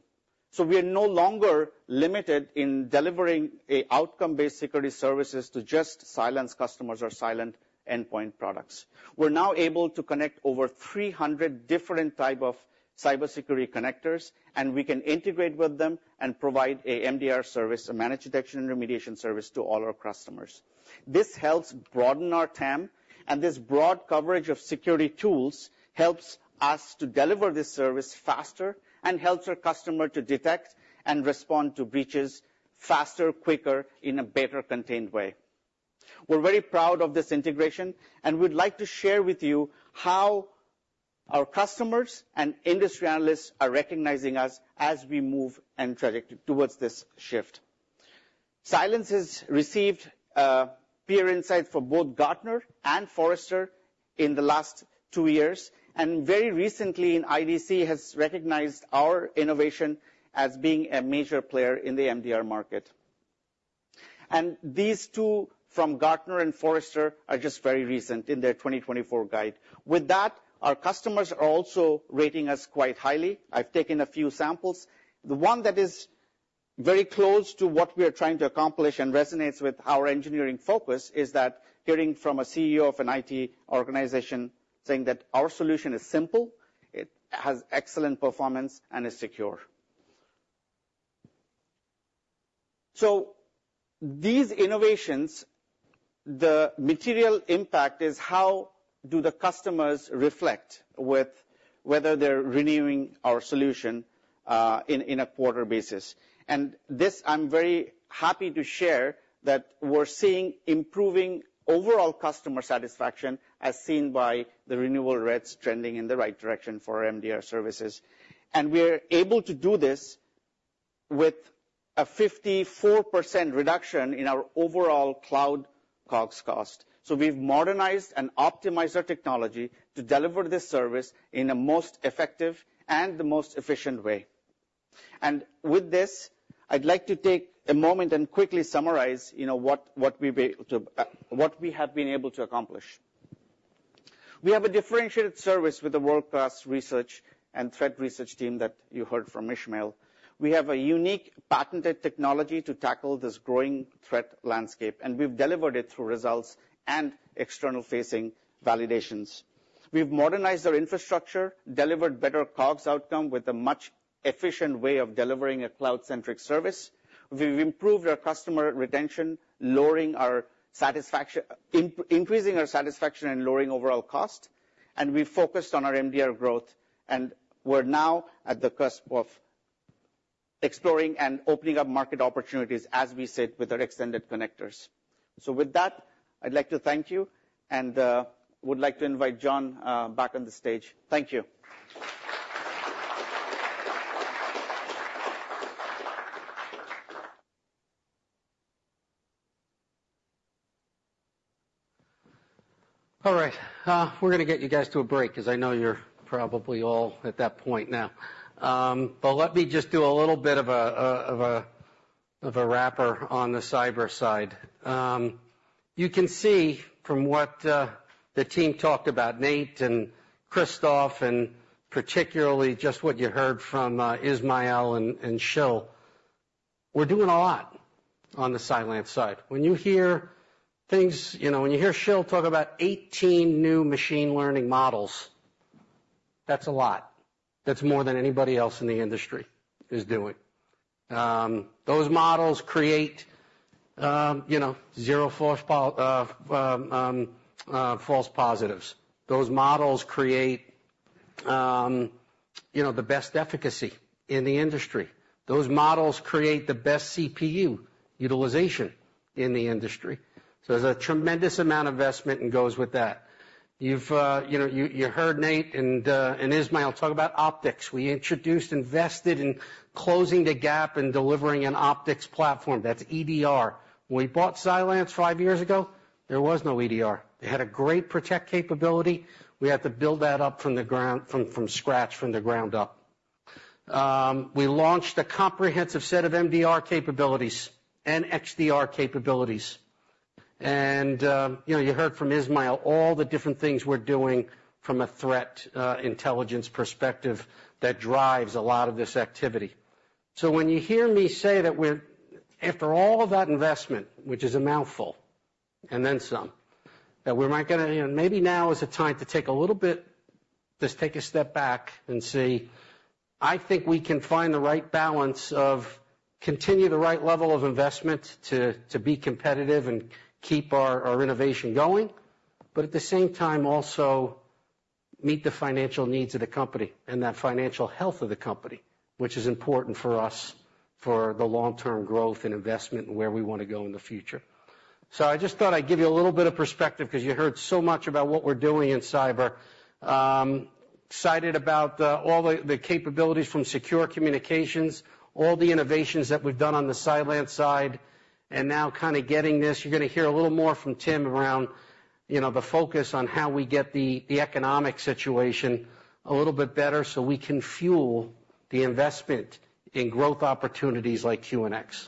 So we are no longer limited in delivering an outcome-based security service to just Cylance customers or Cylance endpoint products. We're now able to connect over 300 different types of cybersecurity connectors, and we can integrate with them and provide an MDR service, a managed detection and remediation service, to all our customers. This helps broaden our TAM, and this broad coverage of security tools helps us to deliver this service faster and helps our customers to detect and respond to breaches faster, quicker, in a better, contained way. We're very proud of this integration, and we'd like to share with you how our customers and industry analysts are recognizing us as we move on this trajectory towards this shift. Cylance has received peer insights for both Gartner and Forrester in the last two years, and very recently, an IDC has recognized our innovation as being a major player in the MDR market, and these two from Gartner and Forrester are just very recent in their 2024 guide. With that, our customers are also rating us quite highly. I've taken a few samples. The one that is very close to what we are trying to accomplish and resonates with our engineering focus is that hearing from a CEO of an IT organization saying that our solution is simple, it has excellent performance, and is secure, so these innovations, the material impact is how do the customers reflect with whether they're renewing our solution in a quarter basis? This, I'm very happy to share, that we're seeing improving overall customer satisfaction, as seen by the renewal rates trending in the right direction for MDR services. We are able to do this with a 54% reduction in our overall cloud COGS cost. We've modernized and optimized our technology to deliver this service in the most effective and the most efficient way. With this, I'd like to take a moment and quickly summarize, you know, what we have been able to accomplish. We have a differentiated service with a world-class research and threat research team that you heard from Ismael. We have a unique patented technology to tackle this growing threat landscape, and we've delivered it through results and external-facing validations. We've modernized our infrastructure, delivered better COGS outcome with a much efficient way of delivering a cloud-centric service. We've improved our customer retention, increasing our satisfaction and lowering overall cost, and we focused on our MDR growth, and we're now at the cusp of exploring and opening up market opportunities, as we said, with our extended connectors. With that, I'd like to thank you and would like to invite John back on the stage. Thank you. All right. We're going to get you guys to a break because I know you're probably all at that point now. But let me just do a little bit of a wrapper on the cyber side. You can see from what the team talked about, Nate and Christoph, and particularly just what you heard from Ismael and Shil, we're doing a lot on the Cylance side. When you hear things. You know, when you hear Shil talk about 18 new machine learning models, that's a lot. That's more than anybody else in the industry is doing. Those models create, you know, zero false positives. Those models create, you know, the best efficacy in the industry. Those models create the best CPU utilization in the industry. So there's a tremendous amount of investment that goes with that. You've, you know, heard Nate and Ismael talk about optics. We introduced, invested in closing the gap in delivering an optics platform. That's EDR. When we bought Cylance five years ago, there was no EDR. They had a great protect capability. We had to build that up from scratch, from the ground up. We launched a comprehensive set of MDR capabilities and XDR capabilities. And, you know, you heard from Ismael all the different things we're doing from a threat intelligence perspective that drives a lot of this activity. So when you hear me say that we're after all of that investment, which is a mouthful, and then some, that we might get to, you know, maybe now is the time to take a little bit, just take a step back and see. I think we can find the right balance of continue the right level of investment to be competitive and keep our innovation going, but at the same time, also meet the financial needs of the company and that financial health of the company, which is important for us for the long-term growth and investment and where we want to go in the future. So I just thought I'd give you a little bit of perspective because you heard so much about what we're doing in cyber. Excited about all the capabilities from secure communications, all the innovations that we've done on the Cylance side, and now kind of getting this. You're going to hear a little more from Tim around, you know, the focus on how we get the economic situation a little bit better so we can fuel the investment in growth opportunities like QNX.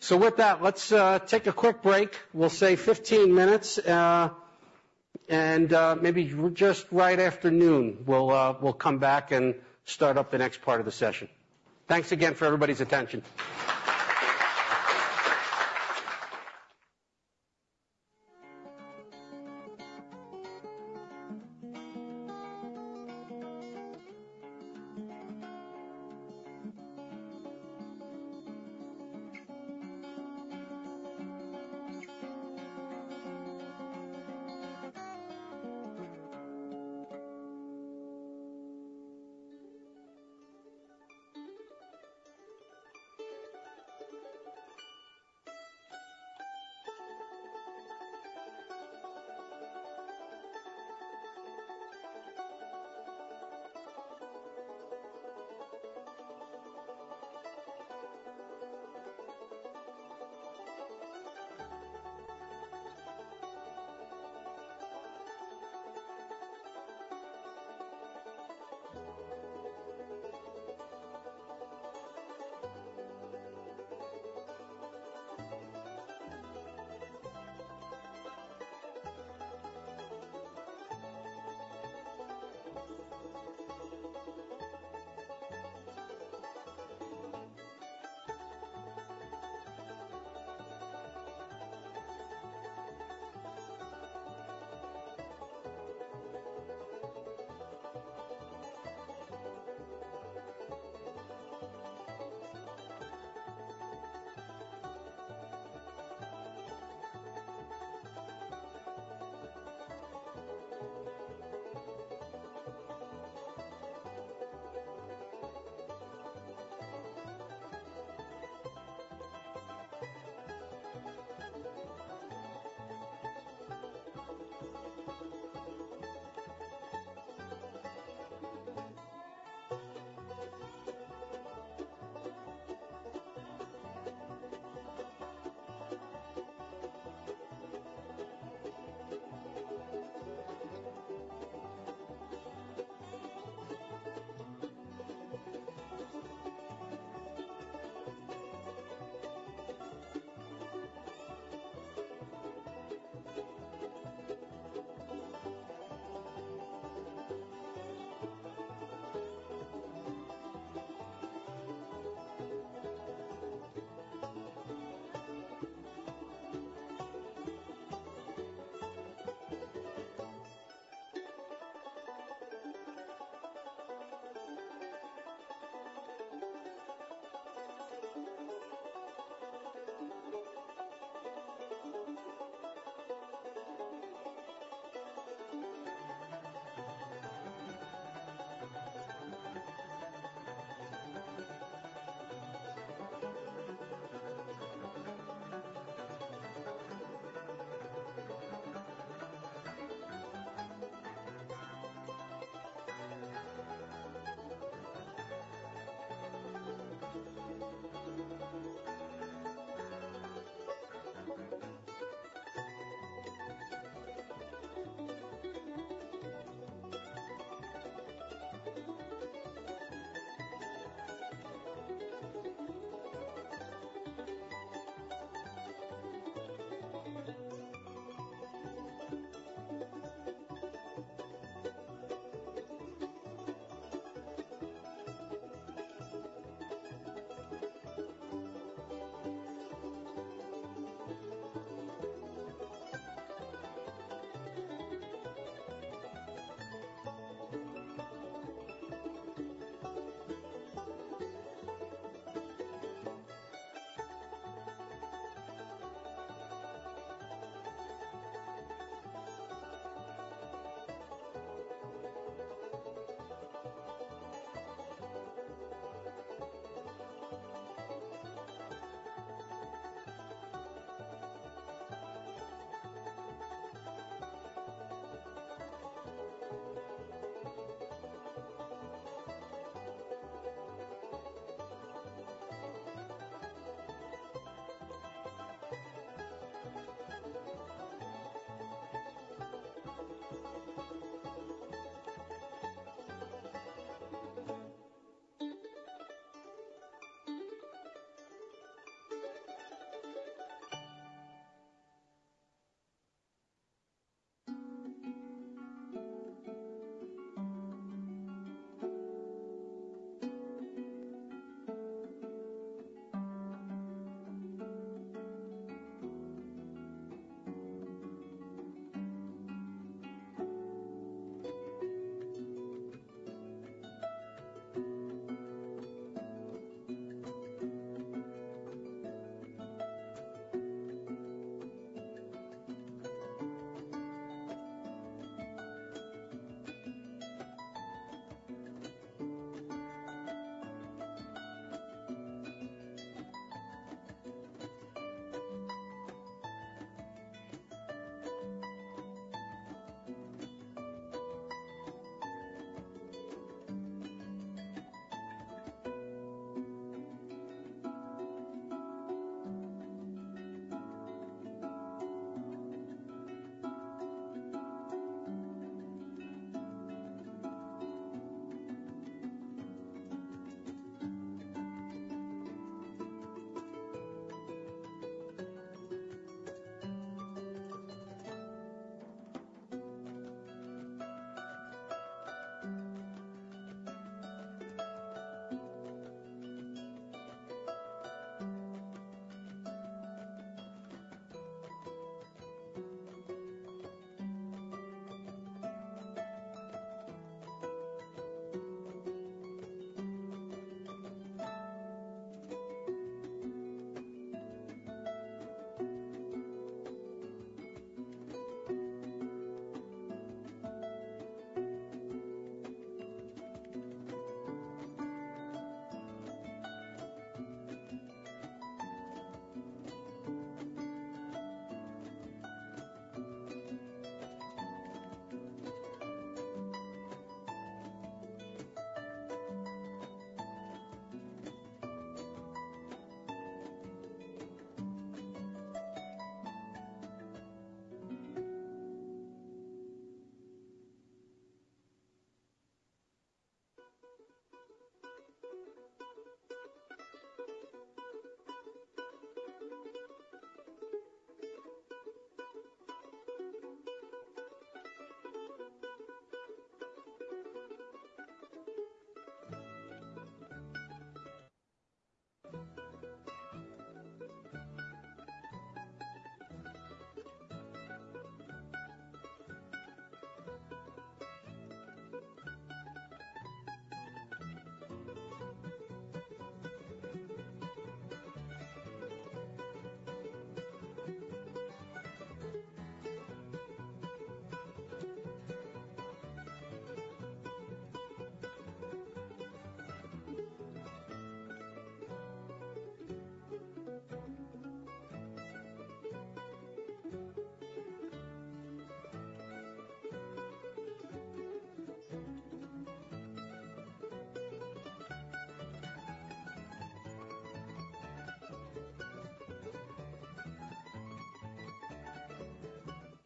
So with that, let's take a quick break. We'll say fifteen minutes, and maybe just right after noon, we'll come back and start up the next part of the session. Thanks again for everybody's attention.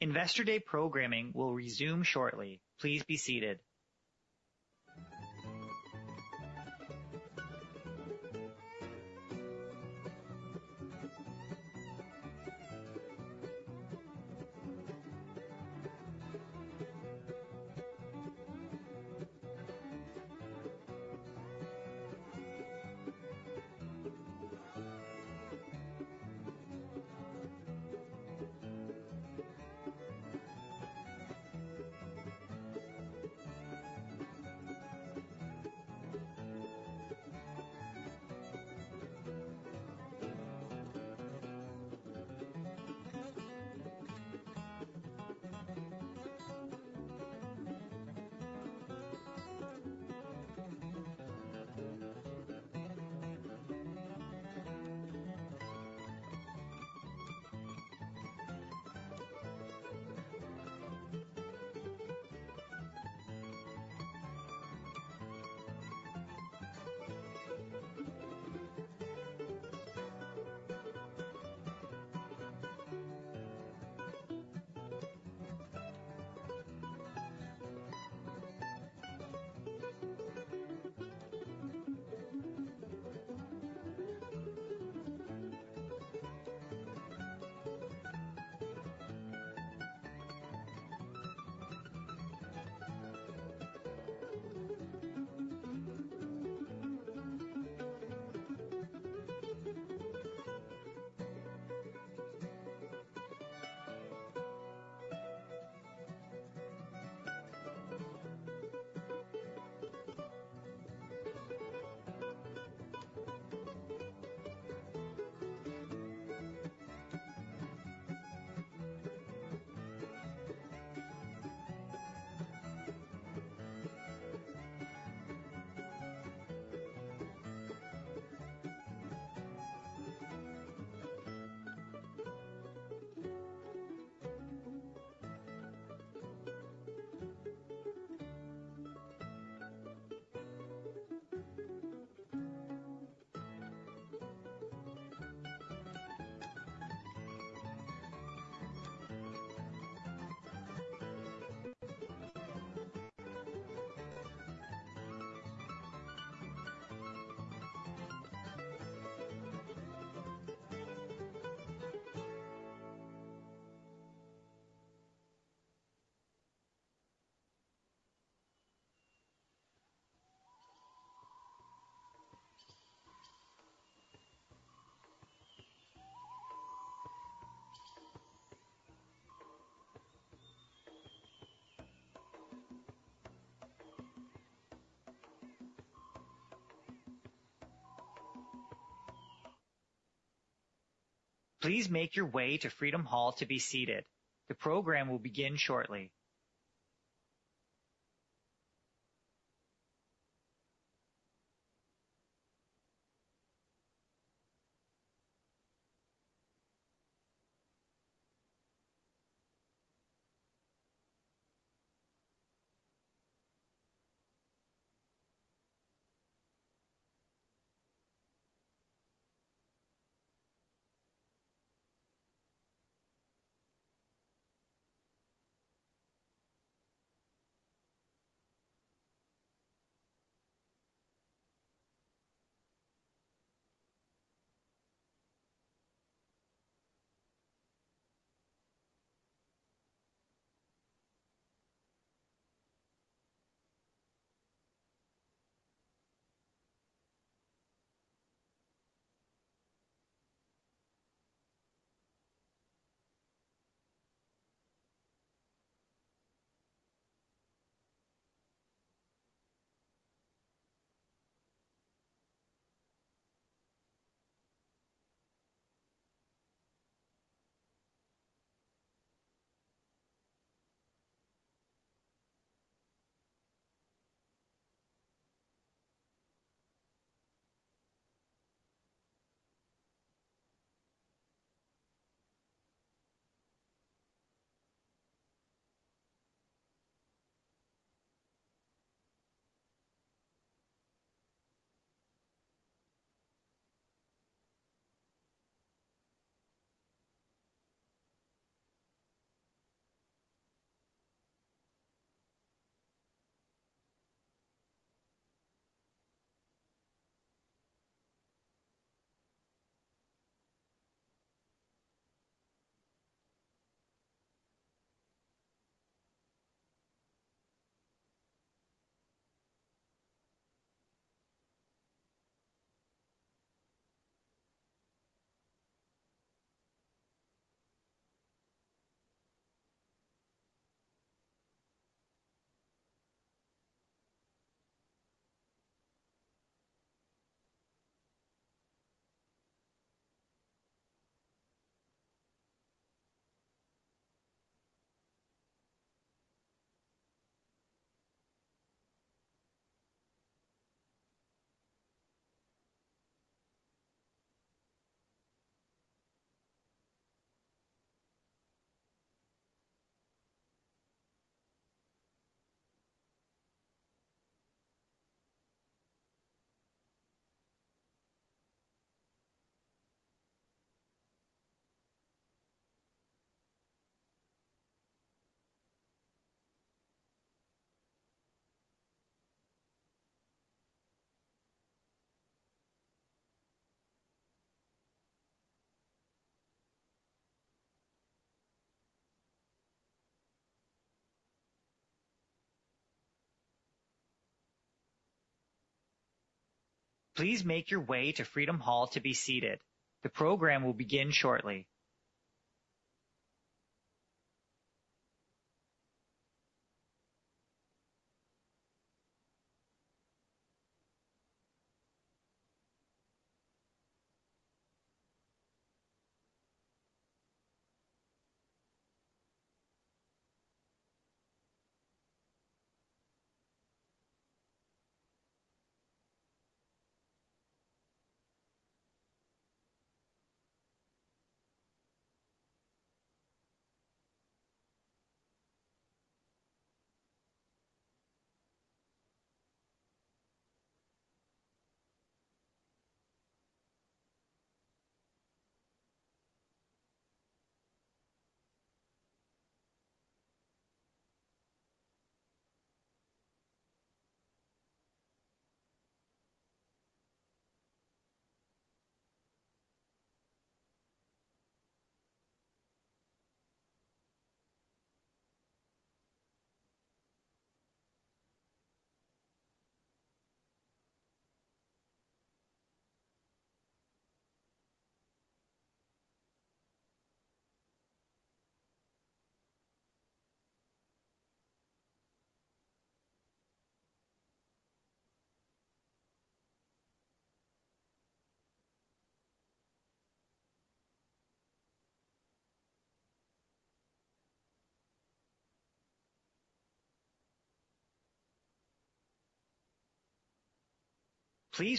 Investor Day programming will resume shortly. Please be seated. Please make your way to Freedom Hall to be seated. The program will begin shortly. Please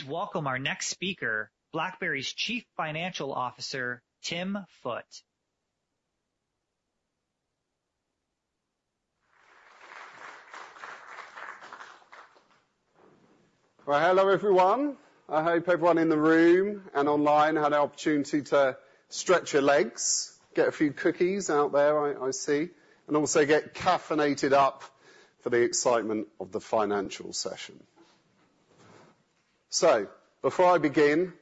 welcome our next speaker, BlackBerry's Chief Financial Officer, Tim Foote. Hello, everyone. I hope everyone in the room and online had an opportunity to stretch your legs, get a few cookies out there, I see, and also get caffeinated up for the excitement of the financial session. Before I begin,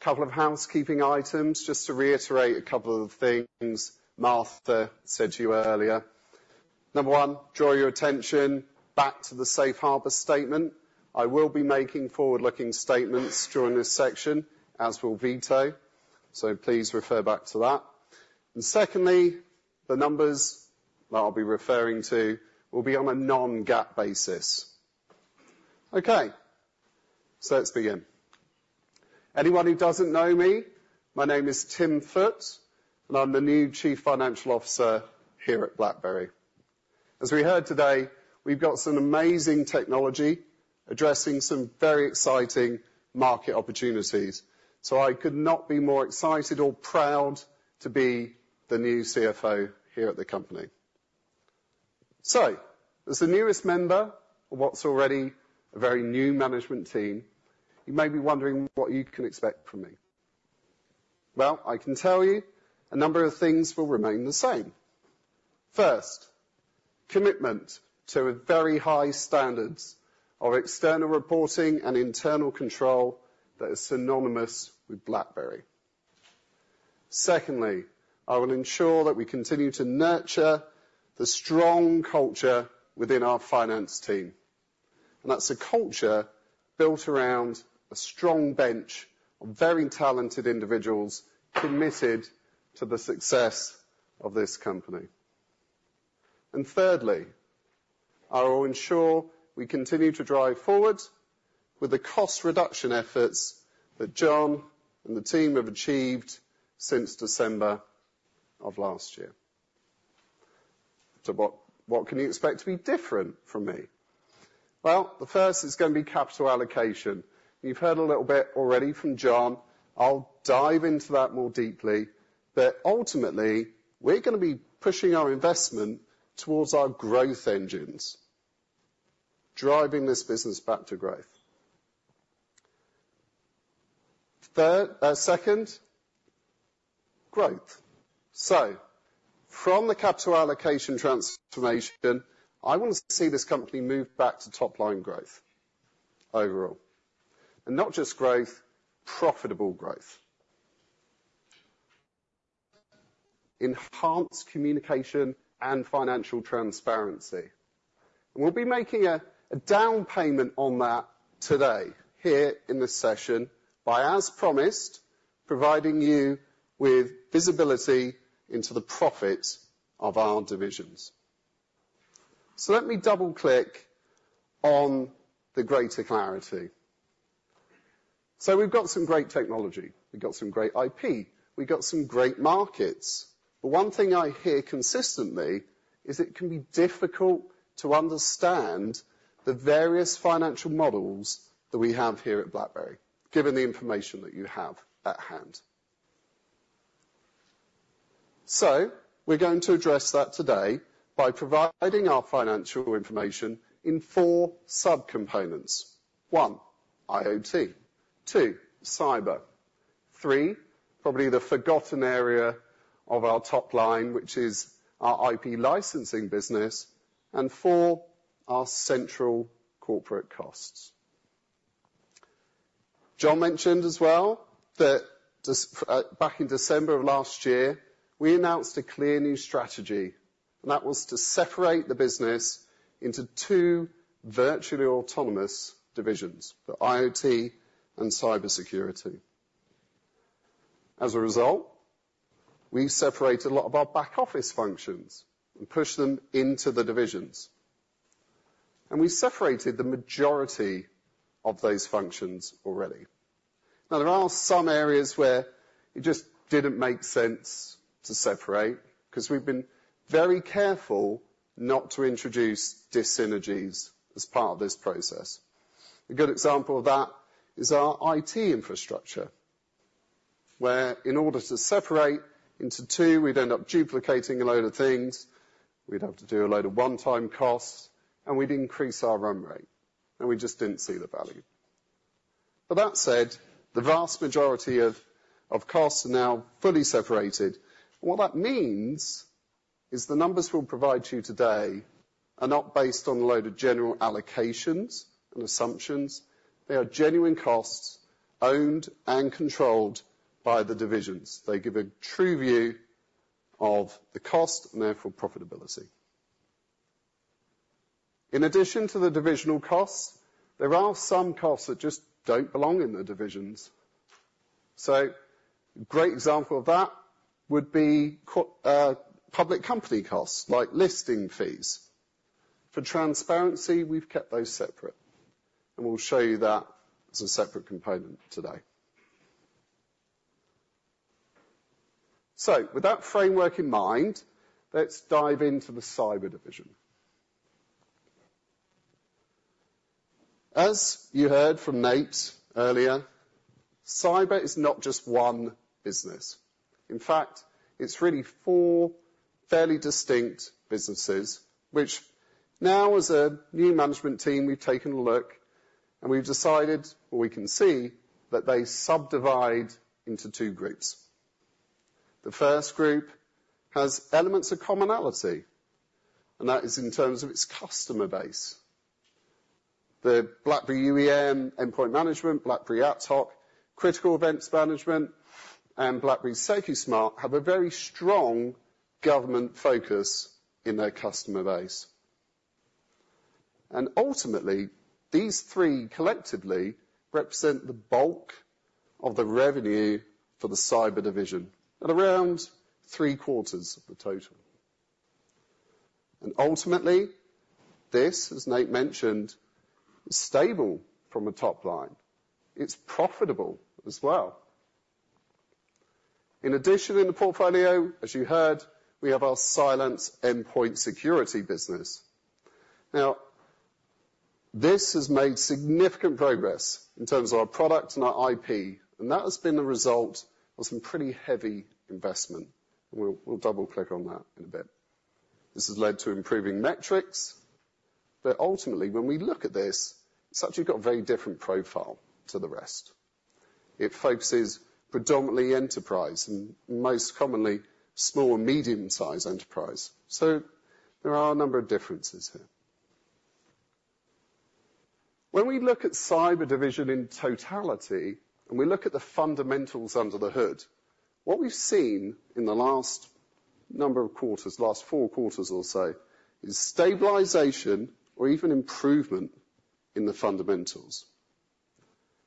a couple of housekeeping items, just to reiterate a couple of things Martha said to you earlier. Number one, draw your attention back to the safe harbor statement. I will be making forward-looking statements during this section, as will Vito, so please refer back to that. Secondly, the numbers that I'll be referring to will be on a non-GAAP basis. Okay, let's begin. Anyone who doesn't know me, my name is Tim Foote, and I'm the new Chief Financial Officer here at BlackBerry. As we heard today, we've got some amazing technology addressing some very exciting market opportunities, so I could not be more excited or proud to be the new CFO here at the company, so as the newest member of what's already a very new management team, you may be wondering what you can expect from me. Well, I can tell you a number of things will remain the same. First, commitment to a very high standards of external reporting and internal control that is synonymous with BlackBerry. Secondly, I will ensure that we continue to nurture the strong culture within our finance team, and that's a culture built around a strong bench of very talented individuals committed to the success of this company, and thirdly, I will ensure we continue to drive forward with the cost reduction efforts that John and the team have achieved since December of last year. So what can you expect to be different from me? Well, the first is gonna be capital allocation. You've heard a little bit already from John. I'll dive into that more deeply, but ultimately, we're gonna be pushing our investment towards our growth engines, driving this business back to growth. Third, second, growth. So from the capital allocation transformation, I want to see this company move back to top-line growth overall. And not just growth, profitable growth. Enhanced communication and financial transparency. We'll be making a down payment on that today, here in this session by, as promised, providing you with visibility into the profits of our divisions. So let me double-click on the greater clarity. So we've got some great technology. We've got some great IP, we've got some great markets, but one thing I hear consistently is it can be difficult to understand the various financial models that we have here at BlackBerry, given the information that you have at hand. So we're going to address that today by providing our financial information in four sub-components. One, IoT. Two, cyber. Three, probably the forgotten area of our top line, which is our IP licensing business, and four, our central corporate costs. John mentioned as well that back in December of last year, we announced a clear, new strategy, and that was to separate the business into two virtually autonomous divisions, the IoT and cybersecurity. As a result, we separated a lot of our back-office functions and pushed them into the divisions, and we separated the majority of those functions already. Now, there are some areas where it just didn't make sense to separate, 'cause we've been very careful not to introduce dyssynergies as part of this process. A good example of that is our IT infrastructure, where, in order to separate into two, we'd end up duplicating a load of things, we'd have to do a load of one-time costs, and we'd increase our run rate, and we just didn't see the value. But that said, the vast majority of costs are now fully separated. What that means is the numbers we'll provide to you today are not based on a load of general allocations and assumptions. They are genuine costs, owned and controlled by the divisions. They give a true view of the cost and, therefore, profitability. In addition to the divisional costs, there are some costs that just don't belong in the divisions. So great example of that would be public company costs, like listing fees. For transparency, we've kept those separate, and we'll show you that as a separate component today. So with that framework in mind, let's dive into the cyber division. As you heard from Nate earlier, cyber is not just one business. In fact, it's really four fairly distinct businesses, which now, as a new management team, we've taken a look, and we've decided or we can see, that they subdivide into two groups. The first group has elements of commonality, and that is in terms of its customer base. The BlackBerry UEM, Endpoint Management, BlackBerry AtHoc, Critical Events Management, and BlackBerry Secusmart have a very strong government focus in their customer base. And ultimately, these three collectively represent the bulk of the revenue for the cyber division at around three-quarters of the total. Ultimately, this, as Nate mentioned, is stable from a top line. It's profitable as well. In addition, in the portfolio, as you heard, we have our Cylance endpoint security business. Now, this has made significant progress in terms of our product and our IP, and that has been the result of some pretty heavy investment. We'll, we'll double-click on that in a bit. This has led to improving metrics, but ultimately, when we look at this, it's actually got a very different profile to the rest. It focuses predominantly enterprise and most commonly, small and medium-sized enterprise, so there are a number of differences here. When we look at cyber division in totality, and we look at the fundamentals under the hood, what we've seen in the last number of quarters, last four quarters or so, is stabilization or even improvement in the fundamentals.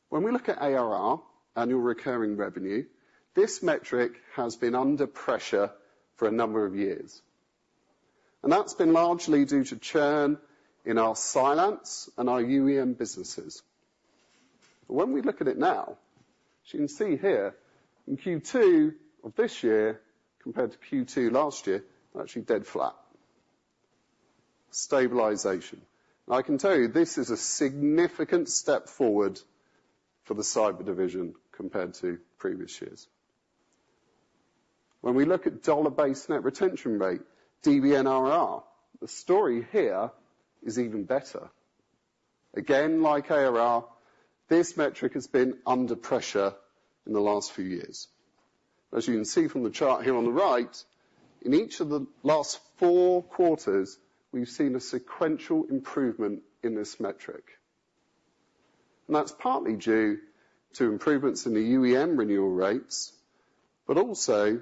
When we look at ARR, annual recurring revenue, this metric has been under pressure for a number of years, and that's been largely due to churn in our Cylance and our UEM businesses. But when we look at it now, as you can see here, in Q2 of this year, compared to Q2 last year, they're actually dead flat. Stabilization. And I can tell you, this is a significant step forward for the cyber division compared to previous years. When we look at dollar-based net retention rate, DBNRR, the story here is even better. Again, like ARR, this metric has been under pressure in the last few years. As you can see from the chart here on the right, in each of the last four quarters, we've seen a sequential improvement in this metric, and that's partly due to improvements in the UEM renewal rates, but also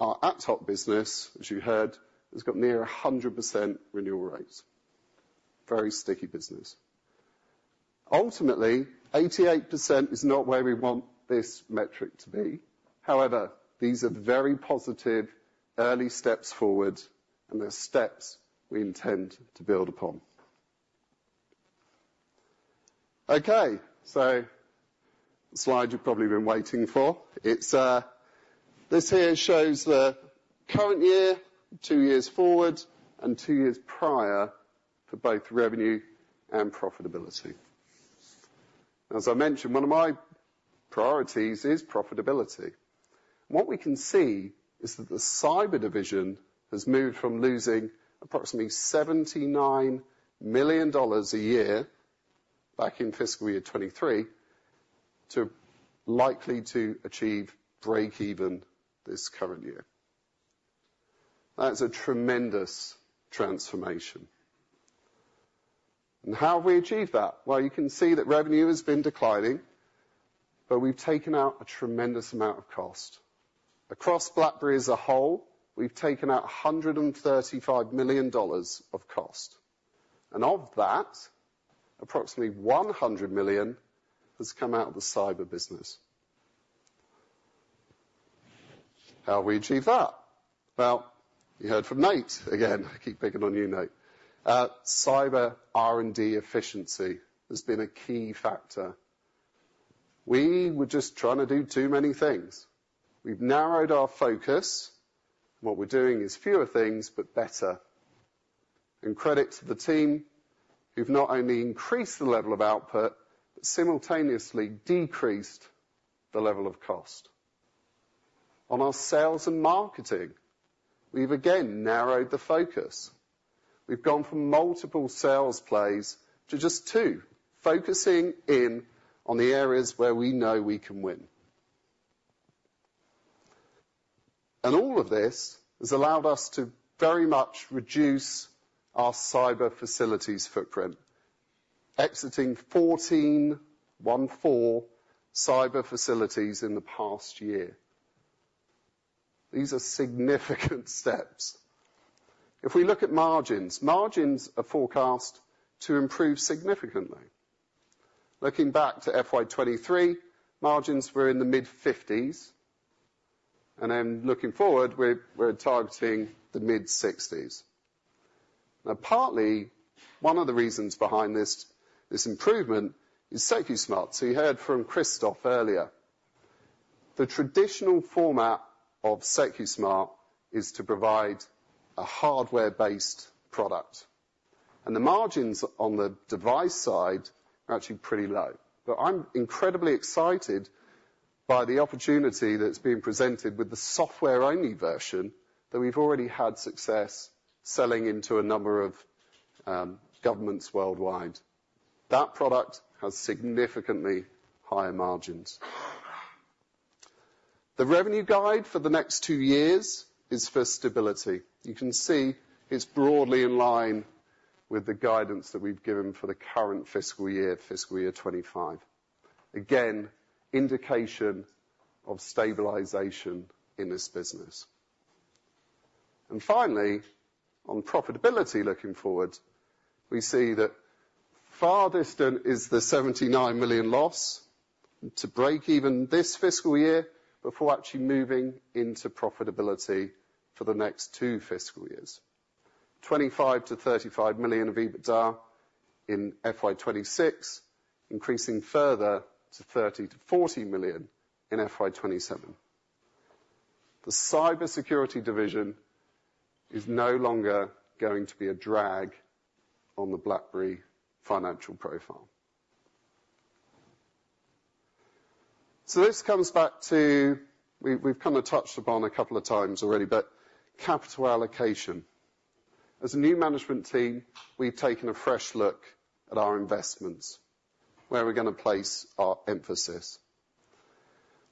our AtHoc business, as you heard, has got near a 100% renewal rate. Very sticky business. Ultimately, 88% is not where we want this metric to be. However, these are very positive, early steps forward, and they're steps we intend to build upon. Okay, so the slide you've probably been waiting for. It's this here shows the current year, two years forward, and two years prior to both revenue and profitability. As I mentioned, one of my priorities is profitability. What we can see is that the Cyber division has moved from losing approximately $79 million a year, back in fiscal year 2023, to likely to achieve breakeven this current year. That's a tremendous transformation. And how have we achieved that? Well, you can see that revenue has been declining, but we've taken out a tremendous amount of cost. Across BlackBerry as a whole, we've taken out $135 million of cost, and of that, approximately $100 million has come out of the Cyber business. How we achieve that? Well, you heard from Nate, again, I keep picking on you, Nate. Cyber R&D efficiency has been a key factor. We were just trying to do too many things. We've narrowed our focus. What we're doing is fewer things, but better. And credit to the team, who've not only increased the level of output, but simultaneously decreased the level of cost. On our sales and marketing, we've again narrowed the focus. We've gone from multiple sales plays to just two, focusing in on the areas where we know we can win. And all of this has allowed us to very much reduce our Cyber facilities footprint, exiting 14 Cyber facilities in the past year. These are significant steps. If we look at margins, margins are forecast to improve significantly. Looking back to FY 2023, margins were in the mid-fifties, and then looking forward, we're targeting the mid-sixties. Now, partly, one of the reasons behind this improvement is Secusmart. So you heard from Christoph earlier. The traditional format of Secusmart is to provide a hardware-based product, and the margins on the device side are actually pretty low. I'm incredibly excited by the opportunity that's being presented with the software-only version, that we've already had success selling into a number of governments worldwide. That product has significantly higher margins. The revenue guide for the next two years is for stability. You can see it's broadly in line with the guidance that we've given for the current fiscal year, fiscal year 2025. Again, indication of stabilization in this business. And finally, on profitability looking forward, we see that far distant is the $79 million loss to break even this fiscal year, before actually moving into profitability for the next two fiscal years. $25 million-$35 million of EBITDA in FY 2026, increasing further to $30 million-$40 million in FY 2027. The cybersecurity division is no longer going to be a drag on the BlackBerry financial profile. So this comes back to... We've kinda touched upon a couple of times already, but capital allocation. As a new management team, we've taken a fresh look at our investments, where we're gonna place our emphasis.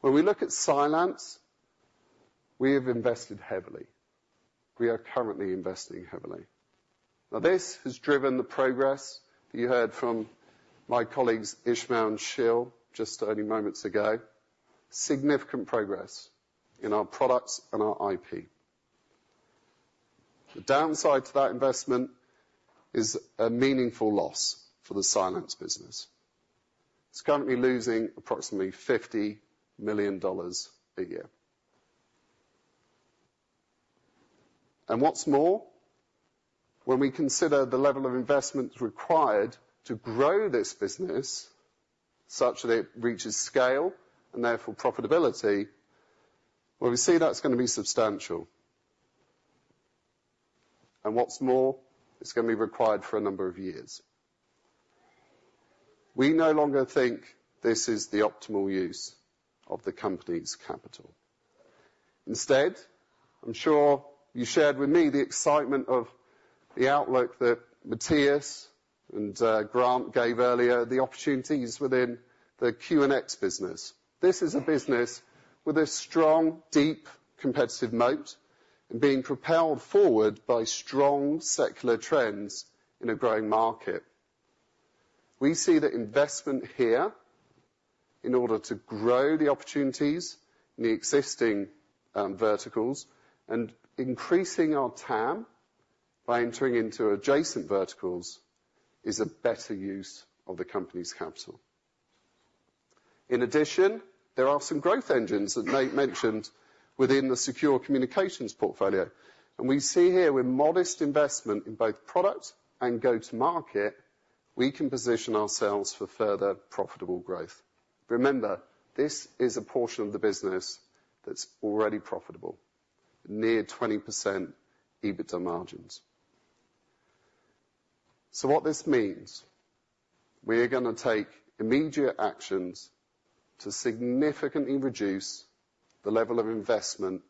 When we look at Cylance, we have invested heavily. We are currently investing heavily. Now, this has driven the progress you heard from my colleagues, Ismael and Shil, just only moments ago, significant progress in our products and our IP. The downside to that investment is a meaningful loss for the Cylance business. It's currently losing approximately $50 million a year. And what's more, when we consider the level of investment required to grow this business, such that it reaches scale, and therefore profitability, well, we see that's gonna be substantial. And what's more, it's gonna be required for a number of years. We no longer think this is the optimal use of the company's capital. Instead, I'm sure you shared with me the excitement of the outlook that Matthias and Grant gave earlier, the opportunities within the QNX business. This is a business with a strong, deep competitive moat and being propelled forward by strong secular trends in a growing market. We see that investment here in order to grow the opportunities in the existing verticals and increasing our TAM by entering into adjacent verticals is a better use of the company's capital. In addition, there are some growth engines that Nate mentioned within the secure communications portfolio, and we see here with modest investment in both product and go-to-market, we can position ourselves for further profitable growth. Remember, this is a portion of the business that's already profitable, near 20% EBITDA margins. So what this means, we are gonna take immediate actions to significantly reduce the level of investment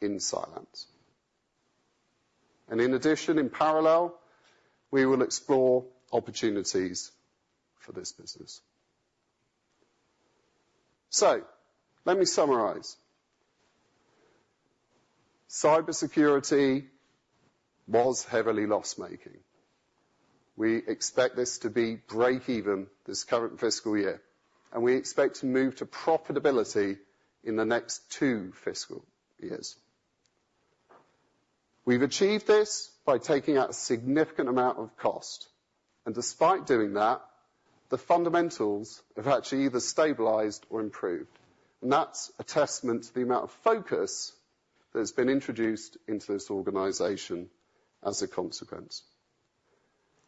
in Cylance. In addition, in parallel, we will explore opportunities for this business. So let me summarize. Cybersecurity was heavily loss-making. We expect this to be break even this current fiscal year, and we expect to move to profitability in the next two fiscal years. We've achieved this by taking out a significant amount of cost, and despite doing that, the fundamentals have actually either stabilized or improved. And that's a testament to the amount of focus that has been introduced into this organization as a consequence.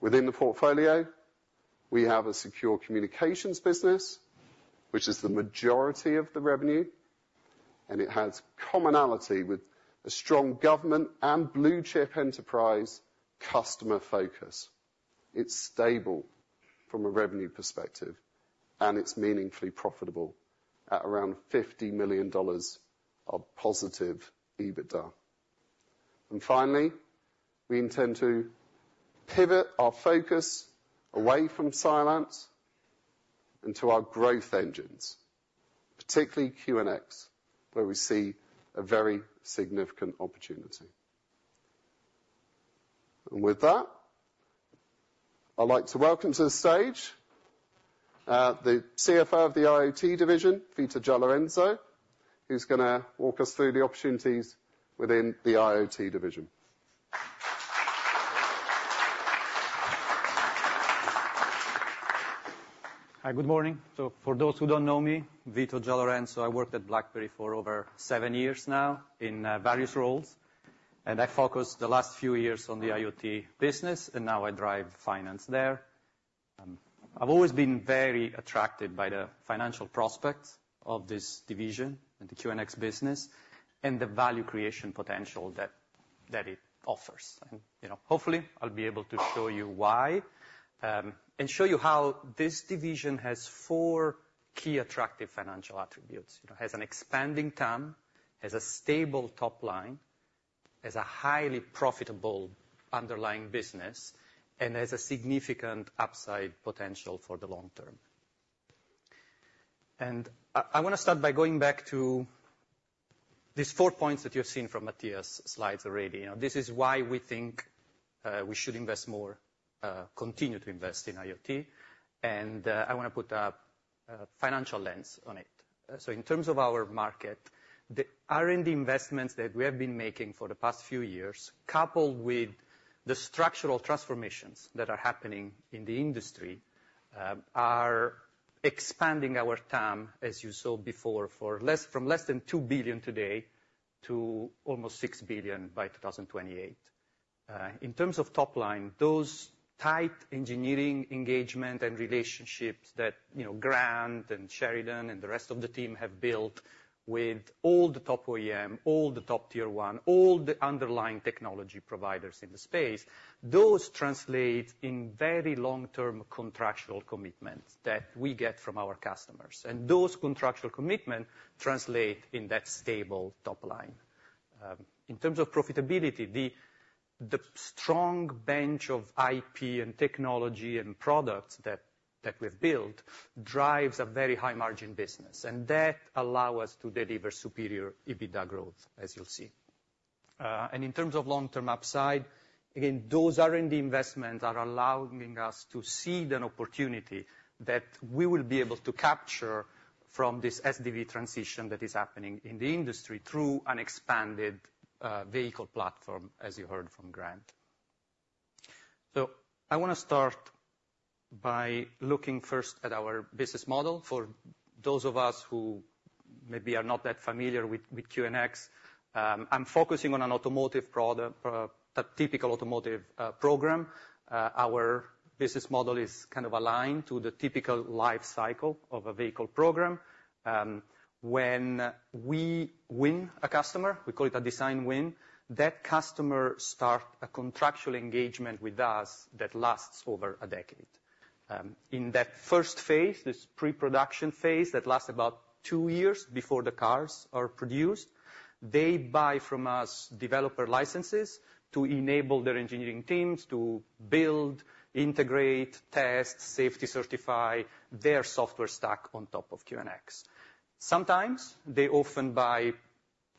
Within the portfolio, we have a secure communications business, which is the majority of the revenue, and it has commonality with a strong government and blue-chip enterprise customer focus. It's stable from a revenue perspective, and it's meaningfully profitable at around $50 million of positive EBITDA. Finally, we intend to pivot our focus away from Cylance into our growth engines, particularly QNX, where we see a very significant opportunity. With that, I'd like to welcome to the stage the CFO of the IoT division, Vito Giallorenzo, who's gonna walk us through the opportunities within the IoT division. Hi, good morning. So for those who don't know me, Vito Giallorenzo, I worked at BlackBerry for over seven years now in various roles, and I focused the last few years on the IoT business, and now I drive finance there. I've always been very attracted by the financial prospects of this division and the QNX business, and the value creation potential that it offers. And, you know, hopefully, I'll be able to show you why, and show you how this division has four key attractive financial attributes. You know, has an expanding TAM, has a stable top line, has a highly profitable underlying business, and has a significant upside potential for the long term. And I wanna start by going back to these four points that you've seen from Matthias' slides already. You know, this is why we think we should invest more, continue to invest in IoT, and I wanna put a financial lens on it. So in terms of our market, the R&D investments that we have been making for the past few years, coupled with the structural transformations that are happening in the industry, are expanding our TAM, as you saw before, from less than $2 billion today to almost $6 billion by 2028. In terms of top line, those tight engineering engagement and relationships that, you know, Grant and Sheridan and the rest of the team have built with all the top OEM, all the top tier one, all the underlying technology providers in the space, those translate in very long-term contractual commitments that we get from our customers, and those contractual commitment translate in that stable top line. In terms of profitability, the strong bench of IP and technology and products that we've built drives a very high-margin business, and that allow us to deliver superior EBITDA growth, as you'll see, and in terms of long-term upside, again, those R&D investments are allowing us to see an opportunity that we will be able to capture from this SDV transition that is happening in the industry through an expanded vehicle platform, as you heard from Grant. So I want to start by looking first at our business model. For those of us who maybe are not that familiar with QNX, I'm focusing on an automotive product, a typical automotive program. Our business model is kind of aligned to the typical life cycle of a vehicle program. When we win a customer, we call it a design win, that customer starts a contractual engagement with us that lasts over a decade. In that first phase, this pre-production phase, that lasts about two years before the cars are produced, they buy from us developer licenses to enable their engineering teams to build, integrate, test, safety certify their software stack on top of QNX. Sometimes they buy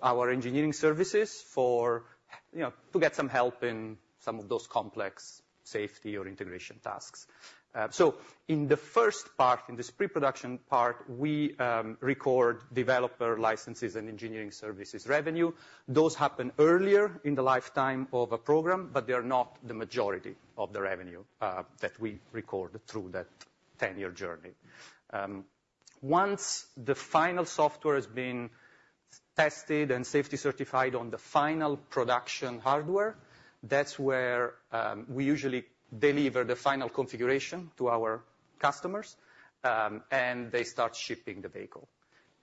our engineering services for, you know, to get some help in some of those complex safety or integration tasks. So in the first part, in this pre-production part, we record developer licenses and engineering services revenue. Those happen earlier in the lifetime of a program, but they are not the majority of the revenue that we record through that ten-year journey. Once the final software has been tested and safety certified on the final production hardware, that's where we usually deliver the final configuration to our customers, and they start shipping the vehicle.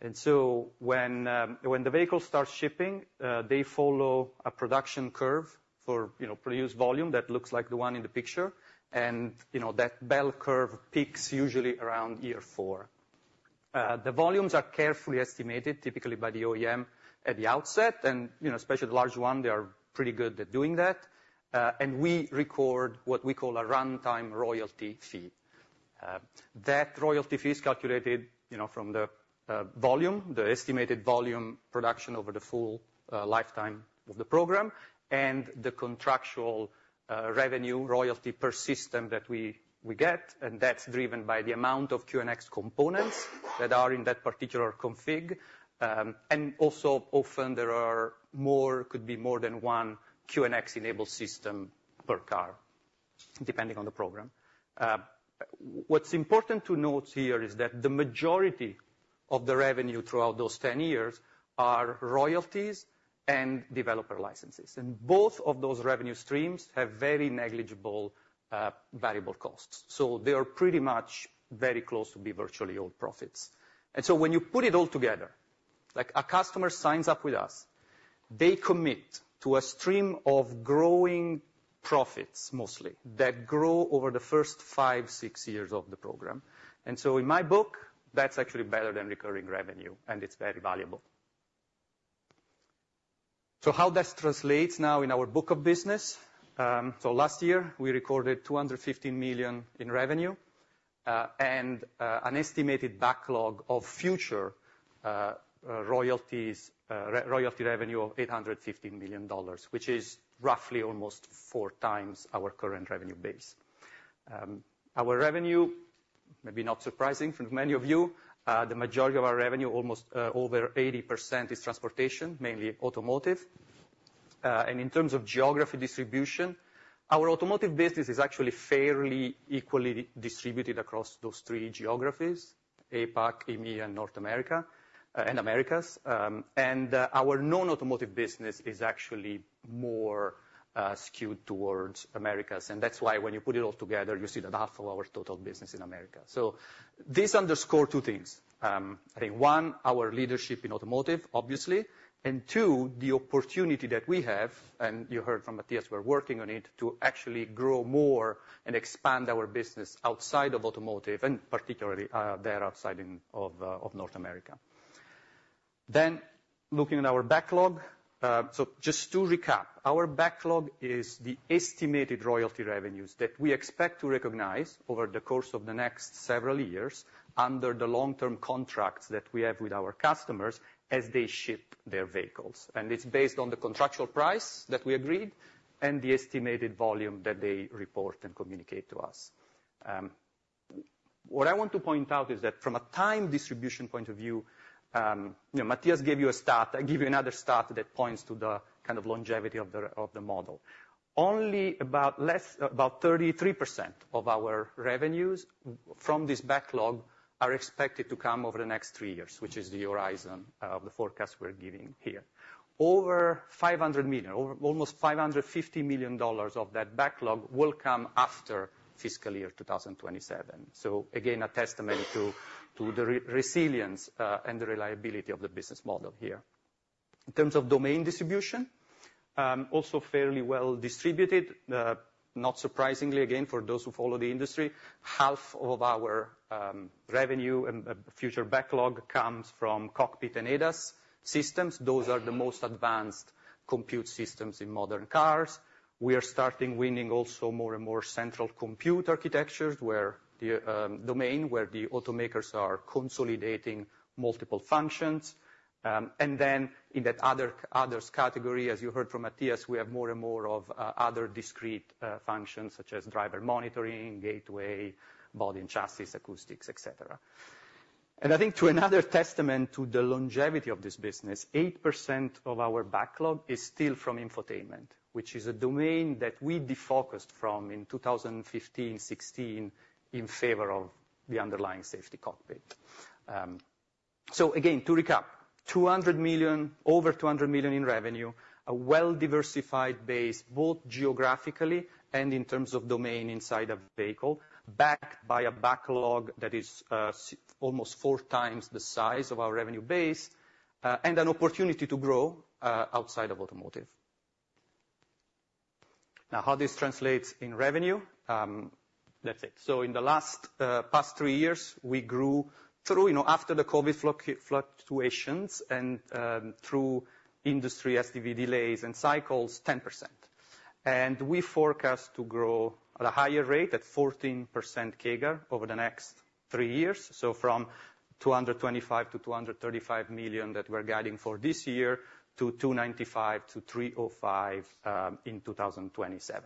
And so when the vehicle starts shipping, they follow a production curve for, you know, produced volume that looks like the one in the picture. And, you know, that bell curve peaks usually around year four. The volumes are carefully estimated, typically by the OEM at the outset, and, you know, especially the large one, they are pretty good at doing that. And we record what we call a runtime royalty fee. That royalty fee is calculated, you know, from the volume, the estimated volume production over the full lifetime of the program, and the contractual revenue royalty per system that we get, and that's driven by the amount of QNX components that are in that particular config. And also, often there are more, could be more than one QNX-enabled system per car, depending on the program. What's important to note here is that the majority of the revenue throughout those ten years are royalties and developer licenses, and both of those revenue streams have very negligible variable costs. So they are pretty much very close to be virtually all profits. And so when you put it all together, like a customer signs up with us, they commit to a stream of growing profits, mostly, that grow over the first five, six years of the program. And so in my book, that's actually better than recurring revenue, and it's very valuable. So how that translates now in our book of business, so last year, we recorded $215 million in revenue, and an estimated backlog of future royalties royalty revenue of $850 million, which is roughly almost four times our current revenue base. Our revenue, maybe not surprising for many of you, the majority of our revenue, almost over 80%, is transportation, mainly automotive. And in terms of geography distribution, our automotive business is actually fairly equally distributed across those three geographies: APAC, EMEA, and North America and Americas. Our non-automotive business is actually more skewed towards Americas. And that's why when you put it all together, you see that half of our total business in America. So this underscore two things. I think, one, our leadership in automotive, obviously, and two, the opportunity that we have, and you heard from Matthias, we're working on it, to actually grow more and expand our business outside of automotive, and particularly outside of North America. Then, looking at our backlog. So just to recap, our backlog is the estimated royalty revenues that we expect to recognize over the course of the next several years, under the long-term contracts that we have with our customers as they ship their vehicles. And it's based on the contractual price that we agreed and the estimated volume that they report and communicate to us. What I want to point out is that from a time distribution point of view, you know, Matthias gave you a stat. I give you another stat that points to the kind of longevity of the model. Only about 33% of our revenues from this backlog are expected to come over the next three years, which is the horizon of the forecast we're giving here. Over $500 million, over almost $550 million dollars of that backlog will come after fiscal year 2027. So again, a testament to the resilience and the reliability of the business model here. In terms of domain distribution, also fairly well distributed. Not surprisingly, again, for those who follow the industry, half of our revenue and future backlog comes from cockpit and ADAS systems. Those are the most Advanced Compute Systems in modern cars. We are starting winning also more and more central compute architectures, where the domain, where the automakers are consolidating multiple functions. And then in that other, others category, as you heard from Matthias, we have more and more of other discrete functions, such as driver monitoring, gateway, body and chassis, acoustics, et cetera. And I think to another testament to the longevity of this business, 8% of our backlog is still from infotainment, which is a domain that we defocused from in 2015, 2016, in favor of the underlying safety cockpit. So again, to recap, $200 million, over $200 million in revenue, a well-diversified base, both geographically and in terms of domain inside a vehicle, backed by a backlog that is almost four times the size of our revenue base, and an opportunity to grow outside of automotive. Now, how this translates in revenue, that's it. So in the last past three years, we grew through, you know, after the COVID fluctuations and through industry SDV delays and cycles, 10% and we forecast to grow at a higher rate, at 14% CAGR over the next three years. So from $225 million-$235 million that we're guiding for this year, to $295 million-$305 million in 2027.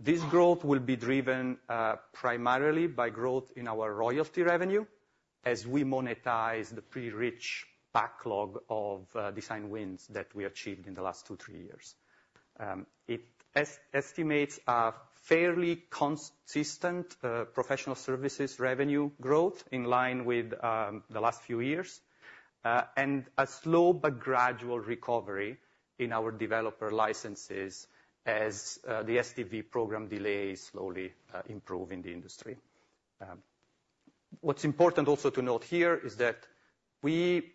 This growth will be driven primarily by growth in our royalty revenue as we monetize the pretty rich backlog of design wins that we achieved in the last two, three years. It estimates a fairly consistent professional services revenue growth in line with the last few years, and a slow but gradual recovery in our developer licenses as the SDV program delays slowly improve in the industry. What's important also to note here is that we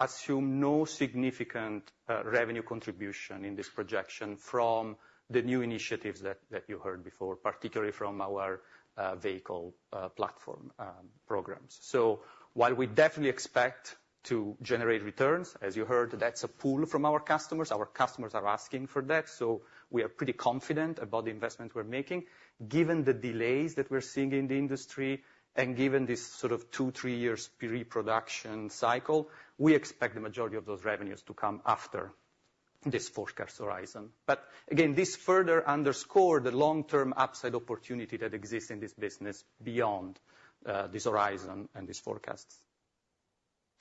assume no significant revenue contribution in this projection from the new initiatives that you heard before, particularly from our vehicle platform programs. So while we definitely expect to generate returns, as you heard, that's a pull from our customers, our customers are asking for that, so we are pretty confident about the investments we're making. Given the delays that we're seeing in the industry, and given this sort of two, three years pre-production cycle, we expect the majority of those revenues to come after this forecast horizon. But again, this further underscore the long-term upside opportunity that exists in this business beyond this horizon and these forecasts.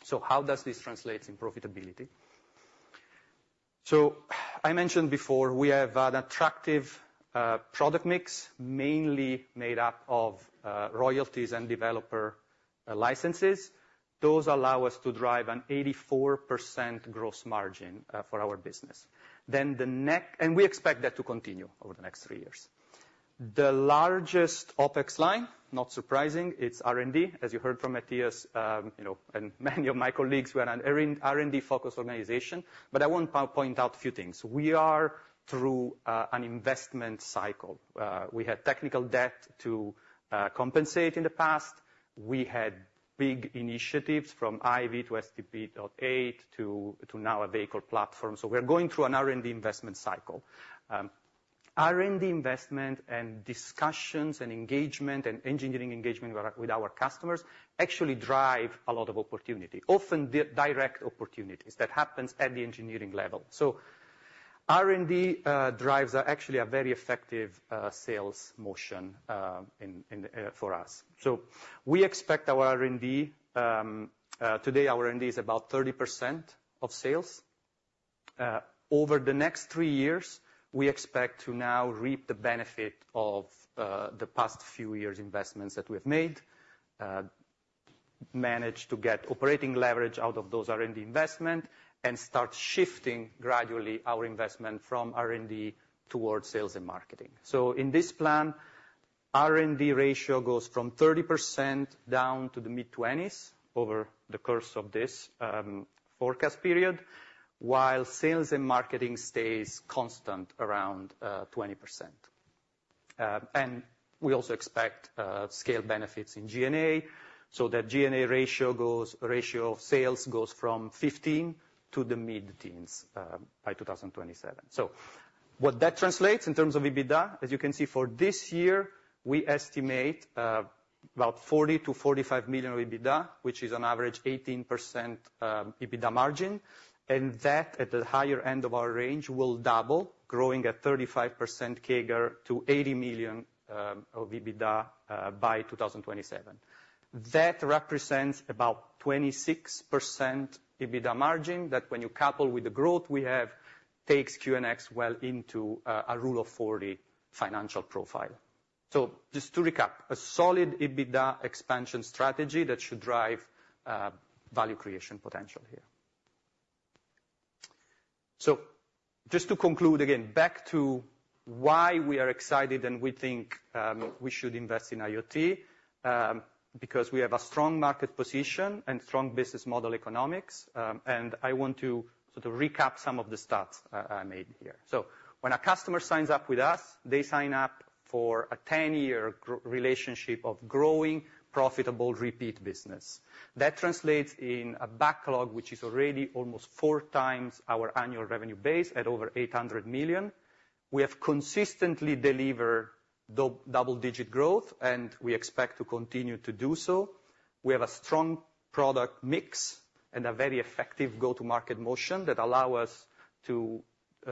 So how does this translate in profitability? So I mentioned before, we have an attractive product mix, mainly made up of royalties and developer licenses. Those allow us to drive an 84% gross margin for our business. Then and we expect that to continue over the next three years. The largest OpEx line, not surprising, it's R&D. As you heard from Matthias, you know, and many of my colleagues, we're an R&D, R&D-focused organization. But I want to point out a few things. We are through an investment cycle. We had technical debt to compensate in the past. We had big initiatives from IVY to SDP 8.0 to now a vehicle platform. So we are going through an R&D investment cycle. R&D investment and discussions and engagement and engineering engagement with our customers actually drive a lot of opportunity, often direct opportunities that happens at the engineering level. So R&D drives are actually a very effective sales motion in for us. So we expect our R&D today, our R&D is about 30% of sales. Over the next three years, we expect to now reap the benefit of the past few years' investments that we've made, manage to get operating leverage out of those R&D investment, and start shifting gradually our investment from R&D towards sales and marketing. So in this plan, R&D ratio goes from 30% down to the mid-twenties over the course of this forecast period, while sales and marketing stays constant around 20%. And we also expect scale benefits in G&A, so the G&A ratio goes, ratio of sales goes from 15 to the mid-teens by two thousand and twenty-seven. So what that translates in terms of EBITDA, as you can see for this year, we estimate about $40 million-$45 million of EBITDA, which is on average 18% EBITDA margin. And that, at the higher end of our range, will double, growing at 35% CAGR to $80 million of EBITDA by 2027. That represents about 26% EBITDA margin that, when you couple with the growth we have, takes QNX well into a Rule of 40 financial profile. So just to recap, a solid EBITDA expansion strategy that should drive value creation potential here. So just to conclude again, back to why we are excited and we think we should invest in IoT because we have a strong market position and strong business model economics. And I want to sort of recap some of the stats I made here. So when a customer signs up with us, they sign up for a 10-year relationship of growing, profitable, repeat business. That translates in a backlog, which is already almost four times our annual revenue base at over $800 million. We have consistently deliver double-digit growth, and we expect to continue to do so. We have a strong product mix and a very effective go-to-market motion that allow us to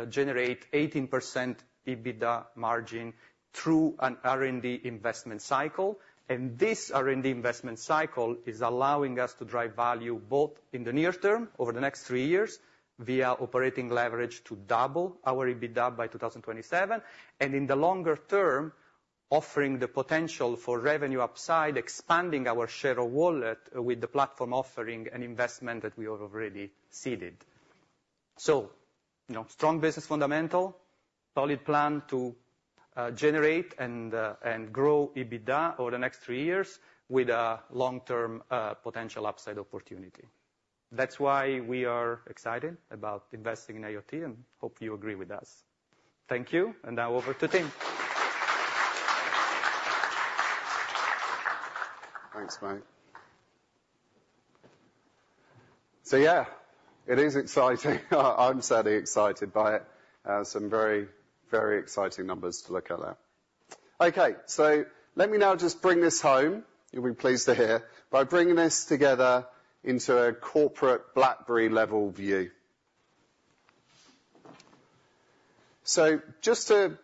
generate 18% EBITDA margin through an R&D investment cycle. And this R&D investment cycle is allowing us to drive value, both in the near term, over the next three years, via operating leverage to double our EBITDA by 2027. And in the longer term, offering the potential for revenue upside, expanding our share of wallet with the platform, offering an investment that we have already seeded. So, you know, strong business fundamentals, solid plan to generate and grow EBITDA over the next three years with a long-term potential upside opportunity. That's why we are excited about investing in IoT, and hope you agree with us. Thank you, and now over to Tim. ... Thanks, mate. So yeah, it is exciting. I'm certainly excited by it. Some very, very exciting numbers to look at there. Okay, so let me now just bring this home, you'll be pleased to hear, by bringing this together into a corporate BlackBerry level view. So just to,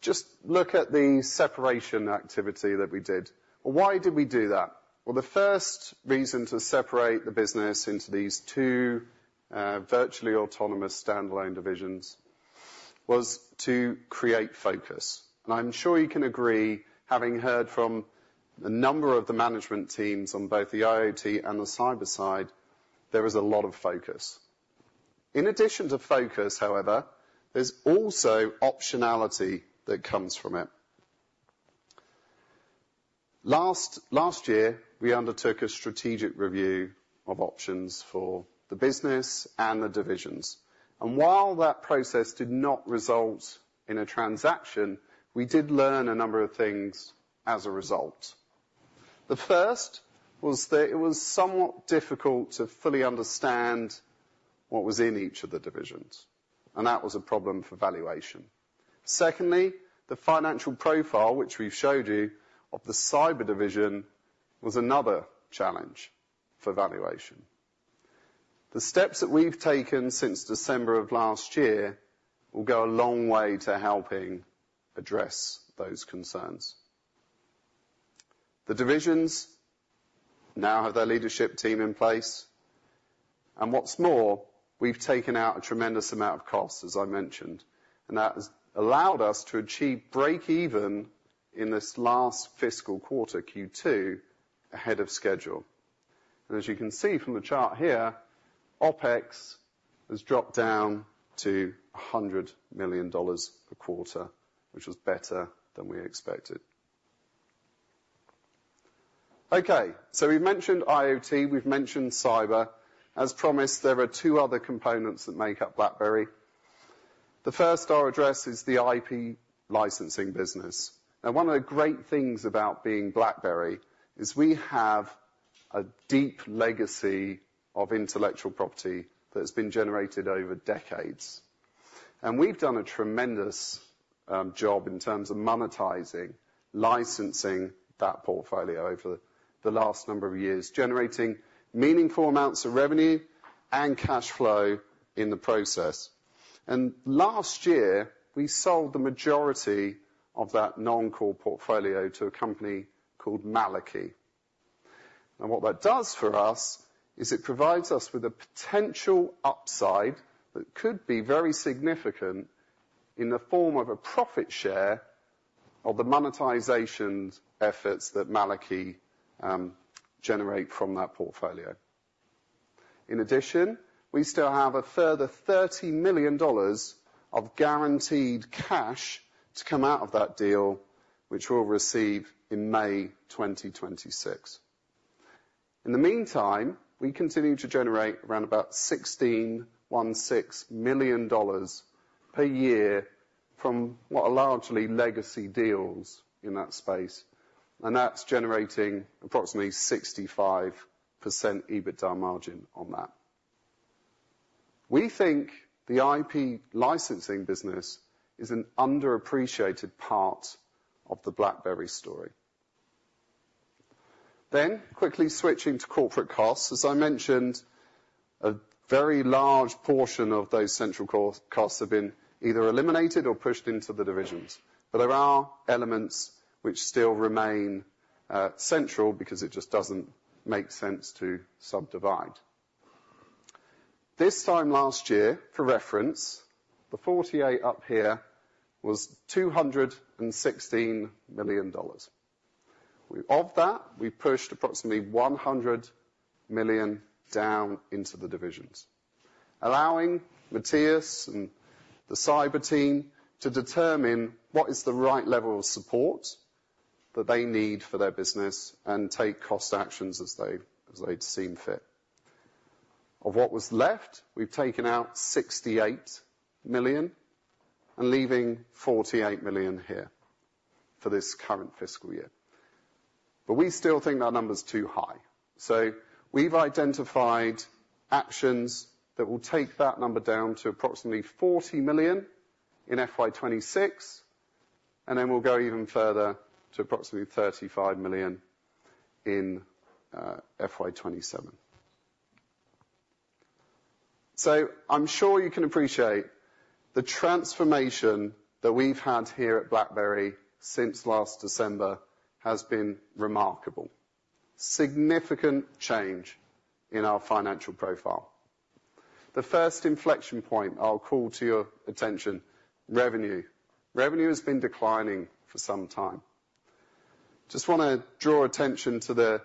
just look at the separation activity that we did, why did we do that? Well, the first reason to separate the business into these two, virtually autonomous, standalone divisions was to create focus. And I'm sure you can agree, having heard from a number of the management teams on both the IoT and the cyber side, there is a lot of focus. In addition to focus, however, there's also optionality that comes from it. Last year, we undertook a strategic review of options for the business and the divisions, and while that process did not result in a transaction, we did learn a number of things as a result. The first was that it was somewhat difficult to fully understand what was in each of the divisions, and that was a problem for valuation. Secondly, the financial profile, which we've showed you, of the cyber division, was another challenge for valuation. The steps that we've taken since December of last year will go a long way to helping address those concerns. The divisions now have their leadership team in place, and what's more, we've taken out a tremendous amount of costs, as I mentioned, and that has allowed us to achieve breakeven in this last fiscal quarter, Q2, ahead of schedule. And as you can see from the chart here, OpEx has dropped down to $100 million per quarter, which was better than we expected. Okay, so we've mentioned IoT, we've mentioned cyber. As promised, there are two other components that make up BlackBerry. The first I'll address is the IP licensing business. Now, one of the great things about being BlackBerry is we have a deep legacy of intellectual property that has been generated over decades. And we've done a tremendous job in terms of monetizing, licensing that portfolio over the last number of years, generating meaningful amounts of revenue and cash flow in the process. And last year, we sold the majority of that non-core portfolio to a company called Malikie. What that does for us is it provides us with a potential upside that could be very significant in the form of a profit share of the monetization efforts that Malikie generate from that portfolio. In addition, we still have a further $30 million of guaranteed cash to come out of that deal, which we'll receive in May 2026. In the meantime, we continue to generate around about $16.6 million per year from what are largely legacy deals in that space, and that's generating approximately 65% EBITDA margin on that. We think the IP licensing business is an underappreciated part of the BlackBerry story. Quickly switching to corporate costs, as I mentioned, a very large portion of those central costs have been either eliminated or pushed into the divisions. But there are elements which still remain central because it just doesn't make sense to subdivide. This time last year, for reference, the 48 up here was $216 million. Of that, we pushed approximately $100 million down into the divisions, allowing Mattias and the cyber team to determine what is the right level of support that they need for their business, and take cost actions as they'd seen fit. Of what was left, we've taken out $68 million and leaving $48 million here for this current fiscal year. But we still think that number is too high, so we've identified actions that will take that number down to approximately $40 million in FY 2026, and then we'll go even further to approximately $35 million in FY 2027. I'm sure you can appreciate the transformation that we've had here at BlackBerry since last December has been remarkable. Significant change in our financial profile. The first inflection point I'll call to your attention, revenue. Revenue has been declining for some time. Just wanna draw attention to the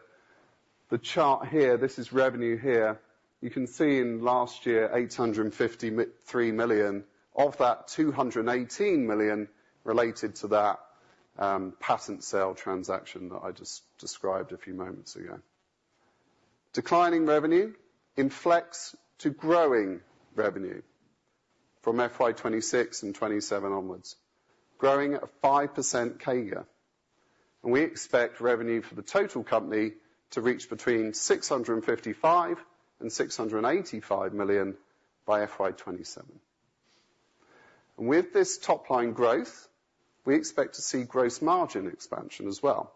chart here. This is revenue here. You can see in last year, $853 million. Of that, $218 million related to that patent sale transaction that I just described a few moments ago. Declining revenue inflects to growing revenue from FY 2026 and 2027 onwards, growing at a 5% CAGR. And we expect revenue for the total company to reach between $655 million and $685 million by FY 2027. And with this top line growth, we expect to see gross margin expansion as well.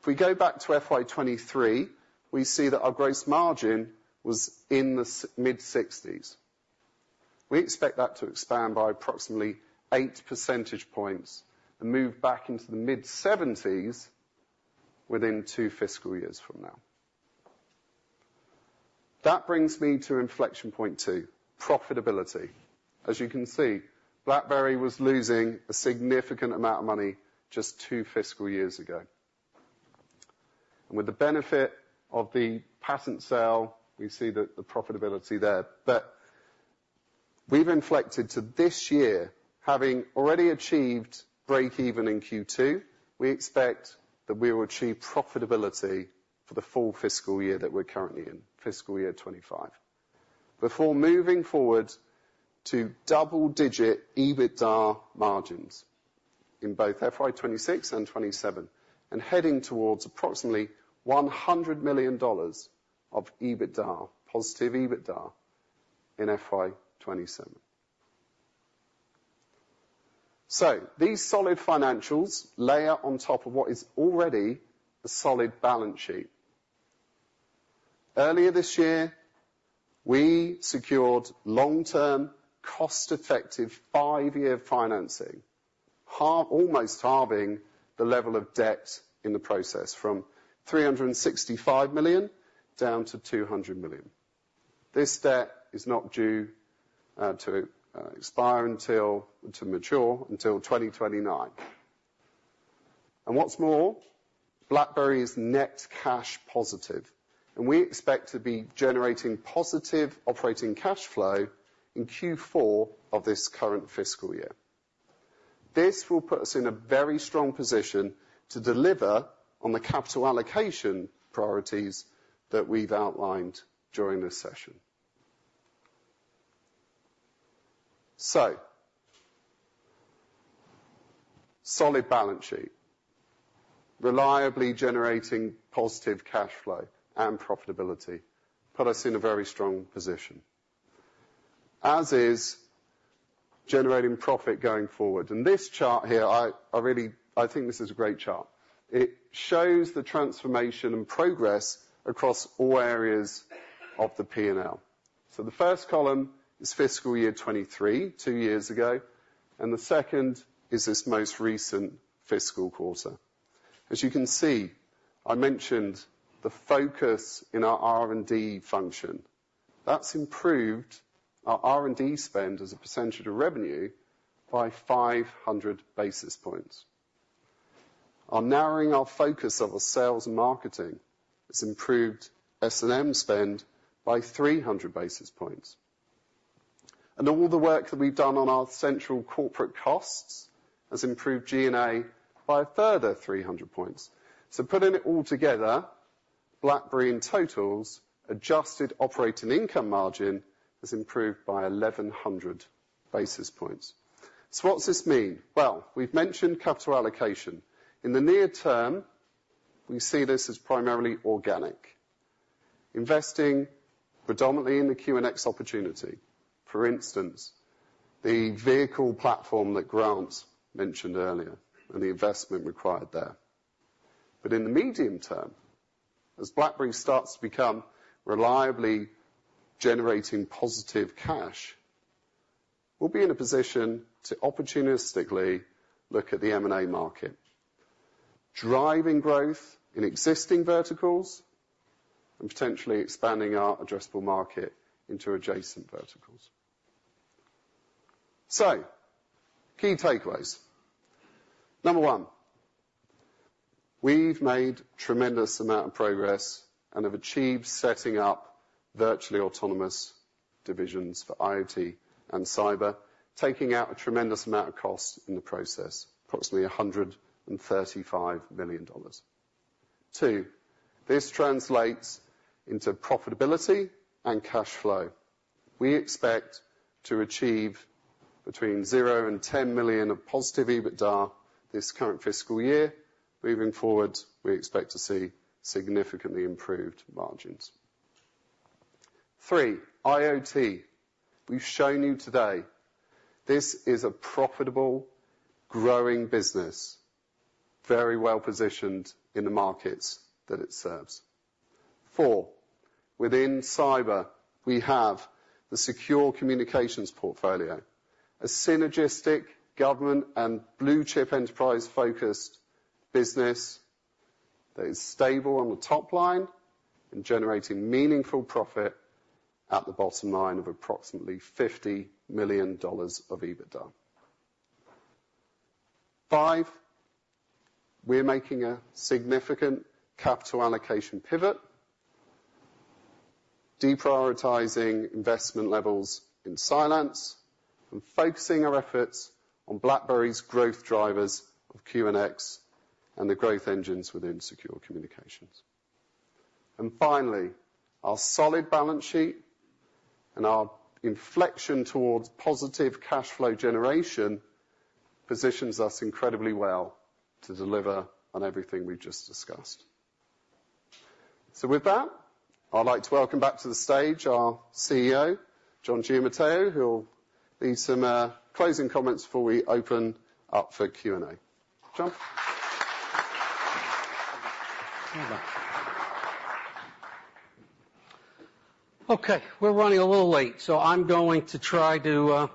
If we go back to FY 2023, we see that our gross margin was in the mid-sixties. We expect that to expand by approximately eight percentage points and move back into the mid-seventies within two fiscal years from now. That brings me to inflection point two, profitability. As you can see, BlackBerry was losing a significant amount of money just two fiscal years ago. And with the benefit of the patent sale, we see the profitability there. But we've inflected to this year, having already achieved breakeven in Q2, we expect that we will achieve profitability for the full fiscal year that we're currently in, fiscal year 2025. Before moving forward to double-digit EBITDA margins in both FY 2026 and 2027, and heading towards approximately $100 million of EBITDA, positive EBITDA, in FY 2027. These solid financials layer on top of what is already a solid balance sheet. Earlier this year, we secured long-term, cost-effective, five-year financing, almost halving the level of debt in the process from $365 million down to $200 million. This debt is not due to mature until 2029. And what's more, BlackBerry is net cash positive, and we expect to be generating positive operating cash flow in Q4 of this current fiscal year. This will put us in a very strong position to deliver on the capital allocation priorities that we've outlined during this session. Solid balance sheet, reliably generating positive cash flow and profitability, put us in a very strong position, as is generating profit going forward. And this chart here, I think this is a great chart. It shows the transformation and progress across all areas of the P&L, so the first column is fiscal year 2023, two years ago, and the second is this most recent fiscal quarter. As you can see, I mentioned the focus in our R&D function. That's improved our R&D spend as a percentage of revenue by five hundred basis points. On narrowing our focus on sales and marketing, it's improved S&M spend by three hundred basis points, and all the work that we've done on our central corporate costs has improved G&A by a further three hundred points, so putting it all together, BlackBerry, in total, adjusted operating income margin has improved by eleven hundred basis points, so what does this mean? Well, we've mentioned capital allocation. In the near term, we see this as primarily organic, investing predominantly in the QNX opportunity. For instance, the vehicle platform that Grant mentioned earlier and the investment required there. But in the medium term, as BlackBerry starts to become reliably generating positive cash, we'll be in a position to opportunistically look at the M&A market, driving growth in existing verticals and potentially expanding our addressable market into adjacent verticals. So, key takeaways. Number one, we've made tremendous amount of progress and have achieved setting up virtually autonomous divisions for IoT and cyber, taking out a tremendous amount of cost in the process, approximately $135 million. Two, this translates into profitability and cash flow. We expect to achieve between $0 and $10 million of positive EBITDA this current fiscal year. Moving forward, we expect to see significantly improved margins. Three, IoT. We've shown you today this is a profitable, growing business, very well-positioned in the markets that it serves. Four, within cyber, we have the secure communications portfolio, a synergistic government and blue-chip enterprise-focused business that is stable on the top line and generating meaningful profit at the bottom line of approximately $50 million of EBITDA. Five, we're making a significant capital allocation pivot, deprioritizing investment levels in Cylance, and focusing our efforts on BlackBerry's growth drivers of QNX, and the growth engines within secure communications, and finally, our solid balance sheet and our inflection towards positive cash flow generation positions us incredibly well to deliver on everything we've just discussed. So with that, I'd like to welcome back to the stage our CEO, John Giamatteo, who will lead some closing comments before we open up for Q&A. John? Okay, we're running a little late, so I'm going to try to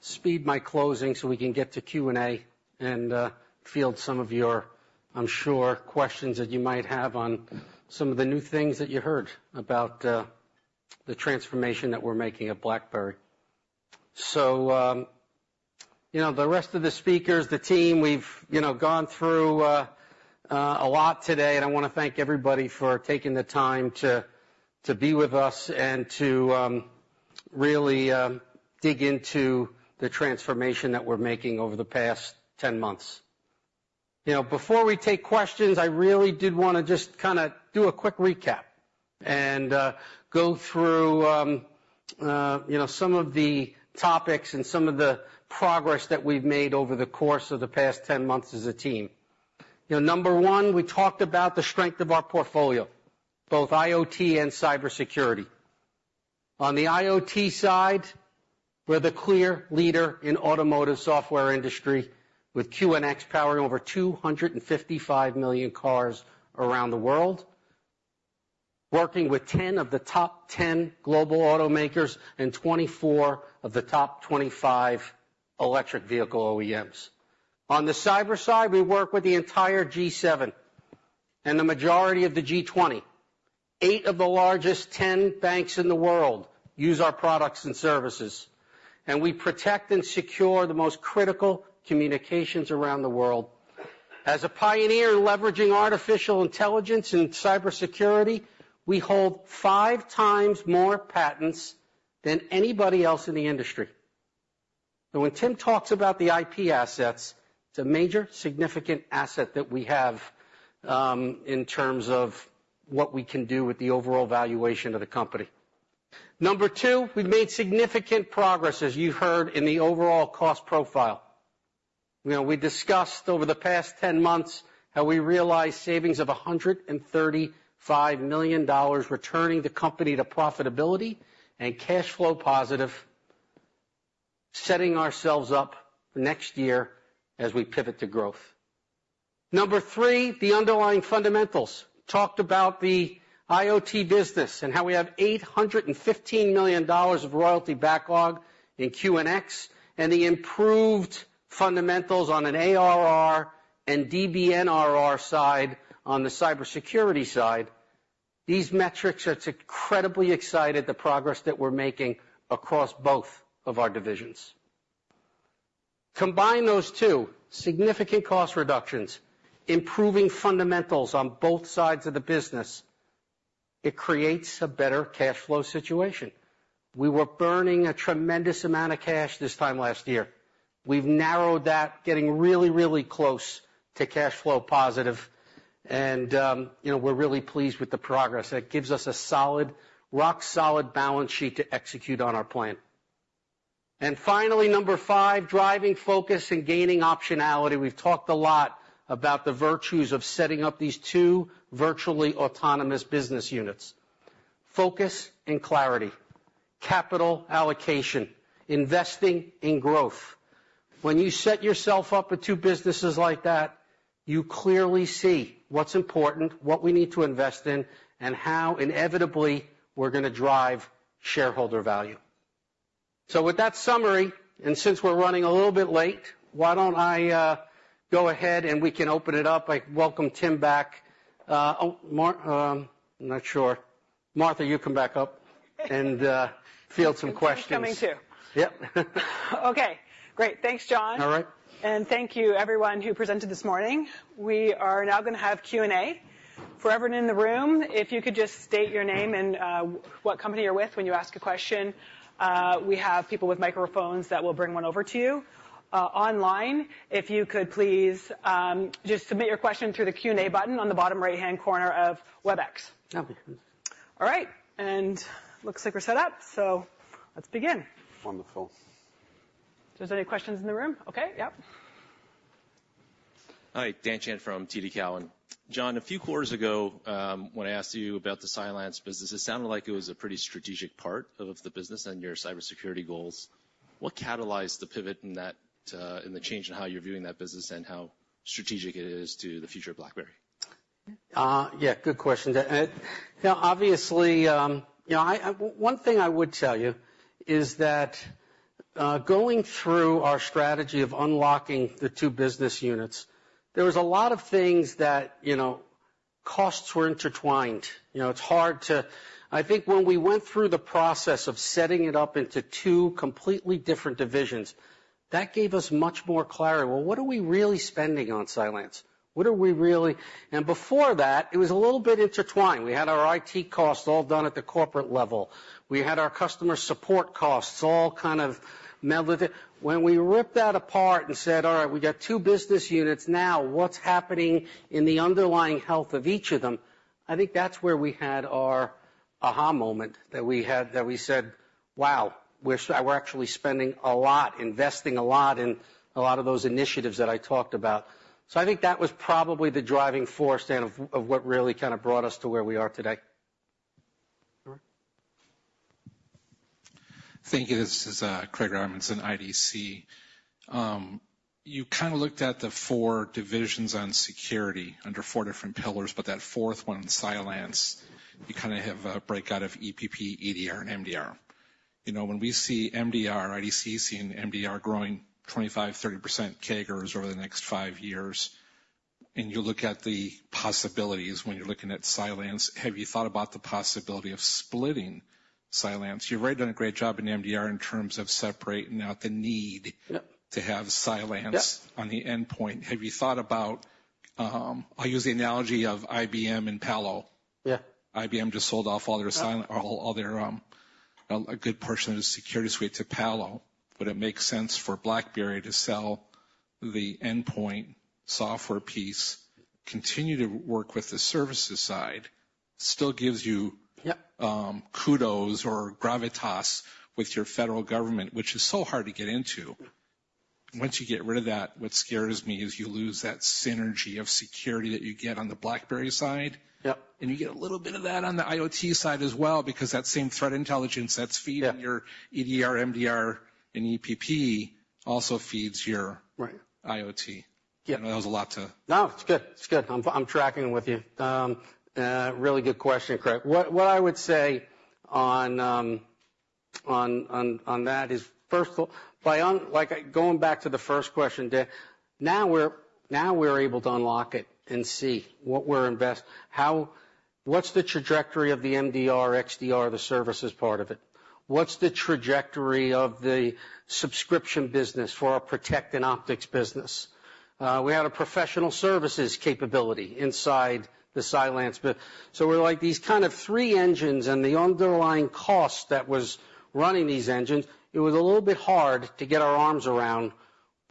speed my closing so we can get to Q&A, and field some of your, I'm sure, questions that you might have on some of the new things that you heard about the transformation that we're making at BlackBerry. So, you know, the rest of the speakers, the team, we've, you know, gone through a lot today, and I wanna thank everybody for taking the time to be with us, and to really dig into the transformation that we're making over the past ten months. You know, before we take questions, I really did wanna just kinda do a quick recap and go through, you know, some of the topics and some of the progress that we've made over the course of the past 10 months as a team. You know, number one, we talked about the strength of our portfolio, both IoT and cybersecurity. On the IoT side, we're the clear leader in automotive software industry, with QNX powering over 255 million cars around the world, working with 10 of the top 10 global automakers and 24 of the top 25 electric vehicle OEMs. On the cyber side, we work with the entire G7 and the majority of the G20. Eight of the largest 10 banks in the world use our products and services, and we protect and secure the most critical communications around the world. As a pioneer in leveraging artificial intelligence and cybersecurity, we hold five times more patents than anybody else in the industry. And when Tim talks about the IP assets, it's a major significant asset that we have in terms of what we can do with the overall valuation of the company. Number two, we've made significant progress, as you heard, in the overall cost profile. You know, we discussed over the past 10 months how we realized savings of $135 million, returning the company to profitability and cash flow positive, setting ourselves up next year as we pivot to growth. Number three, the underlying fundamentals. Talked about the IoT business and how we have $815 million of royalty backlog in QNX, and the improved fundamentals on an ARR and DBNRR side, on the cybersecurity side. These metrics are incredibly excited, the progress that we're making across both of our divisions. Combine those two, significant cost reductions, improving fundamentals on both sides of the business, it creates a better cash flow situation. We were burning a tremendous amount of cash this time last year. We've narrowed that, getting really, really close to cash flow positive, and, you know, we're really pleased with the progress. That gives us a solid, rock solid balance sheet to execute on our plan. And finally, number five, driving focus and gaining optionality. We've talked a lot about the virtues of setting up these two virtually autonomous business units. Focus and clarity, capital allocation, investing in growth. When you set yourself up with two businesses like that, you clearly see what's important, what we need to invest in, and how inevitably we're gonna drive shareholder value. So with that summary, and since we're running a little bit late, why don't I go ahead and we can open it up? I welcome Tim back. Oh, Martha, you come back up and field some questions. Tim's coming, too. Yep. Okay, great. Thanks, John. All right. Thank you everyone who presented this morning. We are now gonna have Q&A. For everyone in the room, if you could just state your name and what company you're with when you ask a question. We have people with microphones that will bring one over to you. Online, if you could please just submit your question through the Q&A button on the bottom right-hand corner of Webex. Okay. All right, and looks like we're set up, so let's begin. Wonderful. So is there any questions in the room? Okay. Yep. Hi, Dan Chan from TD Cowen. John, a few quarters ago, when I asked you about the Cylance business, it sounded like it was a pretty strategic part of the business and your cybersecurity goals. What catalyzed the pivot in that, in the change in how you're viewing that business and how strategic it is to the future of BlackBerry? Yeah, good question, Dan. Now, obviously, you know, one thing I would tell you is that, going through our strategy of unlocking the two business units, there was a lot of things that, you know, costs were intertwined. You know, it's hard to. I think when we went through the process of setting it up into two completely different divisions, that gave us much more clarity. Well, what are we really spending on Cylance? What are we really? And before that, it was a little bit intertwined. We had our IT costs all done at the corporate level. We had our customer support costs all kind of melded in. When we ripped that apart and said, "All right, we got two business units now, what's happening in the underlying health of each of them?" I think that's where we had our aha moment, that we said, "Wow, we're actually spending a lot, investing a lot in a lot of those initiatives that I talked about." So I think that was probably the driving force, Dan, of what really kind of brought us to where we are today. Thank you. This is Craig Armstrong, IDC. You kind of looked at the four divisions on security under four different pillars, but that fourth one, Cylance, you kind of have a breakout of EPP, EDR, and MDR. You know, when we see MDR, IDC is seeing MDR growing 25%-30% CAGRs over the next five years, and you look at the possibilities when you're looking at Cylance, have you thought about the possibility of splitting Cylance? You've already done a great job in MDR in terms of separating out the need- Yep. to have Cylance Yep. On the endpoint. Have you thought about? I'll use the analogy of IBM and Palo Alto. Yeah. IBM just sold off all their Cylance- Yeah. All their, a good portion of the security suite to Palo, but it makes sense for BlackBerry to sell the endpoint software piece, continue to work with the services side. Still gives you- Yep. kudos or gravitas with your federal government, which is so hard to get into. Yep. Once you get rid of that, what scares me is you lose that synergy of security that you get on the BlackBerry side. Yep. And you get a little bit of that on the IoT side as well, because that same threat intelligence that's feeding your EDR, MDR, and EPP also feeds your- Right -IoT. Yeah. I know that was a lot to- No, it's good. It's good. I'm tracking with you. Really good question, Craig. What I would say on that is, first of all, like, going back to the first question, Dan, now we're able to unlock it and see what we're investing, how. What's the trajectory of the MDR, XDR, the services part of it? What's the trajectory of the subscription business for our Protect and Optics business? We had a professional services capability inside the Cylance bit. So we're like these kind of three engines, and the underlying cost that was running these engines, it was a little bit hard to get our arms around,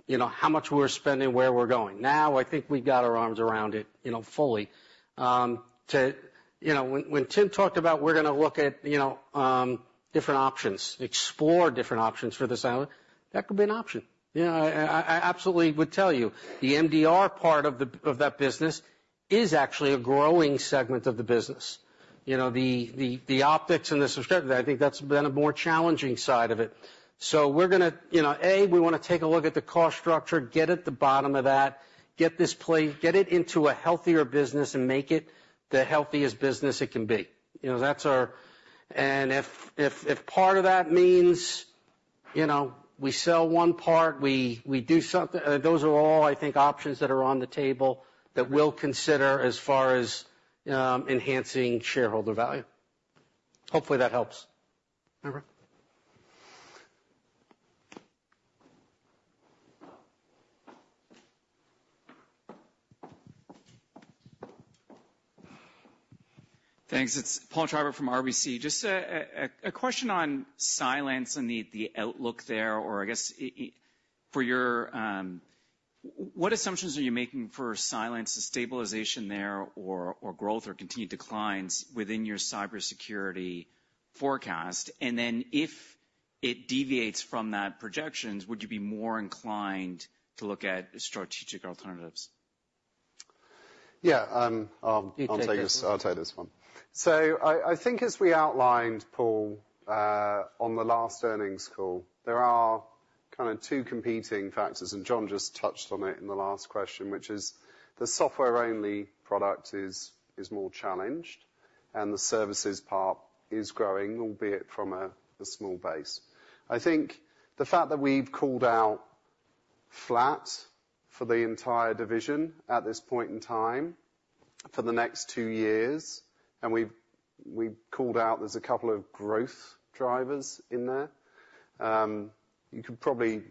you know, how much we were spending, where we're going. Now, I think we've got our arms around it, you know, fully. To you know, when Tim talked about, we're gonna look at, you know, different options, explore different options for the Cylance, that could be an option. You know, I absolutely would tell you, the MDR part of that business is actually a growing segment of the business. You know, the optics and the subscription, I think that's been a more challenging side of it. So we're gonna, you know, we wanna take a look at the cost structure, get at the bottom of that, get this play, get it into a healthier business, and make it the healthiest business it can be. You know, that's our...And if part of that means, you know, we sell one part, we do something, those are all, I think, options that are on the table that we'll consider as far as enhancing shareholder value. Hopefully, that helps. Remember? Thanks. It's Paul Treiber from RBC. Just a question on Cylance and the outlook there, or I guess. What assumptions are you making for Cylance, the stabilization there or growth or continued declines within your cybersecurity forecast? And then, if it deviates from that projections, would you be more inclined to look at strategic alternatives? Yeah, I'll take this- You take this one. I'll take this one. So I think as we outlined, Paul, on the last earnings call, there are kind of two competing factors, and John just touched on it in the last question, which is the software-only product is more challenged, and the services part is growing, albeit from a small base. I think the fact that we've called out flat for the entire division at this point in time, for the next two years, and we've called out there's a couple of growth drivers in there, you could probably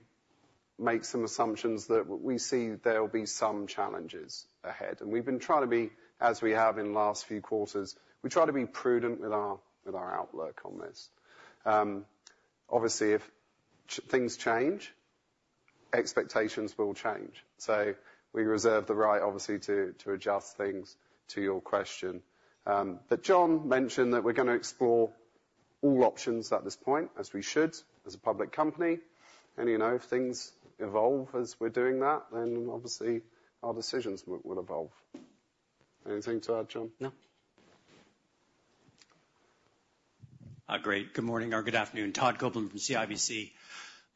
make some assumptions that we see there will be some challenges ahead. And we've been trying to be, as we have in the last few quarters, we try to be prudent with our outlook on this. Obviously, if things change, expectations will change. So we reserve the right, obviously, to adjust things to your question. But John mentioned that we're gonna explore all options at this point, as we should, as a public company, and, you know, if things evolve as we're doing that, then obviously our decisions will evolve. Anything to add, John? No. Great. Good morning or good afternoon. Todd Coupland from CIBC.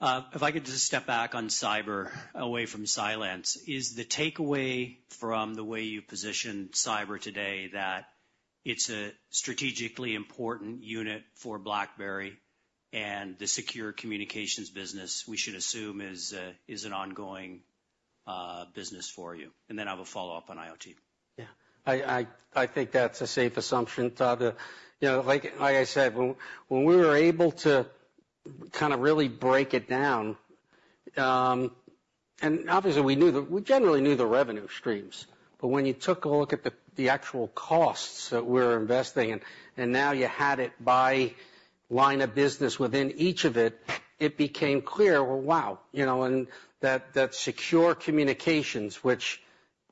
If I could just step back on cyber, away from Cylance, is the takeaway from the way you positioned cyber today that- ... it's a strategically important unit for BlackBerry, and the secure communications business, we should assume, is an ongoing business for you. And then I have a follow-up on IoT. Yeah, I think that's a safe assumption, Todd. You know, like I said, when we were able to kind of really break it down, and obviously, we generally knew the revenue streams, but when you took a look at the actual costs that we're investing in, and now you had it by line of business within each of it, it became clear, well, wow, you know, and that secure communications, which,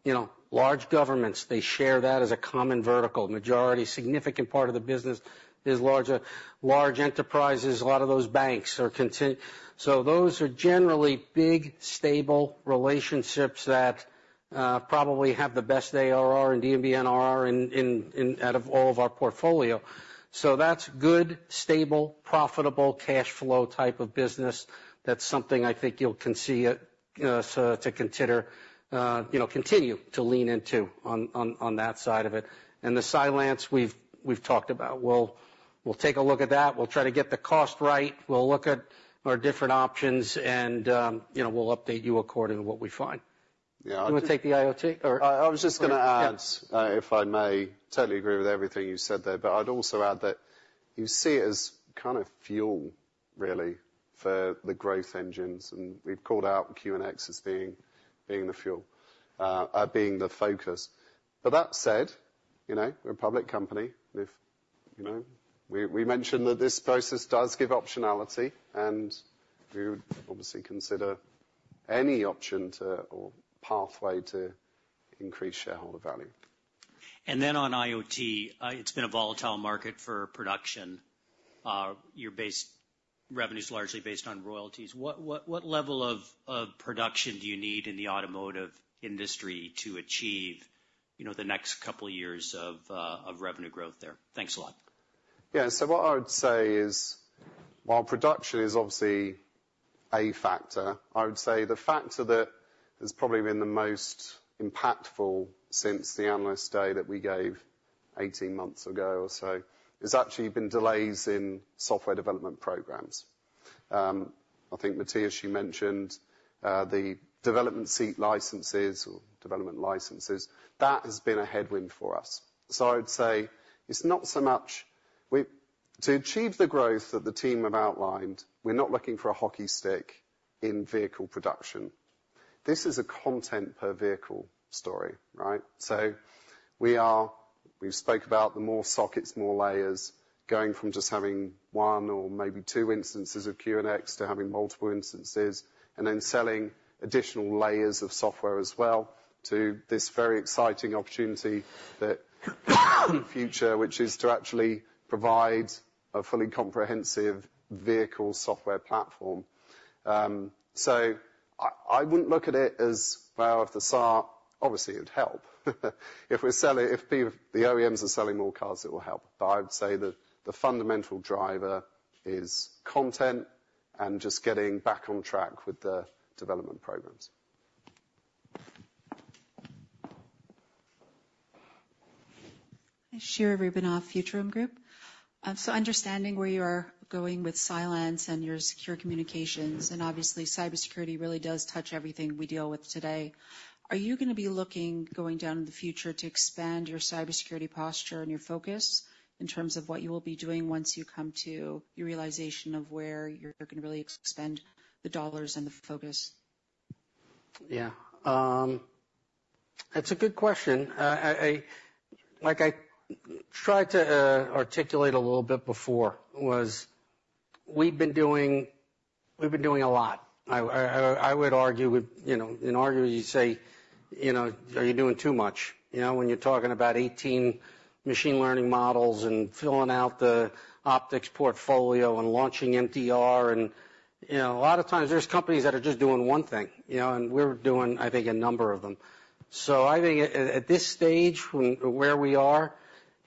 you know, large governments, they share that as a common vertical. Majority, significant part of the business is larger. Large enterprises, a lot of those banks are continuing. So those are generally big, stable relationships that probably have the best ARR and DBNRR in out of all of our portfolio. So that's good, stable, profitable, cash flow type of business. That's something I think you'll can see it, so to consider, you know, continue to lean into on that side of it. And the Cylance, we've talked about. We'll take a look at that. We'll try to get the cost right. We'll look at our different options, and, you know, we'll update you according to what we find. Yeah. You want to take the IoT or? I was just going to add- Yes. If I may, totally agree with everything you said there, but I'd also add that you see it as kind of fuel, really, for the growth engines, and we've called out QNX as being the fuel, being the focus. But that said, you know, we're a public company. We've, you know, mentioned that this process does give optionality, and we would obviously consider any option to, or pathway to increase shareholder value. Then on IoT, it's been a volatile market for production. Your base revenue is largely based on royalties. What level of production do you need in the automotive industry to achieve, you know, the next couple of years of revenue growth there? Thanks a lot. Yeah, so what I would say is, while production is obviously a factor, I would say the factor that has probably been the most impactful since the analyst day that we gave eighteen months ago or so, has actually been delays in software development programs. I think, Matthias, you mentioned, the development seat licenses or development licenses, that has been a headwind for us. So I'd say it's not so much... To achieve the growth that the team have outlined, we're not looking for a hockey stick in vehicle production. This is a content per vehicle story, right? We've spoke about the more sockets, more layers, going from just having one or maybe two instances of QNX to having multiple instances, and then selling additional layers of software as well, to this very exciting opportunity that future which is to actually provide a fully comprehensive vehicle software platform. I wouldn't look at it as, well, if the SAR, obviously, it would help. If we're selling, if the OEMs are selling more cars, it will help. But I would say that the fundamental driver is content and just getting back on track with the development programs. Shira Rubinoff, Futurum Group. So understanding where you are going with Cylance and your secure communications, and obviously, cybersecurity really does touch everything we deal with today, are you going to be looking, going down in the future, to expand your cybersecurity posture and your focus in terms of what you will be doing once you come to your realization of where you're going to really expand the dollars and the focus? Yeah. That's a good question. Like I tried to articulate a little bit before, we've been doing a lot. I would argue with, you know, and argue, you say, you know, "Are you doing too much?" You know, when you're talking about 18 machine learning models and filling out the Optics portfolio and launching MDR and, you know, a lot of times there's companies that are just doing one thing, you know, and we're doing, I think, a number of them. So I think at this stage, where we are,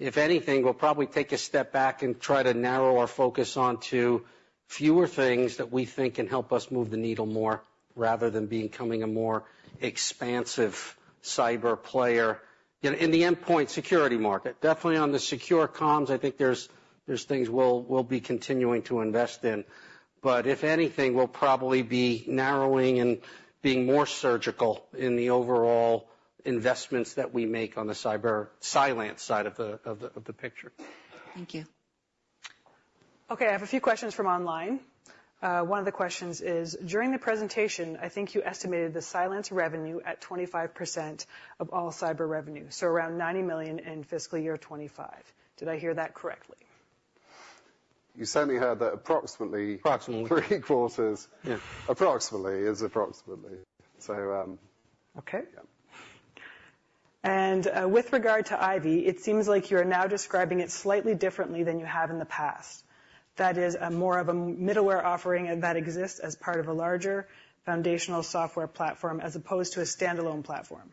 if anything, we'll probably take a step back and try to narrow our focus onto fewer things that we think can help us move the needle more, rather than becoming a more expansive cyber player in the endpoint security market. Definitely on the secure comms, I think there's things we'll be continuing to invest in, but if anything, we'll probably be narrowing and being more surgical in the overall investments that we make on the Cylance side of the picture. Thank you. Okay, I have a few questions from online. One of the questions is: During the presentation, I think you estimated the Cylance revenue at 25% of all cyber revenue, so around $90 million in fiscal year 25. Did I hear that correctly? You certainly heard that approximately- Approximately... three quarters. Yeah. Approximately so. Okay. Yeah. And, with regard to IVY, it seems like you're now describing it slightly differently than you have in the past. That is a more of a middleware offering, and that exists as part of a larger foundational software platform, as opposed to a standalone platform.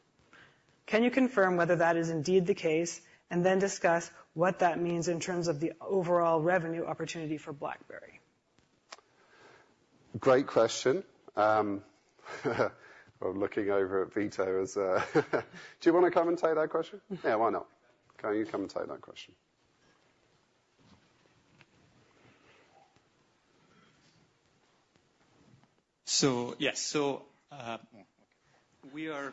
Can you confirm whether that is indeed the case, and then discuss what that means in terms of the overall revenue opportunity for BlackBerry?... Great question. I'm looking over at Vito as, do you wanna come and take that question? Yeah, why not? Can you come and take that question? So yes, so, we are.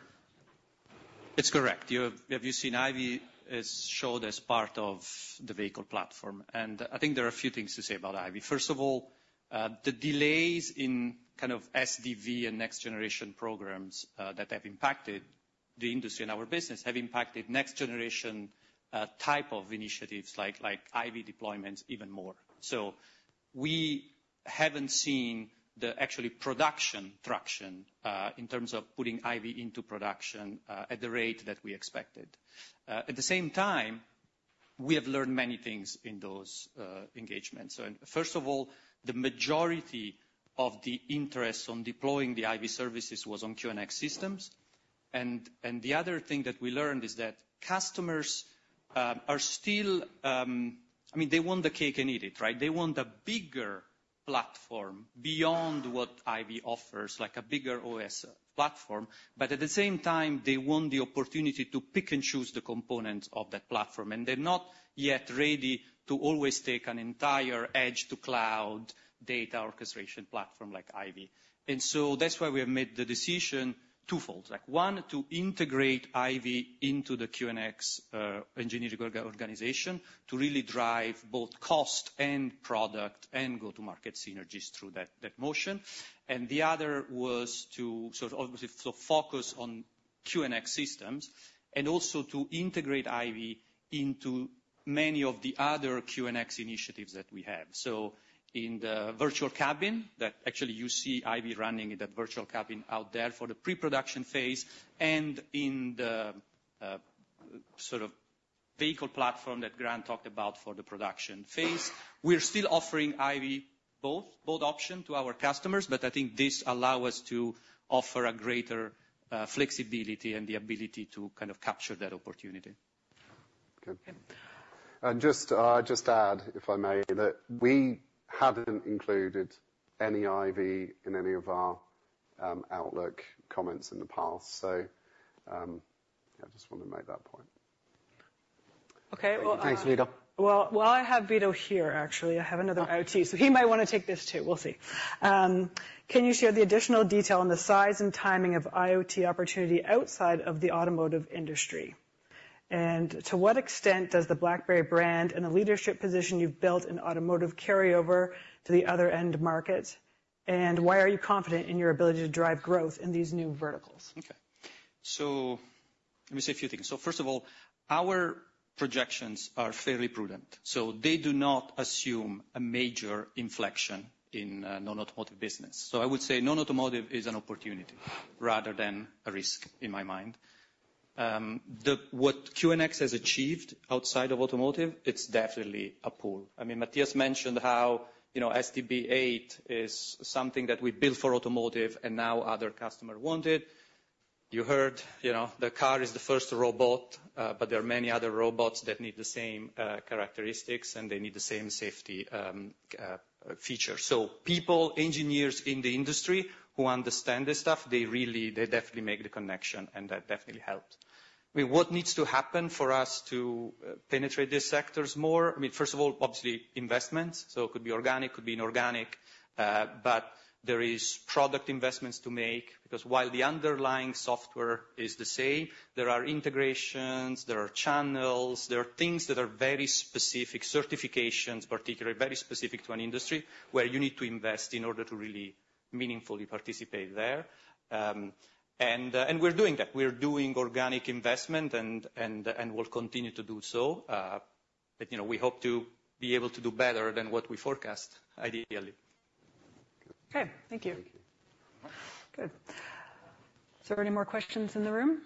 It's correct. You have, you've seen IVY as shown as part of the vehicle platform, and I think there are a few things to say about IVY. First of all, the delays in kind of SDV and next generation programs that have impacted the industry and our business have impacted next generation type of initiatives like IVY deployments even more. So we haven't seen the actual production traction in terms of putting IVY into production at the rate that we expected. At the same time, we have learned many things in those engagements. So first of all, the majority of the interest on deploying the IVY services was on QNX systems. And the other thing that we learned is that customers are still. I mean, they want the cake and eat it, right? They want a bigger platform beyond what IVY offers, like a bigger OS platform, but at the same time, they want the opportunity to pick and choose the components of that platform, and they're not yet ready to always take an entire edge to cloud data orchestration platform like IVY. And so that's why we have made the decision twofold. Like, one, to integrate IVY into the QNX engineering organization, to really drive both cost and product, and go-to-market synergies through that motion. And the other was to sort of obviously so focus on QNX systems and also to integrate IVY into many of the other QNX initiatives that we have. So in the virtual cabin, that actually you see IVY running in that virtual cabin out there for the pre-production phase and in the sort of vehicle platform that Grant talked about for the production phase. We're still offering IVY, both, both option to our customers, but I think this allow us to offer a greater, flexibility and the ability to kind of capture that opportunity. Good. Okay. And just to add, if I may, that we hadn't included any IVY in any of our outlook comments in the past. So, I just want to make that point. Okay, well, Thanks, Vito. Well, while I have Vito here, actually, I have another IoT, so he might wanna take this, too. We'll see. Can you share the additional detail on the size and timing of IoT opportunity outside of the automotive industry? And to what extent does the BlackBerry brand and the leadership position you've built in automotive carry over to the other end markets? And why are you confident in your ability to drive growth in these new verticals? Okay, so let me say a few things. So first of all, our projections are fairly prudent, so they do not assume a major inflection in non-automotive business. So I would say non-automotive is an opportunity rather than a risk, in my mind. What QNX has achieved outside of automotive, it's definitely a pull. I mean, Matthias mentioned how, you know, SDP 8 is something that we built for automotive and now other customer want it. You heard, you know, the car is the first robot, but there are many other robots that need the same characteristics, and they need the same safety feature. So people, engineers in the industry who understand this stuff, they really, they definitely make the connection, and that definitely helps. I mean, what needs to happen for us to penetrate these sectors more? I mean, first of all, obviously, investments. So it could be organic, could be inorganic, but there is product investments to make, because while the underlying software is the same, there are integrations, there are channels, there are things that are very specific, certifications, particularly, very specific to an industry, where you need to invest in order to really meaningfully participate there. And we're doing that. We're doing organic investment and we'll continue to do so. But, you know, we hope to be able to do better than what we forecast, ideally. Okay, thank you. Thank you. Good. Is there any more questions in the room?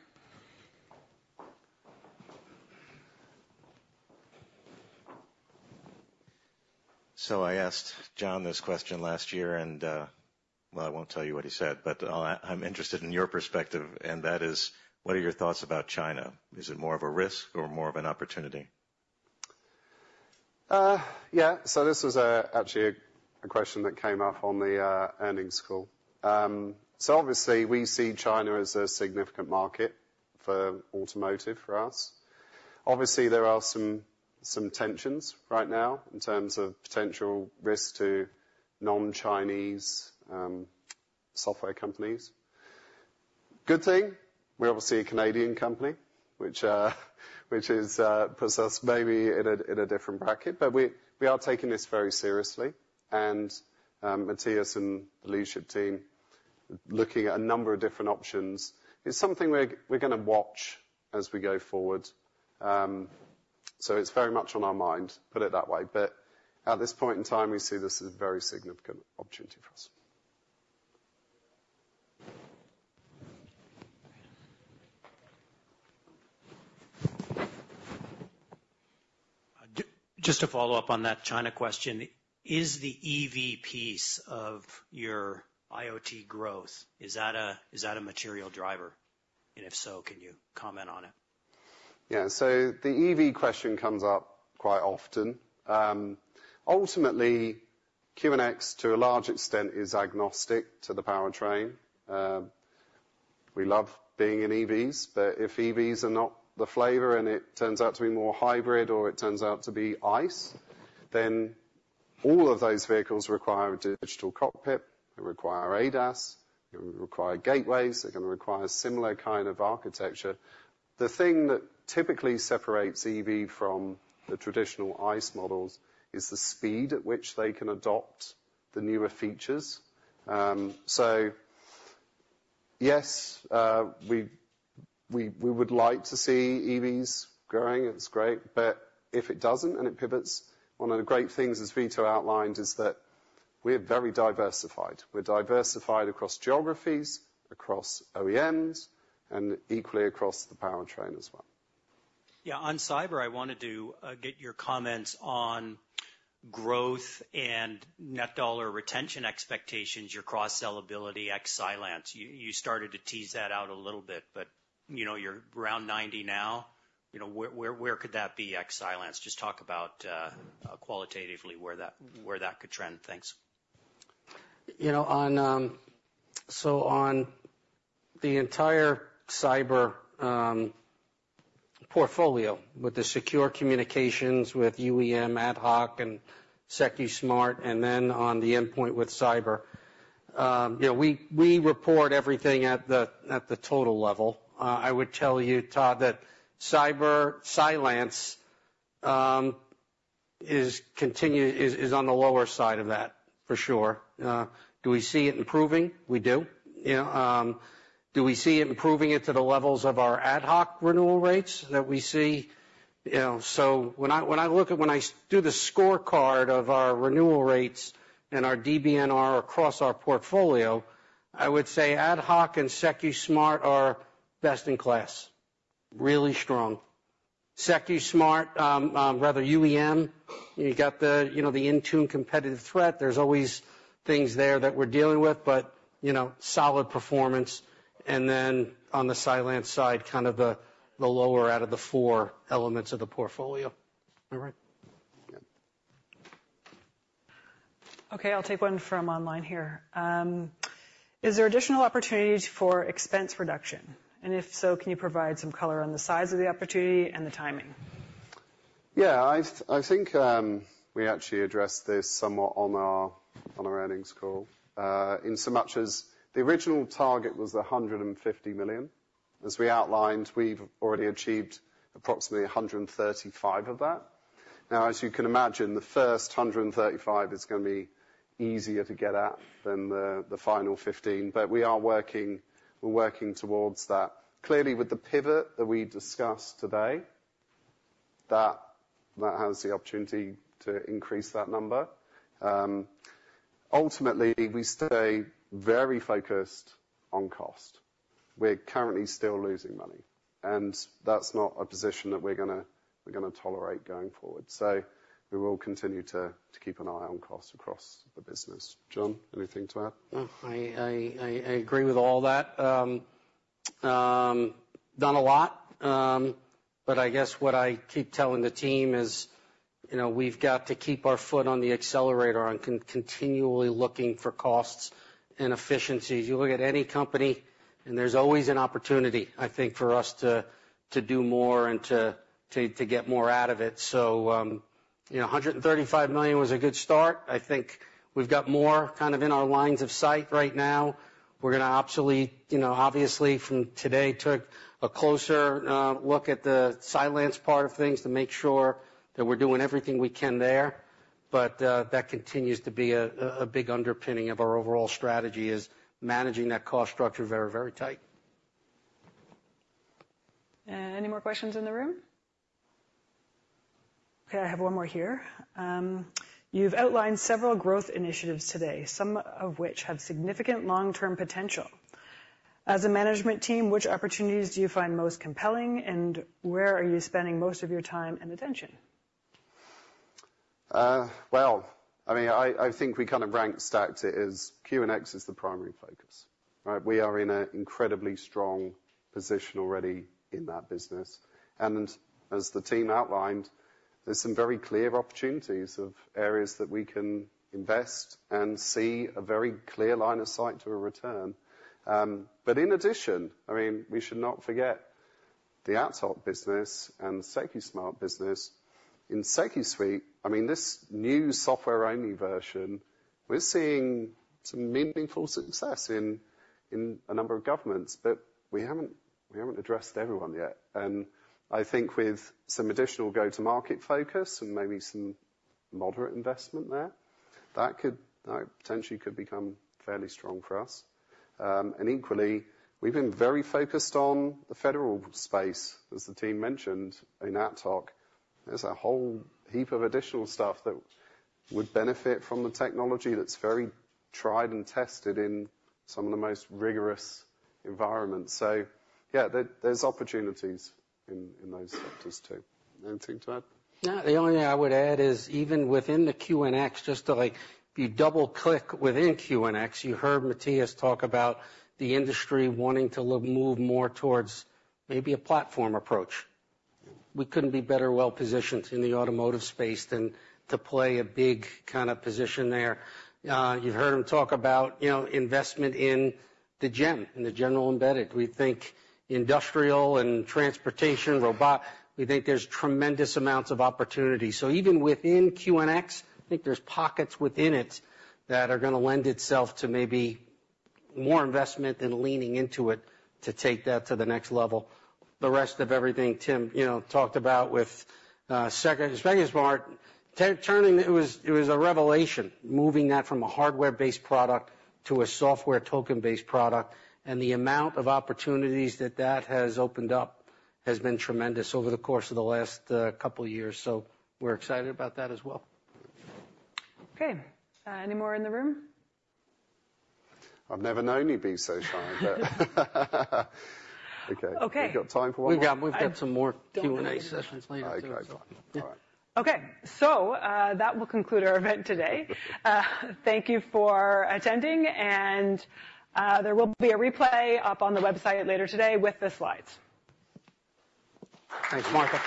I asked John this question last year, and, well, I won't tell you what he said, but, I'm interested in your perspective, and that is: What are your thoughts about China? Is it more of a risk or more of an opportunity? Yeah. So this was actually a question that came up on the earnings call. So obviously, we see China as a significant market for automotive for us. Obviously, there are some tensions right now in terms of potential risk to non-Chinese software companies. Good thing, we're obviously a Canadian company, which puts us maybe in a different bracket, but we are taking this very seriously. And Matthias and the leadership team are looking at a number of different options. It's something we're gonna watch as we go forward. So it's very much on our mind, put it that way, but at this point in time, we see this as a very significant opportunity for us. Just to follow up on that China question, is the EV piece of your IoT growth a material driver? And if so, can you comment on it?... Yeah, so the EV question comes up quite often. Ultimately, QNX, to a large extent, is agnostic to the powertrain. We love being in EVs, but if EVs are not the flavor, and it turns out to be more hybrid, or it turns out to be ICE, then all of those vehicles require a digital cockpit, they require ADAS, they require gateways, they're going to require a similar kind of architecture. The thing that typically separates EV from the traditional ICE models is the speed at which they can adopt the newer features. So, yes, we would like to see EVs growing, it's great. But if it doesn't, and it pivots, one of the great things, as Vito outlined, is that we're very diversified. We're diversified across geographies, across OEMs, and equally across the powertrain as well. Yeah, on cyber, I wanted to get your comments on growth and net dollar retention expectations, your cross-sell ability ex Cylance. You started to tease that out a little bit, but, you know, you're around 90% now. You know, where could that be ex Cylance? Just talk about, qualitatively where that could trend. Thanks. You know, so on the entire cyber portfolio, with the secure communications, with UEM, AtHoc, and Secusmart, and then on the endpoint with cyber, you know, we report everything at the total level. I would tell you, Todd, that Cylance is on the lower side of that, for sure. Do we see it improving? We do. Yeah, do we see it improving it to the levels of our AtHoc renewal rates that we see? You know, so when I do the scorecard of our renewal rates and our DBNR across our portfolio, I would say AtHoc and Secusmart are best in class, really strong. Secusmart, rather, UEM, you got the, you know, the Intune competitive threat. There's always things there that we're dealing with, but, you know, solid performance. And then on the Cylance side, kind of the lower out of the four elements of the portfolio. Am I right? Yeah. Okay, I'll take one from online here. Is there additional opportunities for expense reduction? And if so, can you provide some color on the size of the opportunity and the timing? Yeah, I think we actually addressed this somewhat on our earnings call. In so much as the original target was $150 million. As we outlined, we've already achieved approximately $135 million of that. Now, as you can imagine, the first $135 million is gonna be easier to get at than the final $15 million, but we are working, we're working towards that. Clearly, with the pivot that we discussed today, that has the opportunity to increase that number. Ultimately, we stay very focused on cost. We're currently still losing money, and that's not a position that we're gonna tolerate going forward. So we will continue to keep an eye on costs across the business. John, anything to add? No, I agree with all that. We've done a lot, but I guess what I keep telling the team is, you know, we've got to keep our foot on the accelerator on continually looking for costs and efficiencies. You look at any company, and there's always an opportunity, I think, for us to do more and to get more out of it. So, you know, $135 million was a good start. I think we've got more kind of in our lines of sight right now. We're gonna obviously, you know, from today, took a closer look at the Cylance part of things to make sure that we're doing everything we can there. But, that continues to be a big underpinning of our overall strategy, is managing that cost structure very, very tight. Any more questions in the room? Okay, I have one more here. You've outlined several growth initiatives today, some of which have significant long-term potential. As a management team, which opportunities do you find most compelling, and where are you spending most of your time and attention? I mean, I think we kind of rank stacked it, as QNX is the primary focus, right? We are in an incredibly strong position already in that business, and as the team outlined, there's some very clear opportunities of areas that we can invest and see a very clear line of sight to a return, but in addition, I mean, we should not forget the AtHoc business and the Secusmart business. In SecuSUITE, I mean, this new software-only version, we're seeing some meaningful success in a number of governments, but we haven't addressed everyone yet, and I think with some additional go-to-market focus and maybe some moderate investment there, that could potentially become fairly strong for us, and equally, we've been very focused on the federal space, as the team mentioned, in AtHoc. There's a whole heap of additional stuff that would benefit from the technology that's very tried and tested in some of the most rigorous environments. So, yeah, there's opportunities in those sectors, too. Anything to add? No, the only thing I would add is, even within the QNX, just to, like, if you double-click within QNX, you heard Mattias talk about the industry wanting to move more towards maybe a platform approach. We couldn't be better positioned in the automotive space than to play a big kind of position there. You've heard him talk about, you know, investment in the GEM, in the General Embedded. We think industrial and transportation, robot, we think there's tremendous amounts of opportunity. So even within QNX, I think there's pockets within it that are gonna lend itself to maybe more investment and leaning into it to take that to the next level. The rest of everything, Tim, you know, talked about with Secusmart. It was a revelation, moving that from a hardware-based product to a software token-based product, and the amount of opportunities that that has opened up has been tremendous over the course of the last couple years, so we're excited about that as well. Okay, any more in the room? I've never known you be so shy, but okay. Okay. We've got time for one more? We've got some more Q&A sessions later. Okay, great. All right. Okay, so, that will conclude our event today. Thank you for attending, and there will be a replay up on the website later today with the slides. Thanks, Martha.